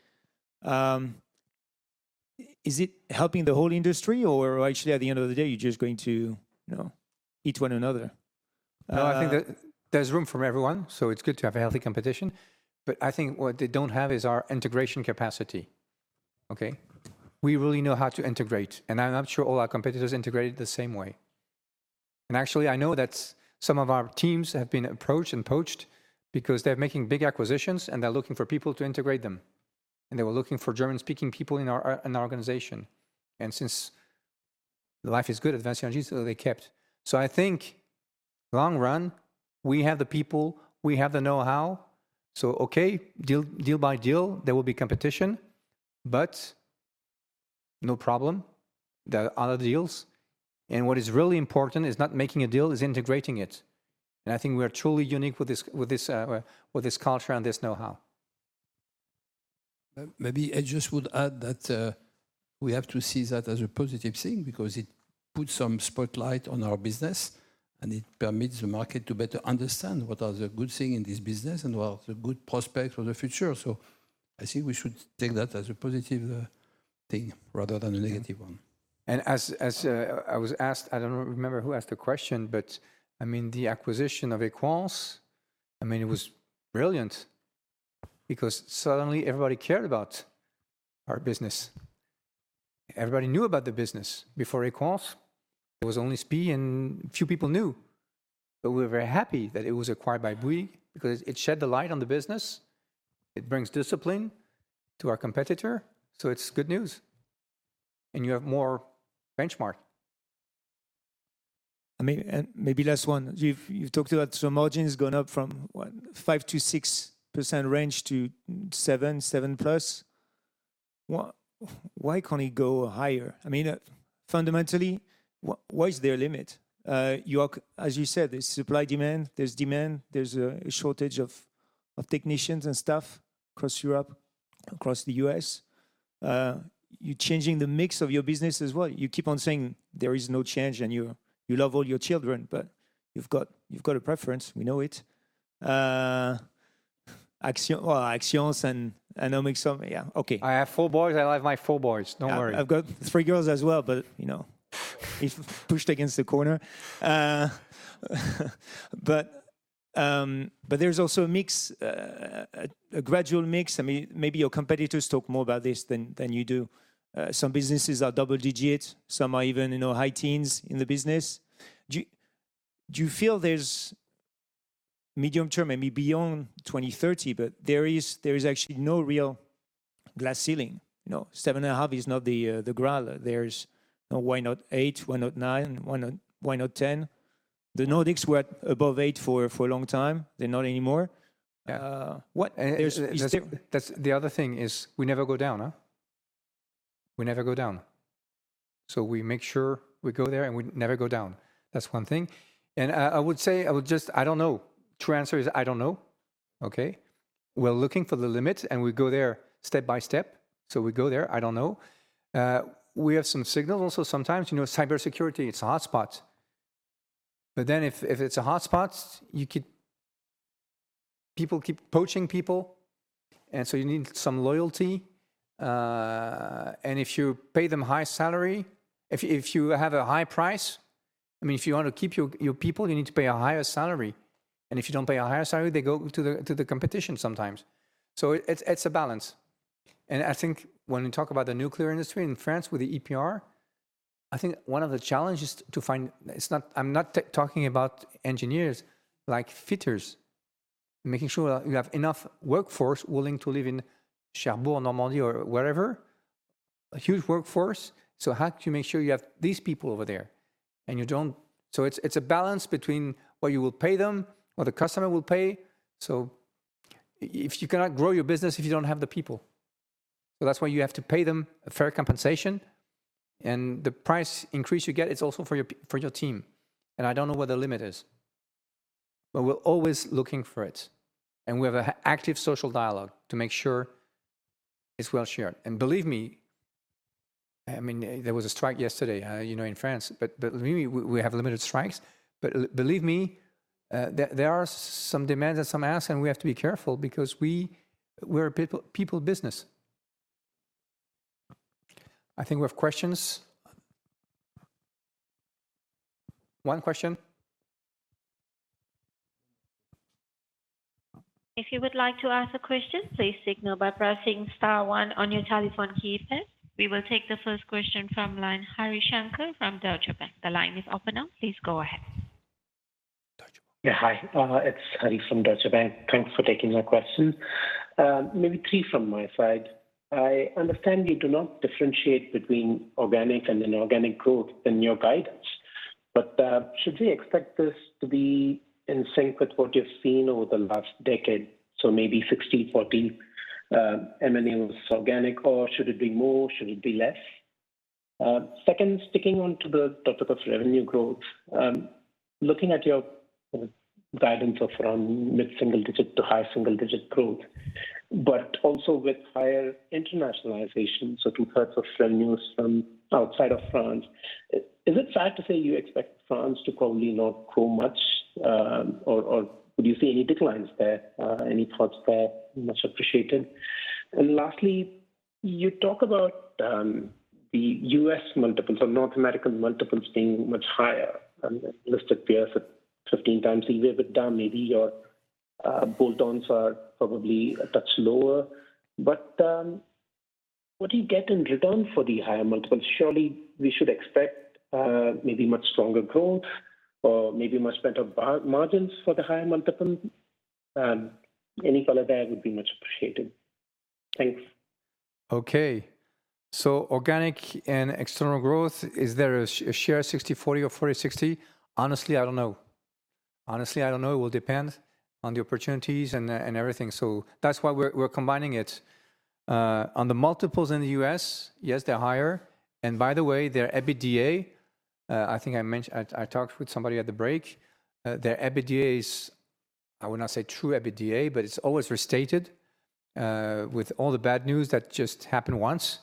Is it helping the whole industry or actually at the end of the day, you're just going to eat one another? No, I think that there's room for everyone. So it's good to have a healthy competition. But I think what they don't have is our integration capacity. Okay, we really know how to integrate and I'm not sure all our competitors integrated the same way. And actually, I know that some of our teams have been approached and poached because they're making big acquisitions and they're looking for people to integrate them. And they were looking for German-speaking people in our organization. And since life is good at VINCI Energies, they kept. So I think long run, we have the people, we have the know-how. So okay, deal by deal, there will be competition, but no problem. There are other deals. What is really important is not making a deal is integrating it. And I think we are truly unique with this culture and this know-how. Maybe I just would add that we have to see that as a positive thing because it puts some spotlight on our business and it permits the market to better understand what are the good things in this business and what are the good prospects for the future. So I think we should take that as a positive thing rather than a negative one. And as I was asked, I don't remember who asked the question, but I mean the acquisition of Equans, I mean it was brilliant because suddenly everybody cared about our business. Everybody knew about the business. Before Equans, there was only SPIE and a few people knew. But we were very happy that it was acquired by Bouygues because it shed light on the business. It brings discipline to our competitor. So it's good news. And you have more benchmarks. I mean, maybe last one, you've talked about some margins going up from 5%-6% range to 7%, 7+. Why can't it go higher? I mean, fundamentally, why is there a limit? As you said, there's supply demand, there's demand, there's a shortage of technicians and stuff across Europe, across the U.S. You're changing the mix of your business as well. You keep on saying there is no change and you love all your children, but you've got a preference, we know it. Axians and Omexom, yeah. Okay. I have four boys, I love my four boys, don't worry. I've got three girls as well, but you know, he's pushed against the corner. But there's also a mix, a gradual mix. Maybe your competitors talk more about this than you do. Some businesses are double digits, some are even high teens in the business. Do you feel there's medium term, maybe beyond 2030, but there is actually no real glass ceiling? Seven and a half is not the goal. There's why not eight, why not nine, why not ten? The Nordics were above eight for a long time, they're not anymore. The other thing is we never go down. We never go down. So we make sure we go there and we never go down. That's one thing. And I would say, I would just, I don't know. True answer is I don't know. Okay, we're looking for the limit and we go there step by step. So we go there, I don't know. We have some signals also sometimes, you know, cybersecurity. It's a hotspot. But then if it's a hotspot, people keep poaching people. And so you need some loyalty. And if you pay them high salary, if you have a high price, I mean, if you want to keep your people, you need to pay a higher salary. And if you don't pay a higher salary, they go to the competition sometimes. So it's a balance. And I think when we talk about the nuclear industry in France with the EPR, I think one of the challenges to find. I'm not talking about engineers like fitters, making sure you have enough workforce willing to live in Cherbourg, Normandy or wherever, a huge workforce. So how can you make sure you have these people over there? And you don't. It's a balance between what you will pay them or the customer will pay. So if you cannot grow your business if you don't have the people. So that's why you have to pay them a fair compensation. And the price increase you get, it's also for your team. And I don't know what the limit is. But we're always looking for it. And we have an active social dialogue to make sure it's well shared. And believe me, I mean, there was a strike yesterday, you know, in France, but we have limited strikes. But believe me, there are some demands and some asks and we have to be careful because we're a people business. I think we have questions. One question. If you would like to ask a question, please signal by pressing star one on your telephone keypad. We will take the first question from line Hari Sivakumar from Deutsche Bank. The line is open now, please go ahead. Yeah, hi, it's Hari from Deutsche Bank. Thanks for taking my question. Maybe three from my side. I understand you do not differentiate between organic and inorganic growth in your guidance. But should we expect this to be in sync with what you've seen over the last decade? So maybe 60-40 M&A was organic, or should it be more, should it be less? Second, sticking on to the topic of revenue growth, looking at your guidance of from mid-single-digit to high-single-digit growth, but also with higher internationalization, so two-thirds of revenues from outside of France, is it fair to say you expect France to probably not grow much? Or would you see any declines there? Any thoughts there? Much appreciated. And lastly, you talk about the U.S. multiples, or North American multiples being much higher. I mean, listed peers are 15 times EBITDA but down maybe your bolt-ons are probably a touch lower. But what do you get in return for the higher multiples? Surely we should expect maybe much stronger growth or maybe much better margins for the higher multiple. Any color there would be much appreciated. Thanks. Okay, so organic and external growth, is there a share 60-40 or 40-60? Honestly, I don't know. Honestly, I don't know. It will depend on the opportunities and everything. So that's why we're combining it. On the multiples in the U.S., yes, they're higher. And by the way, their EBITDA, I think I mentioned, I talked with somebody at the break, their EBITDA is, I would not say true EBITDA, but it's always restated with all the bad news that just happened once.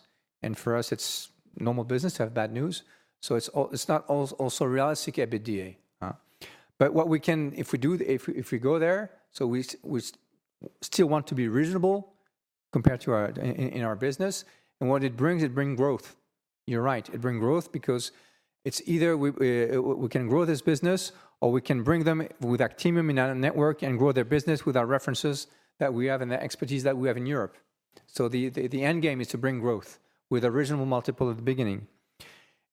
For us, it's normal business to have bad news. So it's not also realistic EBITDA. But what we can, if we go there, so we still want to be reasonable compared to our business. What it brings, it brings growth. You're right, it brings growth because it's either we can grow this business or we can bring them with Actemium in our network and grow their business with our references that we have and the expertise that we have in Europe. The end game is to bring growth with a reasonable multiple at the beginning.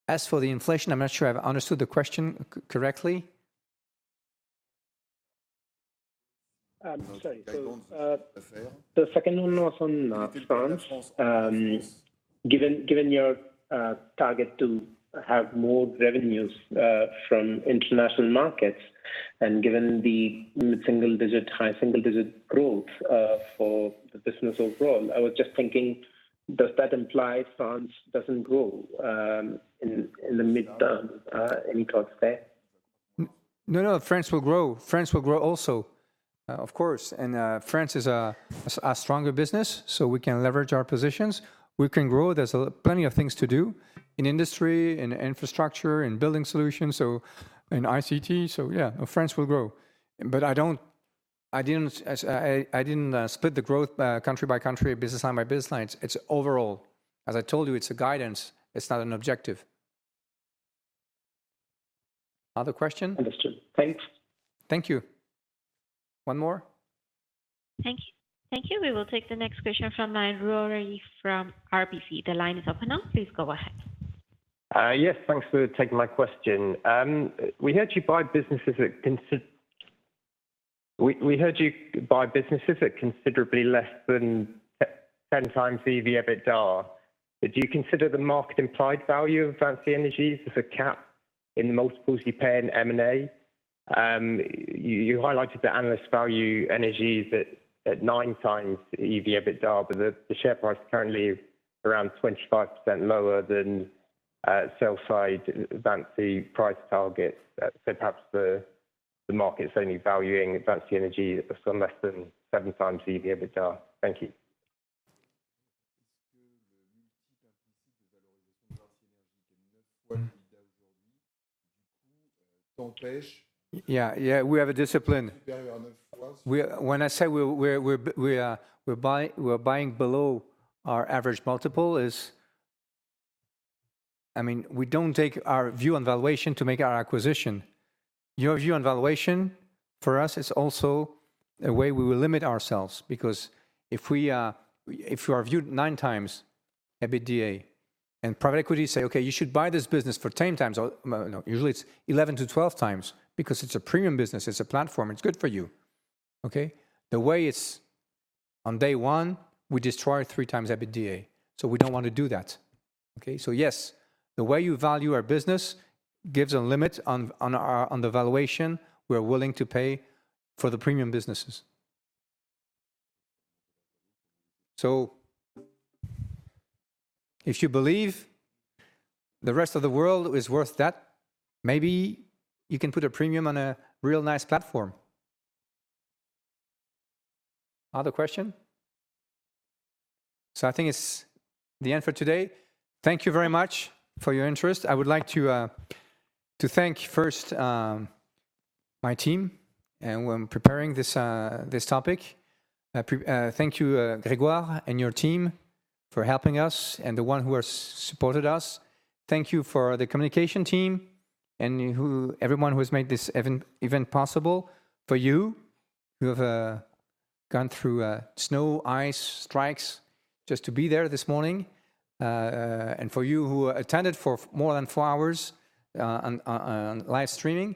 As for the inflation, I'm not sure I've understood the question correctly. The second one was on France. Given your target to have more revenues from international markets and given the mid-single digit, high single digit growth for the business overall, I was just thinking, does that imply France doesn't grow in the mid-term? Any thoughts there? No, no, France will grow. France will grow also, of course. And France is a stronger business, so we can leverage our positions. We can grow, there's plenty of things to do in industry, in infrastructure, in Building Solutions, so in ICT. So yeah, France will grow. But I didn't split the growth country by country, business line by business line. It's overall. As I told you, it's a guidance, it's not an objective. Other question? Understood. Thanks. Thank you. One more? Thank you. Thank you. We will take the next question from Miro Ali from RBC. The line is open now. Please go ahead. Yes, thanks for taking my question. We heard you buy businesses at considerably less than 10 times EV EBITDA. Do you consider the market implied value of VINCI Energies as a cap in the multiples you pay in M&A? You highlighted the analysts value VINCI Energies at nine times EV EBITDA, but the share price currently is around 25% lower than sell-side VINCI price target. So perhaps the market's only valuing VINCI Energies at less than seven times EV EBITDA. Thank you. Yeah, yeah, we have a discipline. When I say we're buying below our average multiple, I mean, we don't take our view on valuation to make our acquisition. Your view on valuation for us is also a way we will limit ourselves because if you are viewed nine times EBITDA and private equity say, "Okay, you should buy this business for 10 times," usually it's 11 12 times because it's a premium business, it's a platform, it's good for you. Okay, the way it's on day one, we destroy three times EBITDA. So we don't want to do that. Okay, so yes, the way you value our business gives a limit on the valuation we're willing to pay for the premium businesses. So if you believe the rest of the world is worth that, maybe you can put a premium on a real nice platform. Other question? So I think it's the end for today. Thank you very much for your interest. I would like to thank first my team when preparing this topic. Thank you, Grégoire and your team for helping us and the ones who have supported us. Thank you for the communication team and everyone who has made this event possible for you who have gone through snow, ice, strikes just to be there this morning, and for you who attended for more than four hours on live streaming.